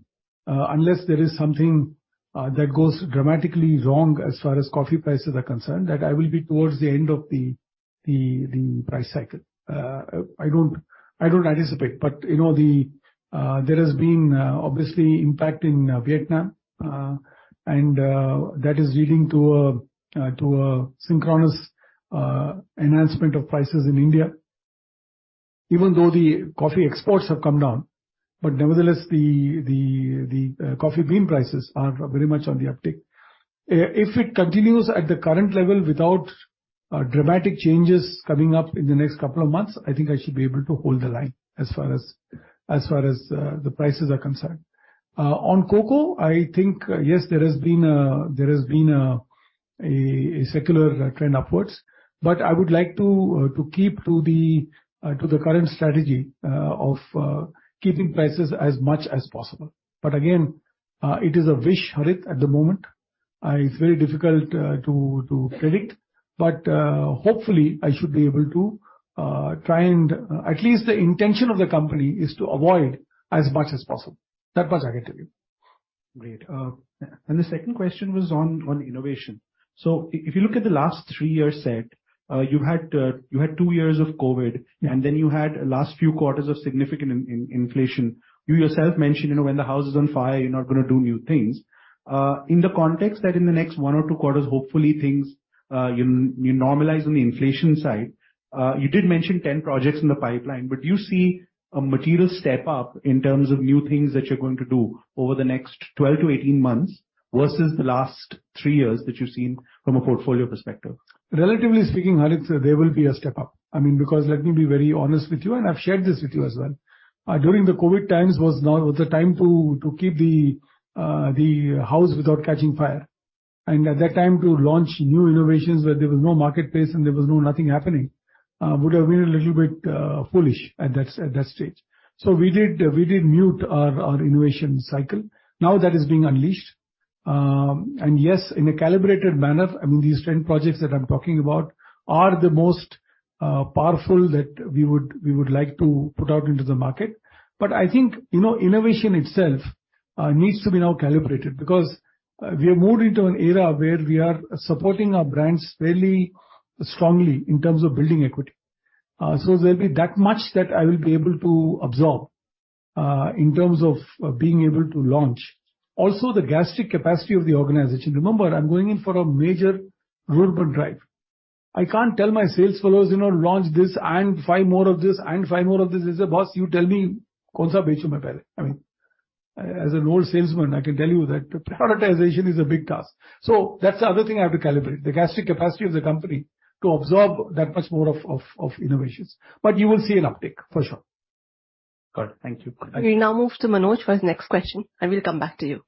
unless there is something that goes dramatically wrong as far as coffee prices are concerned, that I will be towards the end of the price cycle. I don't anticipate, but, you know, there has been obviously impact in Vietnam, and that is leading to a synchronous enhancement of prices in India. Even though the coffee exports have come down, but nevertheless, the coffee bean prices are very much on the uptick. If it continues at the current level without dramatic changes coming up in the next couple of months, I think I should be able to hold the line as far as the prices are concerned. On cocoa, I think, yes, there has been a secular trend upwards. I would like to keep to the current strategy of keeping prices as much as possible. Again, it is a wish, Harit, at the moment. It's very difficult to predict, but hopefully I should be able to try and... At least the intention of the company is to avoid as much as possible. That much I can tell you. Great. The second question was on innovation. If you look at the last three years set, you had two years of Covid- Yeah. You had last few quarters of significant inflation. You yourself mentioned, you know, when the house is on fire, you're not gonna do new things. In the context that in the next one or two quarters, hopefully things, you normalize on the inflation side. You did mention 10 projects in the pipeline, but you see a material step up in terms of new things that you're going to do over the next 12 to 18 months, versus the last three years that you've seen from a portfolio perspective. Relatively speaking, Harit, there will be a step up. I mean, because let me be very honest with you, and I've shared this with you as well. During the COVID times was not the time to keep the house without catching fire. At that time, to launch new innovations where there was no marketplace and there was no nothing happening, would have been a little bit foolish at that stage. We did mute our innovation cycle. Now, that is being unleashed. Yes, in a calibrated manner, I mean, these 10 projects that I'm talking about are the most powerful that we would like to put out into the market. I think, you know, innovation itself needs to be now calibrated because we have moved into an era where we are supporting our brands fairly strongly in terms of building equity. There'll be that much that I will be able to absorb in terms of being able to launch. Also, the gastric capacity of the organization. Remember, I'm going in for a major rural drive. I can't tell my sales fellows, "You know, launch this, and find more of this, and find more of this." They say: "Boss, you tell me, "... I mean, as an old salesman, I can tell you that prioritization is a big task. That's the other thing I have to calibrate, the gastric capacity of the company to absorb that much more of innovations. You will see an uptick, for sure. Good. Thank you. We now move to Manoj for his next question. I will come back to you.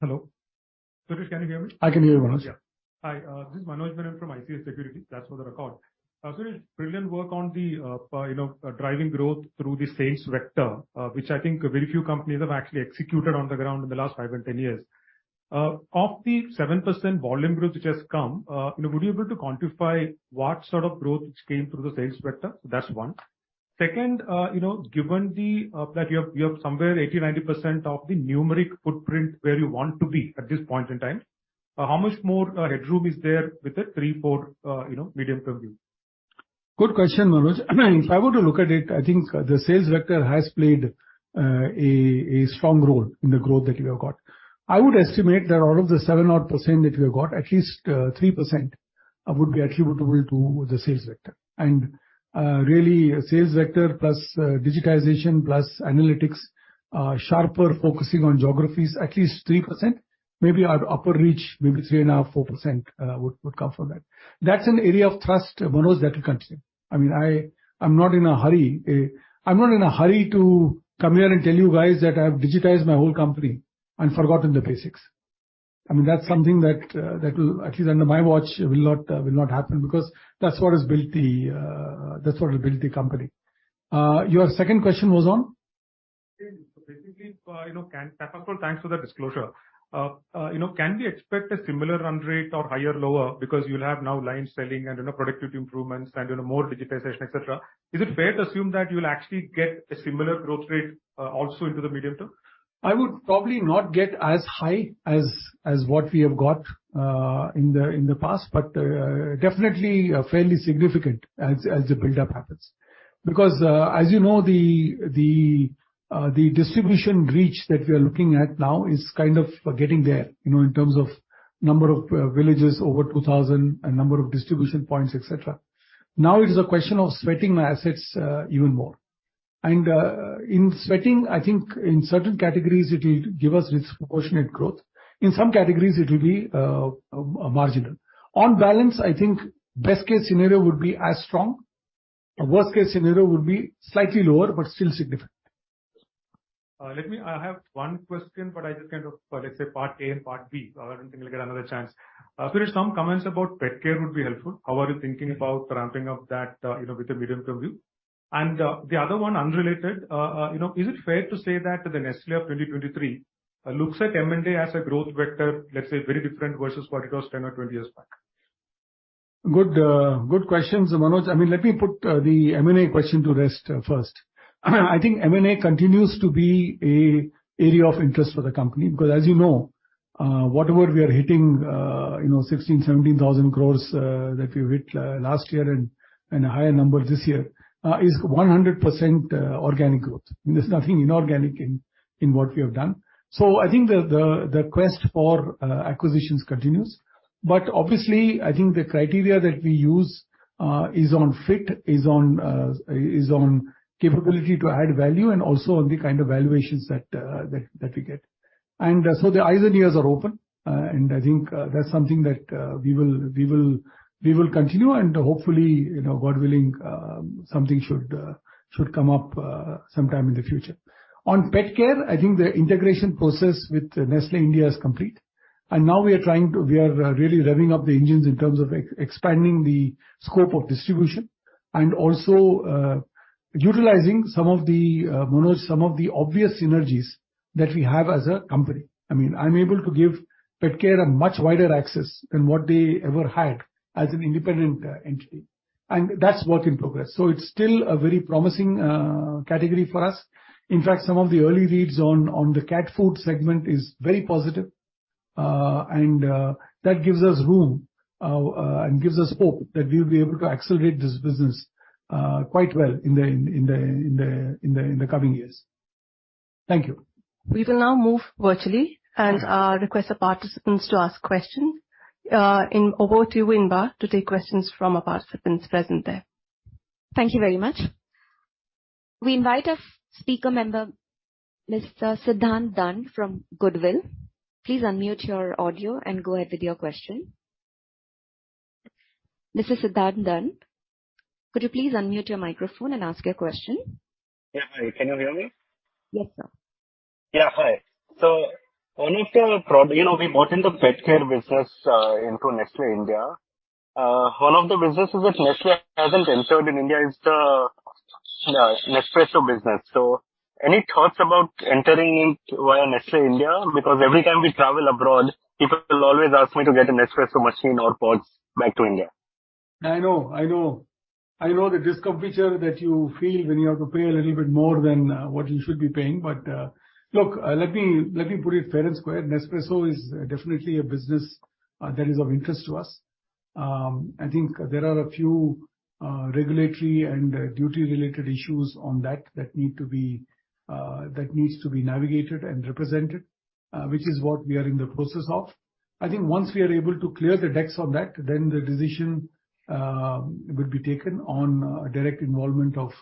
Hello. Suresh, can you hear me? I can hear you, Manoj. Hi, this is Manoj Menon from ICICI Securities. That's for the record. Suresh, brilliant work on the, you know, driving growth through the sales vector, which I think very few companies have actually executed on the ground in the last five and 10 years. Of the 7% volume growth which has come, would you be able to quantify what sort of growth which came through the sales vector? That's one. Second, you know, given that you have somewhere 80%, 90% of the numeric footprint where you want to be at this point in time, how much more headroom is there with the three, four, you know, medium term view? Good question, Manoj. If I were to look at it, I think the sales vector has played a strong role in the growth that we have got. I would estimate that out of the 7 odd % that we have got, at least, 3% would be attributable to the sales vector. Really, sales vector plus digitization, plus analytics, sharper focusing on geographies, at least 3%, maybe at upper reach, maybe 3.5%, 4% would come from that. That's an area of trust, Manoj, that will continue. I mean, I'm not in a hurry. I'm not in a hurry to come here and tell you guys that I've digitized my whole company and forgotten the basics. I mean, that's something that will, at least under my watch, will not, will not happen, because that's what has built the company. Your second question was on? Basically, you know, First of all, thanks for the disclosure. You know, can we expect a similar run rate or higher, lower? Because you'll have now line selling and, you know, productivity improvements and, you know, more digitization, et cetera. Is it fair to assume that you will actually get a similar growth rate also into the medium term? I would probably not get as high as what we have got in the past, but definitely fairly significant as the build-up happens. Because as you know, the distribution reach that we are looking at now is kind of getting there, you know, in terms of number of villages over 2,000 and number of distribution points, et cetera. Now it is a question of sweating my assets even more. In sweating, I think in certain categories, it will give us disproportionate growth. In some categories, it will be marginal. On balance, I think best case scenario would be as strong, worst case scenario would be slightly lower, but still significant. I have one question, but I just kind of, let's say part A and part B, I don't think I'll get another chance. Suresh, some comments about pet care would be helpful. How are you thinking about ramping up that, you know, with the medium term view? The other one, unrelated, you know, is it fair to say that the Nestlé of 2023, looks at M&A as a growth vector, let's say very different versus what it was 10 or 20 years back? Good, good questions, Manoj. I mean, let me put the M&A question to rest first. I think M&A continues to be a area of interest for the company, because, as you know, whatever we are hitting, you know, 16,000-17,000 crores that we hit last year and a higher number this year is 100% organic growth. There's nothing inorganic in what we have done. I think the quest for acquisitions continues. Obviously, I think the criteria that we use is on fit, is on capability to add value and also on the kind of valuations that we get. The eyes and ears are open, and I think that's something that we will continue, and hopefully, you know, God willing, something should come up sometime in the future. On Petcare, I think the integration process with Nestlé India is complete. Now we are really revving up the engines in terms of expanding the scope of distribution and also utilizing some of the, Manoj, some of the obvious synergies that we have as a company. I mean, I'm able to give PetCare a much wider access than what they ever had as an independent entity, and that's work in progress. It's still a very promising category for us. In fact, some of the early reads on the cat food segment is very positive, and that gives us room and gives us hope that we'll be able to accelerate this business quite well in the coming years. Thank you. We will now move virtually and request the participants to ask questions. Over to you, to take questions from our participants present there. Thank you very much. We invite our speaker member, Mr. Siddhant Dann from Goodwill. Please unmute your audio and go ahead with your question. Mr. Siddhant Dann, could you please unmute your microphone and ask your question? Yeah. Hi, can you hear me? Yes, sir. Yeah, hi. You know, we brought in the PetCare business into Nestlé India. One of the businesses that Nestlé hasn't entered in India is the Nespresso business. Any thoughts about entering it via Nestlé India? Because every time we travel abroad, people will always ask me to get a Nespresso machine or pods back to India. I know, I know. I know the discomfiture that you feel when you have to pay a little bit more than what you should be paying. Look, let me put it fair and square. Nespresso is definitely a business that is of interest to us. I think there are a few regulatory and duty-related issues on that need to be, that needs to be navigated and represented, which is what we are in the process of. I think once we are able to clear the decks on that, then the decision would be taken on direct involvement of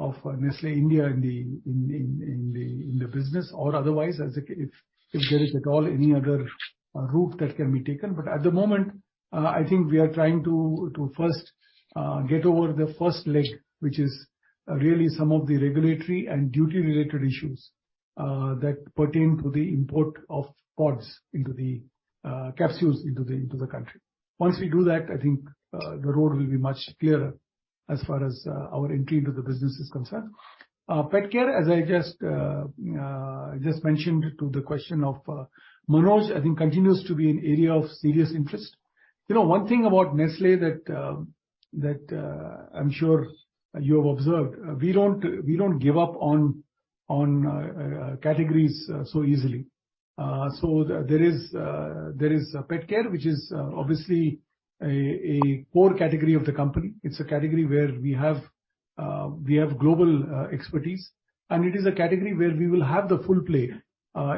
Nestlé India in the business or otherwise, as if there is at all any other route that can be taken. At the moment, I think we are trying to first get over the first leg, which is really some of the regulatory and duty-related issues, that pertain to the import of pods into the, capsules into the, into the country. Once we do that, I think, the road will be much clearer as far as, our entry into the business is concerned. PetCare, as I just mentioned to the question of, Manoj, I think continues to be an area of serious interest. You know, one thing about Nestlé that, I'm sure you have observed, we don't give up on categories so easily. So there is Petcare, which is obviously a core category of the company. It's a category where we have, we have global expertise, and it is a category where we will have the full play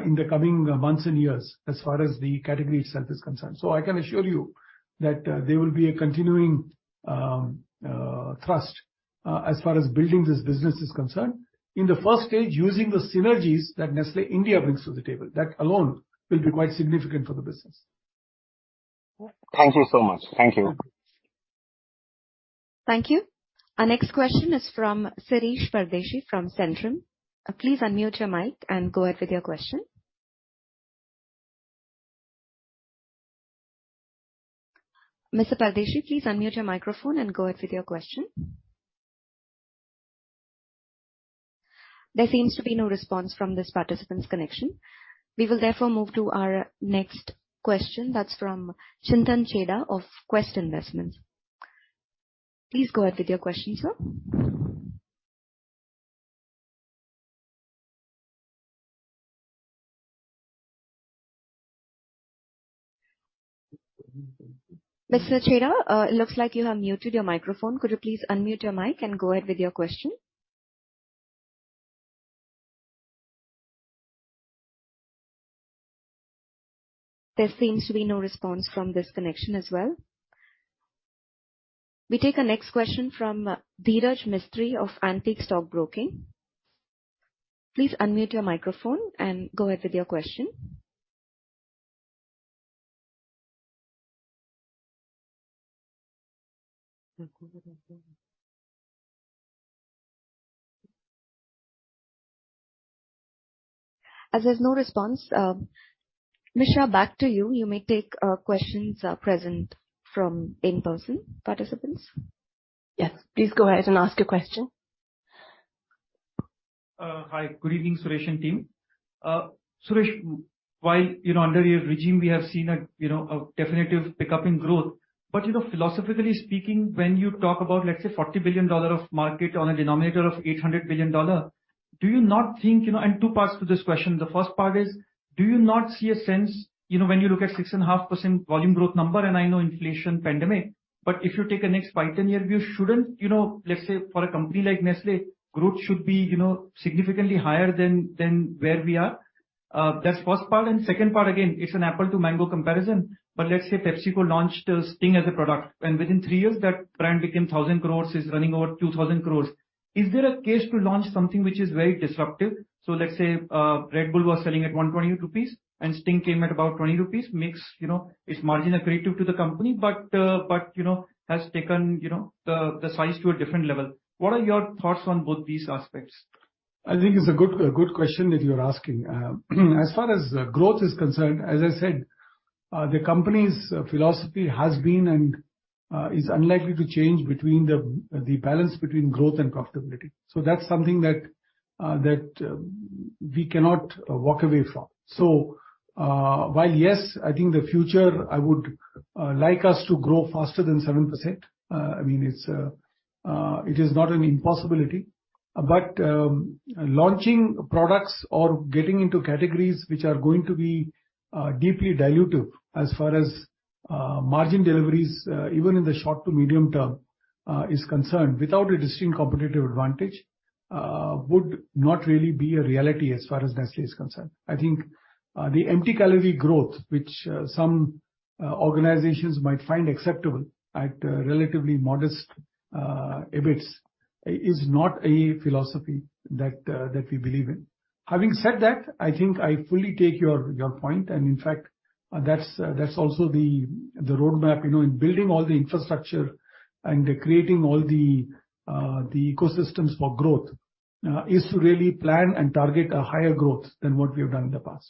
in the coming months and years as far as the category itself is concerned. I can assure you that there will be a continuing thrust as far as building this business is concerned. In the first stage, using the synergies that Nestlé India brings to the table, that alone will be quite significant for the business. Thank you so much. Thank you. Thank you. Our next question is from Shirish Pardeshi, from Centrum. Please unmute your mic and go ahead with your question. Mr. Pardeshi, please unmute your microphone and go ahead with your question. There seems to be no response from this participant's connection. We will therefore move to our next question. That's from Chintan Chheda of Quest Investments. Please go ahead with your question, sir. Mr. Chheda, it looks like you have muted your microphone. Could you please unmute your mic and go ahead with your question? There seems to be no response from this connection as well. We take our next question from Dhiraj Mistry of Antique Stock Broking. Please unmute your microphone and go ahead with your question. As there's no response, Ambreen Shah, back to you. You may take questions present from in-person participants. Yes. Please go ahead and ask your question. Hi. Good evening, Suresh and team. Suresh, while, you know, under your regime, we have seen a, you know, a definitive pickup in growth. You know, philosophically speaking, when you talk about, let's say, $40 billion of market on a denominator of 800 billion, do you not think, you know? Two parts to this question. The first part is, do you not see a sense, you know, when you look at 6.5% volume growth number, and I know inflation, pandemic, but if you take a next five to 10 year view, shouldn't, you know, let's say, for a company like Nestlé, growth should be, you know, significantly higher than where we are? That's first part. Second part, again, it's an apple to mango comparison. Let's say PepsiCo launched Sting as a product, and within three years that brand became 1,000 crore, is running over 2,000 crore. Is there a case to launch something which is very disruptive? Let's say Red Bull was selling at 120 rupees, and Sting came at about 20 rupees. Makes, you know, it's margin accretive to the company, but, you know, has taken, you know, the size to a different level. What are your thoughts on both these aspects? I think it's a good question that you're asking. As far as growth is concerned, as I said, the company's philosophy has been and is unlikely to change between the balance between growth and profitability. That's something that we cannot walk away from. While, yes, I think the future, I would like us to grow faster than 7%, I mean, it's it is not an impossibility. But launching products or getting into categories which are going to be deeply dilutive as far as margin deliveries, even in the short to medium term is concerned, without a distinct competitive advantage would not really be a reality as far as Nestlé is concerned. I think, the empty calorie growth which some organizations might find acceptable at relatively modest EBITs, is not a philosophy that we believe in. Having said that, I think I fully take your point, and in fact, that's also the roadmap, you know, in building all the infrastructure and creating all the ecosystems for growth, is to really plan and target a higher growth than what we have done in the past.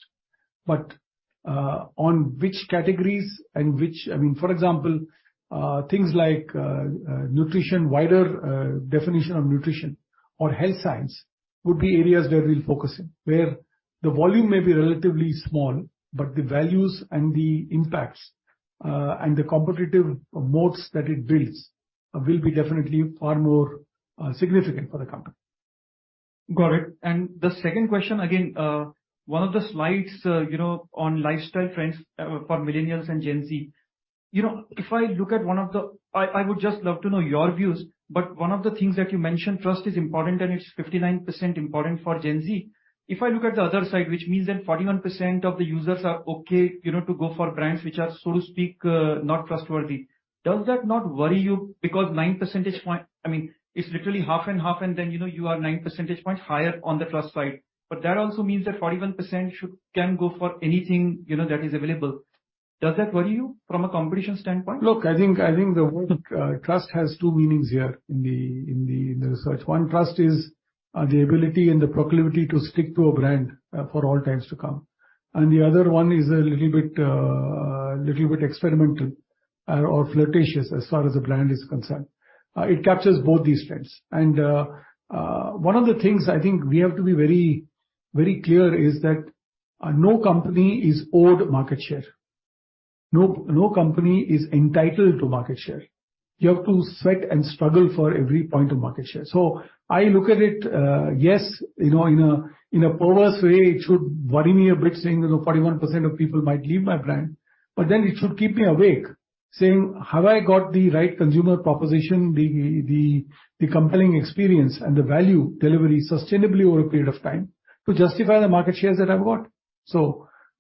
On which categories and which... I mean, for example, things like nutrition, wider definition of nutrition or health science would be areas where we'll focus in, where the volume may be relatively small, but the values and the impacts and the competitive moats that it builds will be definitely far more significant for the company. Got it. The second question, again, one of the slides, you know, on lifestyle trends, for millennials and Gen Z. You know, if I look at I would just love to know your views, but one of the things that you mentioned, trust is important, and it's 59% important for Gen Z. If I look at the other side, which means that 41% of the users are okay, you know, to go for brands which are, so to speak, not trustworthy. Does that not worry you? Nine percentage point, I mean, it's literally half and half, and then, you know, you are nine percentage points higher on the trust side. That also means that 41% should, can go for anything, you know, that is available. Does that worry you from a competition standpoint? Look, I think the word, trust has two meanings here in the research. One, trust is the ability and the proclivity to stick to a brand for all times to come, and the other one is a little bit experimental or flirtatious as far as the brand is concerned. It captures both these trends. One of the things I think we have to be very, very clear is that no company is owed market share. No company is entitled to market share. You have to sweat and struggle for every point of market share. I look at it, yes, you know, in a, in a perverse way, it should worry me a bit, saying, you know, 41% of people might leave my brand. It should keep me awake, saying: Have I got the right consumer proposition, the compelling experience and the value delivery sustainably over a period of time to justify the market shares that I've got?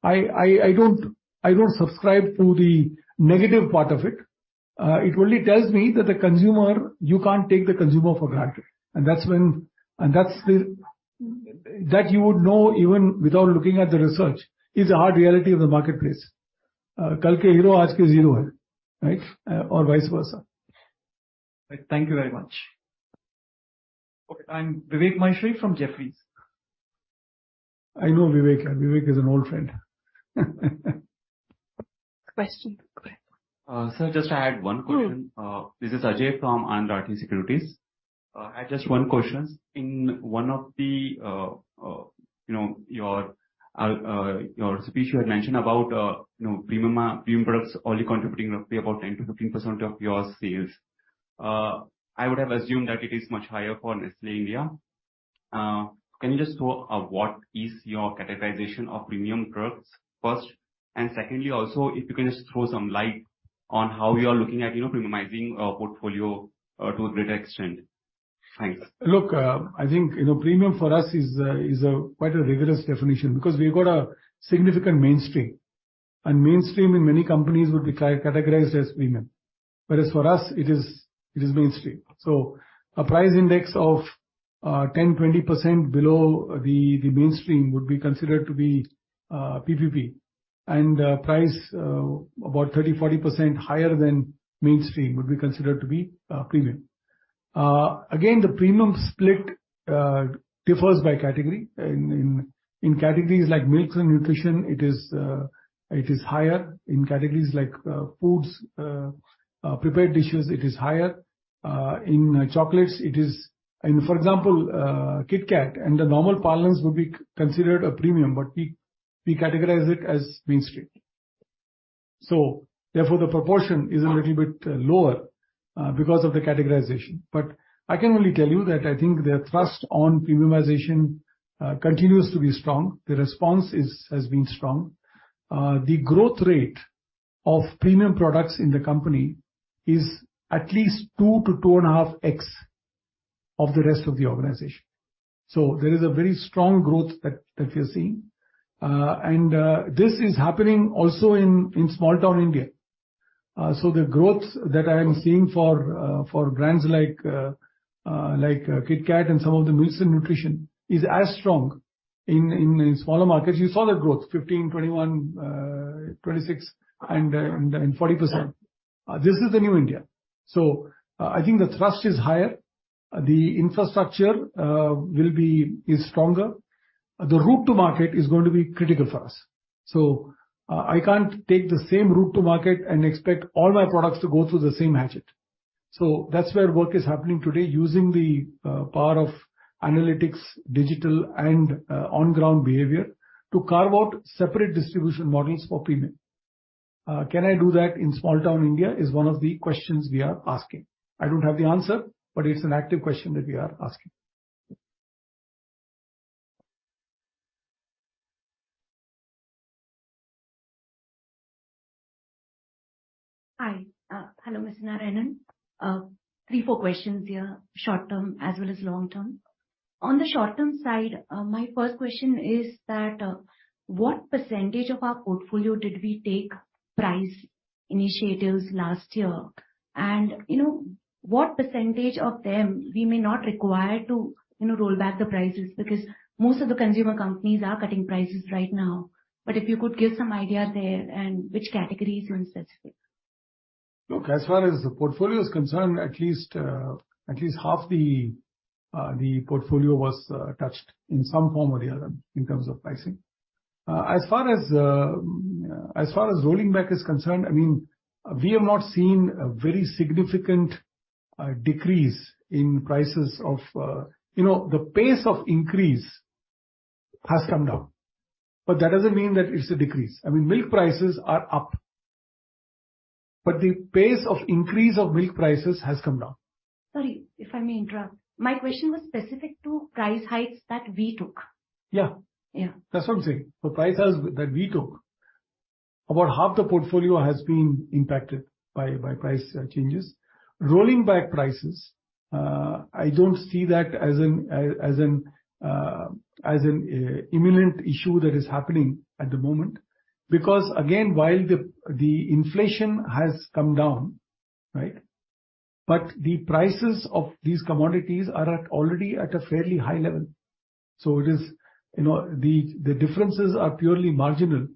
I don't subscribe to the negative part of it. It only tells me that the consumer, you can't take the consumer for granted. That's when, and that's the, that you would know even without looking at the research, is the hard reality of the marketplace. Right? Or vice versa. Thank you very much. Okay, I'm Vivek Maheshwari from Jefferies. I know Vivek. Vivek is an old friend. Question. Go ahead. sir, just to add one question. Mm-hmm. This is Abhishek from Anand Rathi Securities. I had just one question. In one of the, you know, your speech, you had mentioned about, you know, premium products only contributing roughly about 10%-15% of your sales. I would have assumed that it is much higher for Nestlé India. Can you just talk of what is your categorization of premium products first? Secondly, also, if you can just throw some light on how you are looking at, you know, premiumizing portfolio to a greater extent. Thanks. Look, I think, you know, premium for us is quite a rigorous definition, because we've got a significant mainstream, and mainstream in many companies would be categorized as premium. Whereas for us, it is mainstream. So a price index of 10%-20% below the mainstream would be considered to be PVP. Price, about 30%-40% higher than mainstream would be considered to be premium. Again, the premium split differs by category. In categories like milks and nutrition, it is higher. In categories like foods, prepared dishes, it is higher. In chocolates, it is. For example, KitKat, in the normal parlance would be considered a premium, but we categorize it as mainstream. Therefore, the proportion is a little bit lower because of the categorization. I can only tell you that I think the trust on premiumization continues to be strong. The response has been strong. The growth rate of premium products in the company is at least 2 to 2.5x of the rest of the organization. There is a very strong growth that we are seeing. This is happening also in small town India. The growth that I am seeing for brands like KitKat and some of the Milk and Nutrition is as strong in smaller markets. You saw the growth 15%, 21%, 26%, and 40%. This is the new India. I think the thrust is higher, the infrastructure is stronger. The route to market is going to be critical for us. I can't take the same route to market and expect all my products to go through the same hatchet. That's where work is happening today, using the power of analytics, digital, and on-ground behavior to carve out separate distribution models for premium. Can I do that in small town India, is one of the questions we are asking. I don't have the answer, but it's an active question that we are asking. Hi. Hello, Mr. Narayanan. Three, four questions here, short term as well as long term. On the short-term side, my first question is that, what percentage of our portfolio did we take price initiatives last year? You know, what percentage of them we may not require to, you know, roll back the prices? Because most of the consumer companies are cutting prices right now. If you could give some idea there, and which categories more specific. Look, as far as the portfolio is concerned, at least half the portfolio was touched in some form or the other in terms of pricing. As far as rolling back is concerned, I mean, we have not seen a very significant decrease in prices of. You know, the pace of increase has come down, that doesn't mean that it's a decrease. I mean, milk prices are up, the pace of increase of milk prices has come down. Sorry, if I may interrupt. My question was specific to price hikes that we took. Yeah. Yeah. That's what I'm saying. The price hikes that we took, about half the portfolio has been impacted by price changes. Rolling back prices, I don't see that as an imminent issue that is happening at the moment. Again, while the inflation has come down, right? The prices of these commodities are at already at a fairly high level. It is, you know, the differences are purely marginal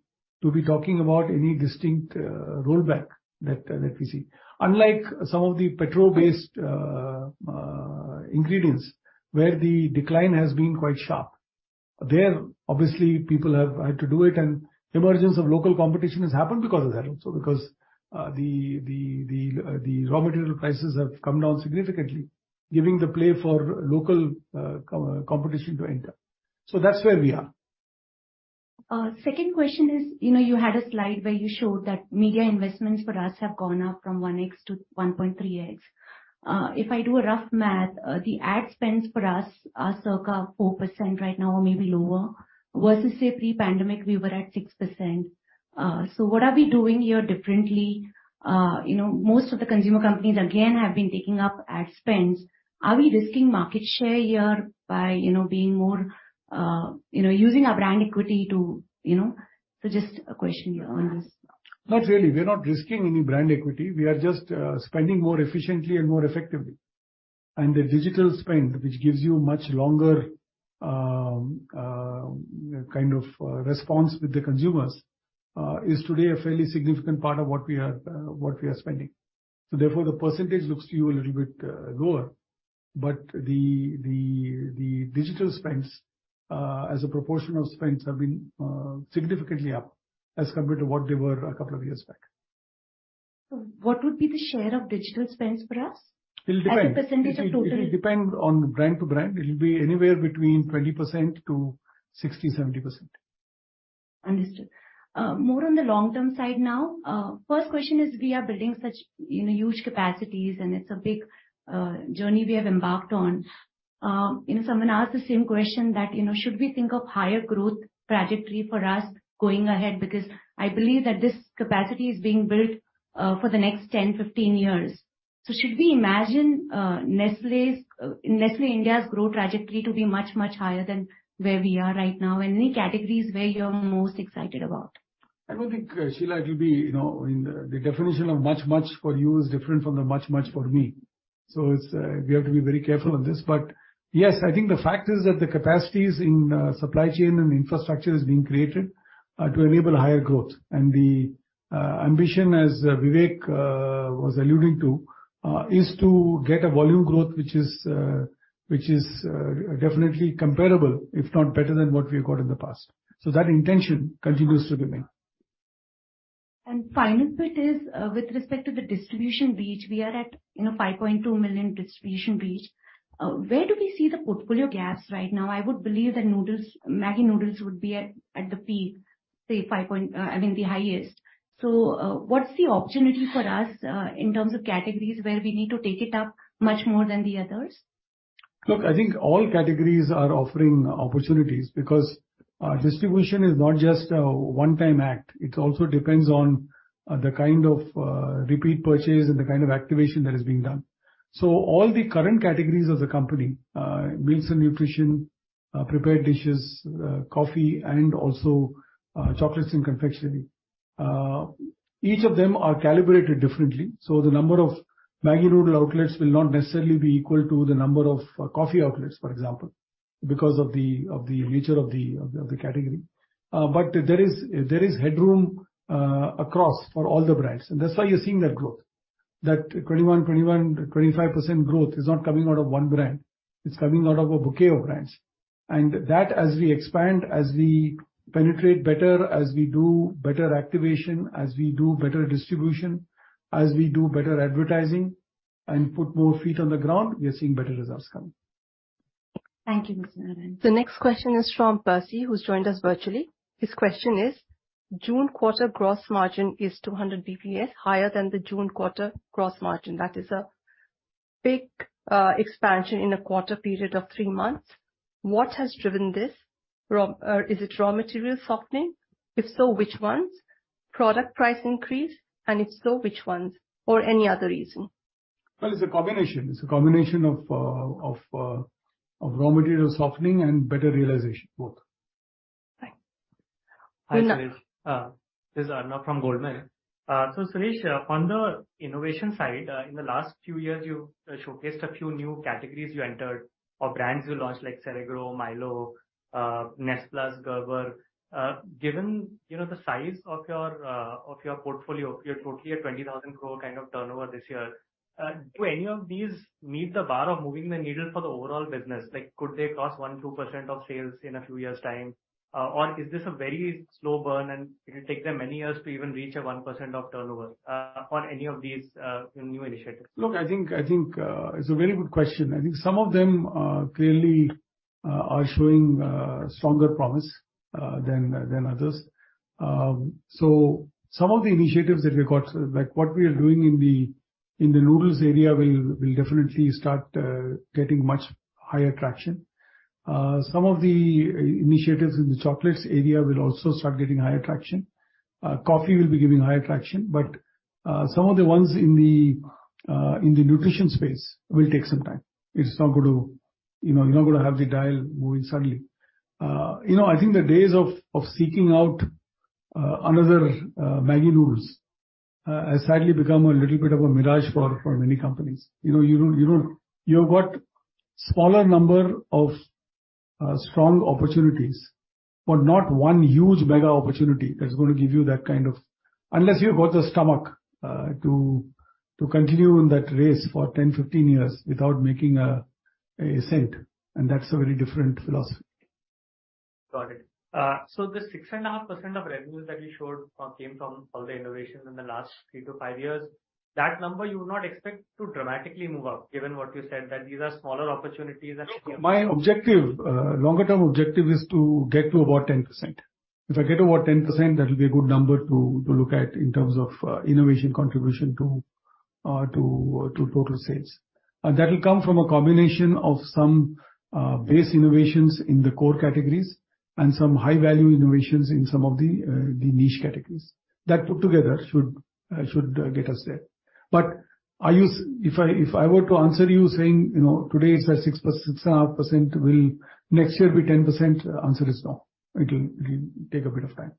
to be talking about any distinct rollback that we see. Unlike some of the petrol-based ingredients, where the decline has been quite sharp. There, obviously, people have had to do it. Emergence of local competition has happened because of that also, because the raw material prices have come down significantly, giving the play for local competition to enter. That's where we are. Second question is, you know, you had a slide where you showed that media investments for us have gone up from 1x to 1.3x. If I do a rough math, the ad spends for us are circa 4% right now or maybe lower, versus say, pre-pandemic, we were at 6%. What are we doing here differently? You know, most of the consumer companies, again, have been taking up ad spends. Are we risking market share here by, you know, being more, you know, using our brand equity to, you know... Just a question here on this. Not really. We're not risking any brand equity. We are just spending more efficiently and more effectively. The digital spend, which gives you much longer, kind of, response with the consumers, is today a fairly significant part of what we are spending. Therefore, the percentage looks to you a little bit lower. The digital spends, as a proportion of spends, have been significantly up as compared to what they were a couple of years back. What would be the share of digital spends for us? It will depend. As a percentage of total. It will depend on brand to brand. It will be anywhere between 20% to 60%-70%. Understood. More on the long-term side now. First question is, we are building such, you know, huge capacities, and it's a big journey we have embarked on. You know, someone asked the same question that, you know, should we think of higher growth trajectory for us going ahead? I believe that this capacity is being built for the next 10, 15 years. Should we imagine Nestlé's, Nestlé India's growth trajectory to be much, much higher than where we are right now, and any categories where you're most excited about? I don't think, you know, I mean, the definition of much, much for you is different from the much, much for me, so it's, we have to be very careful on this. Yes, I think the fact is that the capacities in supply chain and infrastructure is being created to enable higher growth. The ambition, as Vivek was alluding to, is to get a volume growth, which is definitely comparable, if not better than what we've got in the past. That intention continues to remain. Final bit is, with respect to the distribution reach, we are at, you know, 5.2 million distribution reach. Where do we see the portfolio gaps right now? I would believe that noodles, MAGGI noodles, would be at the peak, I mean, the highest. What's the opportunity for us in terms of categories where we need to take it up much more than the others? Look, I think all categories are offering opportunities because. Distribution is not just a one-time act, it also depends on the kind of repeat purchase and the kind of activation that is being done. All the current categories of the company, meals and nutrition, prepared dishes, coffee, and also chocolates and confectionery, each of them are calibrated differently. The number of MAGGI noodle outlets will not necessarily be equal to the number of coffee outlets, for example, because of the nature of the category. There is headroom across for all the brands, and that's why you're seeing that growth. That 25% growth is not coming out of one brand, it's coming out of a bouquet of brands. As we expand, as we penetrate better, as we do better activation, as we do better distribution, as we do better advertising and put more feet on the ground, we are seeing better results coming. Thank you, Mr. Narayanan. The next question is from Percy, who's joined us virtually. His question is: June quarter gross margin is 200 BPS higher than the June quarter gross margin. That is a big expansion in a quarter period of three months. What has driven this? Is it raw material softening? If so, which ones? Product price increase, and if so, which ones? Any other reason. It's a combination. It's a combination of raw material softening and better realization, both. Thank you. Hi, Suresh. This is Arnold from Goldman. Suresh, on the innovation side, in the last few years, you've showcased a few new categories you entered or brands you launched, like Crelac, MILO, Nestlé, Gerber. Given, you know, the size of your portfolio, you're totally at 20,000 crore kind of turnover this year, do any of these meet the bar of moving the needle for the overall business? Like, could they cross 1%, 2% of sales in a few years' time? Is this a very slow burn, and it'll take them many years to even reach a 1% of turnover, on any of these new initiatives? Look, I think, it's a very good question. I think some of them, clearly, are showing stronger promise than others. Some of the initiatives that we got, like what we are doing in the noodles area, will definitely start getting much higher traction. Some of the initiatives in the chocolates area will also start getting higher traction. Coffee will be giving higher traction, but some of the ones in the nutrition space will take some time. It's not going to, you know, you're not gonna have the dial moving suddenly. You know, I think the days of seeking out another MAGGI noodles has sadly become a little bit of a mirage for many companies. You know, you don't, you don't... You've got smaller number of strong opportunities. Not one huge mega opportunity that's going to give you that kind. Unless you've got the stomach to continue in that race for 10, 15 years without making a cent. That's a very different philosophy. Got it. The 6.5% of revenues that you showed came from all the innovations in the last three to five years, that number you would not expect to dramatically move up, given what you said, that these are smaller opportunities. My objective, longer term objective is to get to about 10%. If I get over 10%, that will be a good number to look at in terms of innovation contribution to total sales. That will come from a combination of some base innovations in the core categories and some high-value innovations in some of the niche categories. That put together should get us there. If I, if I were to answer you saying, you know, today it's at 6%, 6.5%, will next year be 10%? Answer is no. It'll take a bit of time.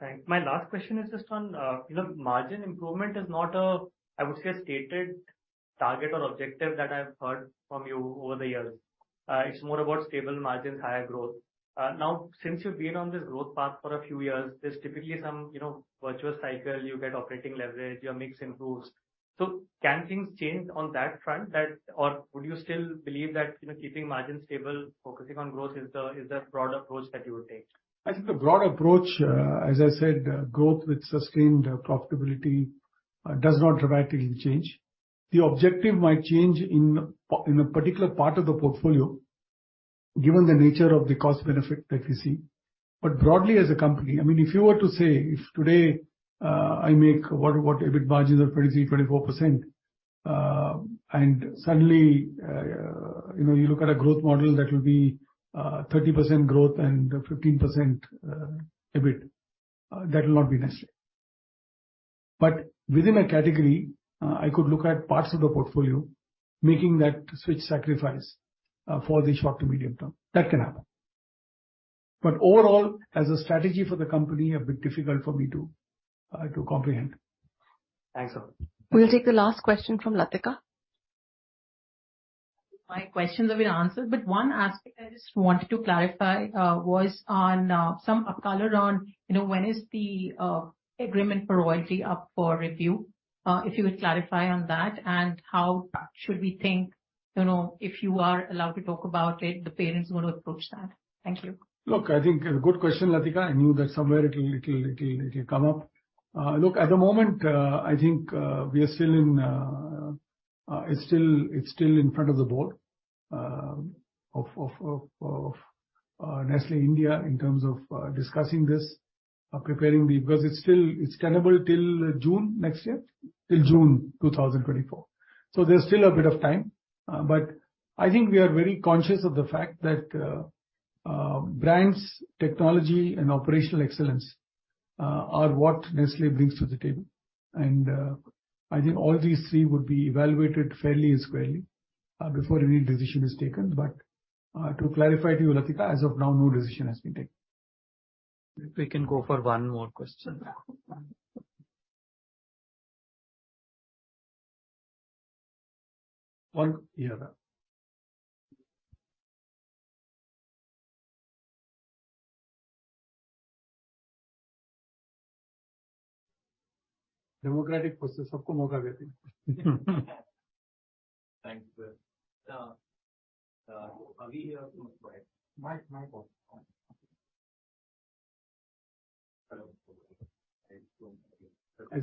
Thank you. My last question is just on, you know, margin improvement is not a, I would say, a stated target or objective that I've heard from you over the years. It's more about stable margins, higher growth. Now, since you've been on this growth path for a few years, there's typically some, you know, virtuous cycle, you get operating leverage, your mix improves. Can things change on that front, that, would you still believe that, you know, keeping margins stable, focusing on growth is the broad approach that you would take? I think the broad approach, as I said, growth with sustained profitability, does not dramatically change. The objective might change in a particular part of the portfolio, given the nature of the cost benefit that you see. But broadly as a company, I mean, if you were to say, if today, I make what EBIT margins of 23%-24%, and suddenly, you know, you look at a growth model, that will be 30% growth and 15% EBIT, that will not be necessary. But within a category, I could look at parts of the portfolio, making that switch sacrifice, for the short to medium term. That can happen. But overall, as a strategy for the company, a bit difficult for me to comprehend. Thanks a lot. We'll take the last question from Latika. My questions have been answered. One aspect I just wanted to clarify, was on some color on, you know, when is the agreement for royalty up for review? If you would clarify on that, and how should we think, you know, if you are allowed to talk about it, the pay is going to approach that? Thank you. Look, I think it's a good question, Latika. I knew that somewhere it'll come up. Look, at the moment, I think, we are still in, it's still in front of the board of Nestlé India, in terms of discussing this, are preparing the, because it's still tenable till June next year? Till June 2024. There's still a bit of time, but I think we are very conscious of the fact that brands, technology, and operational excellence are what Nestlé brings to the table. I think all these three would be evaluated fairly and squarely before any decision is taken. To clarify to you, Latika, as of now, no decision has been taken. We can go for one more question. One, yeah. Democratic process. Thank you, sir. Are we? Mic, mic off. As you will. Abhishek Mehta here. I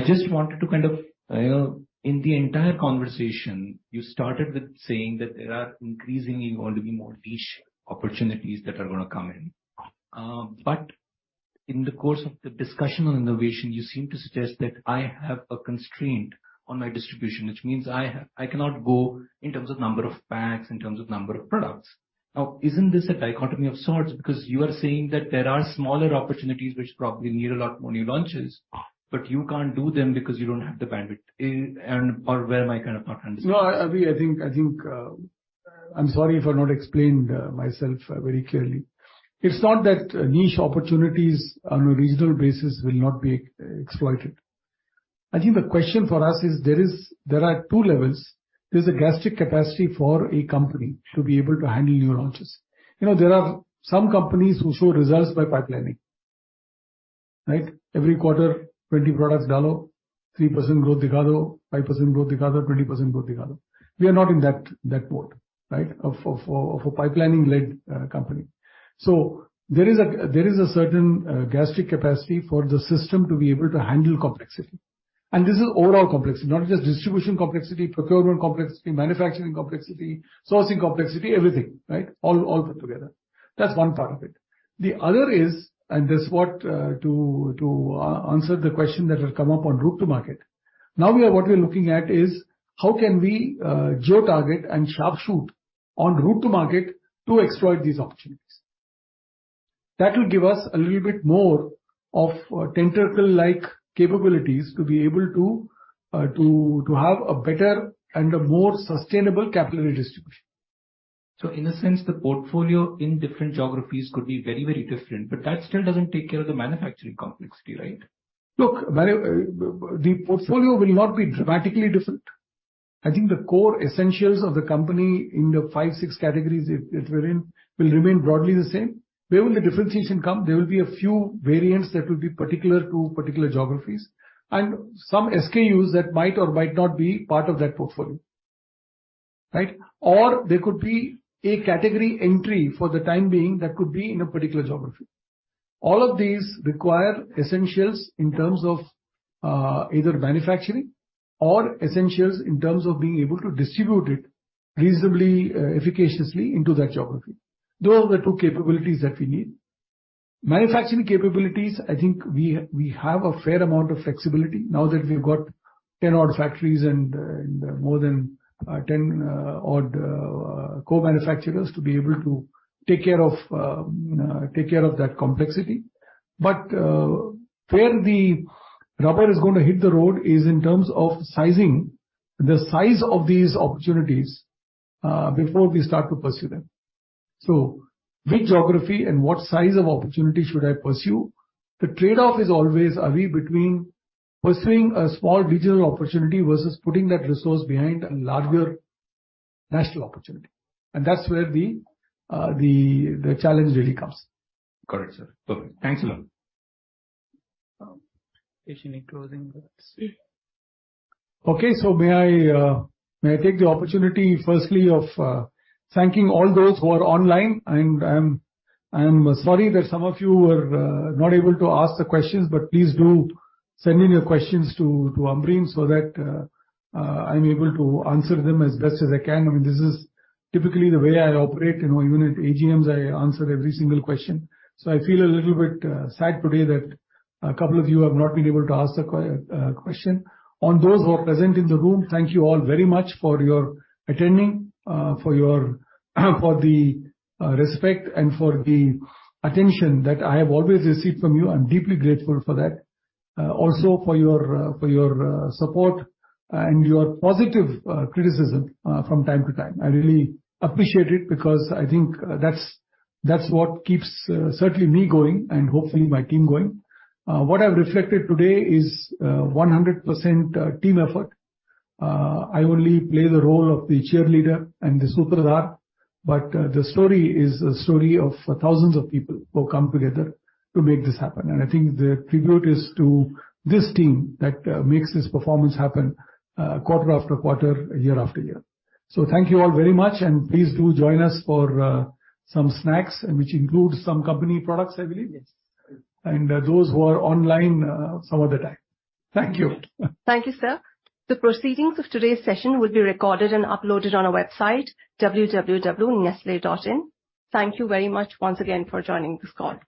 just wanted to kind of, in the entire conversation, you started with saying that there are increasingly going to be more niche opportunities that are going to come in. In the course of the discussion on innovation, you seem to suggest that I have a constraint on my distribution, which means I cannot go in terms of number of packs, in terms of number of products. Isn't this a dichotomy of sorts? You are saying that there are smaller opportunities which probably need a lot more new launches, but you can't do them because you don't have the bandwidth. Where am I kind of not understanding? No, Abhi, I think, I think, I'm sorry if I not explained myself very clearly. It's not that niche opportunities on a regional basis will not be e-exploited. I think the question for us is, there are two levels. There's a gastric capacity for a company to be able to handle new launches. You know, there are some companies who show results by pipelining, right? Every quarter, 20 products, download 3% growth, 5% growth, 20% growth. We are not in that boat, right? Of a pipelining-led company. There is a certain gastric capacity for the system to be able to handle complexity. This is overall complexity, not just distribution complexity, procurement complexity, manufacturing complexity, sourcing complexity, everything, right? All put together. That's one part of it. The other is, and that's what to answer the question that has come up on route to market. What we are looking at is how can we geo-target and sharp shoot on route to market to exploit these opportunities. That will give us a little bit more of a tentacle-like capabilities to be able to have a better and a more sustainable capillary distribution. In a sense, the portfolio in different geographies could be very, very different, but that still doesn't take care of the manufacturing complexity, right? Look the portfolio will not be dramatically different. I think the core essentials of the company in the five, six categories that we're in, will remain broadly the same. Where will the differentiation come? There will be a few variants that will be particular to particular geographies, and some SKUs that might or might not be part of that portfolio, right? There could be a category entry for the time being that could be in a particular geography. All of these require essentials in terms of either manufacturing or essentials in terms of being able to distribute it reasonably, efficaciously into that geography. Those are the two capabilities that we need. Manufacturing capabilities, I think we have a fair amount of flexibility now that we've got 10 odd factories and more than 10 odd co-manufacturers to be able to take care of that complexity. Where the rubber is gonna hit the road is in terms of sizing the size of these opportunities before we start to pursue them. Which geography and what size of opportunity should I pursue? The trade-off is always, are we between pursuing a small regional opportunity versus putting that resource behind a larger national opportunity? That's where the challenge really comes. Correct, sir. Perfect. Thanks a lot. If you need closing with. Okay. May I take the opportunity, firstly, of thanking all those who are online, and I'm sorry that some of you were not able to ask the questions, but please do send in your questions to Ambreen, so that I'm able to answer them as best as I can. I mean, this is typically the way I operate. You know, even at AGMs, I answer every single question. I feel a little bit sad today that a couple of you have not been able to ask the question. On those who are present in the room, thank you all very much for your attending, for the respect and for the attention that I have always received from you. I'm deeply grateful for that. Also for your, for your, support and your positive criticism, from time to time. I really appreciate it because I think that's what keeps certainly me going and hopefully my team going. What I've reflected today is 100% team effort. I only play the role of the cheerleader and the superstar, but the story is a story of thousands of people who come together to make this happen. I think the tribute is to this team that makes this performance happen quarter after quarter, year after year. Thank you all very much, and please do join us for some snacks, and which includes some company products, I believe. Yes. Those who are online, some other time. Thank you. Thank you, sir. The proceedings of today's session will be recorded and uploaded on our website, www.nestle.in. Thank you very much once again for joining this call.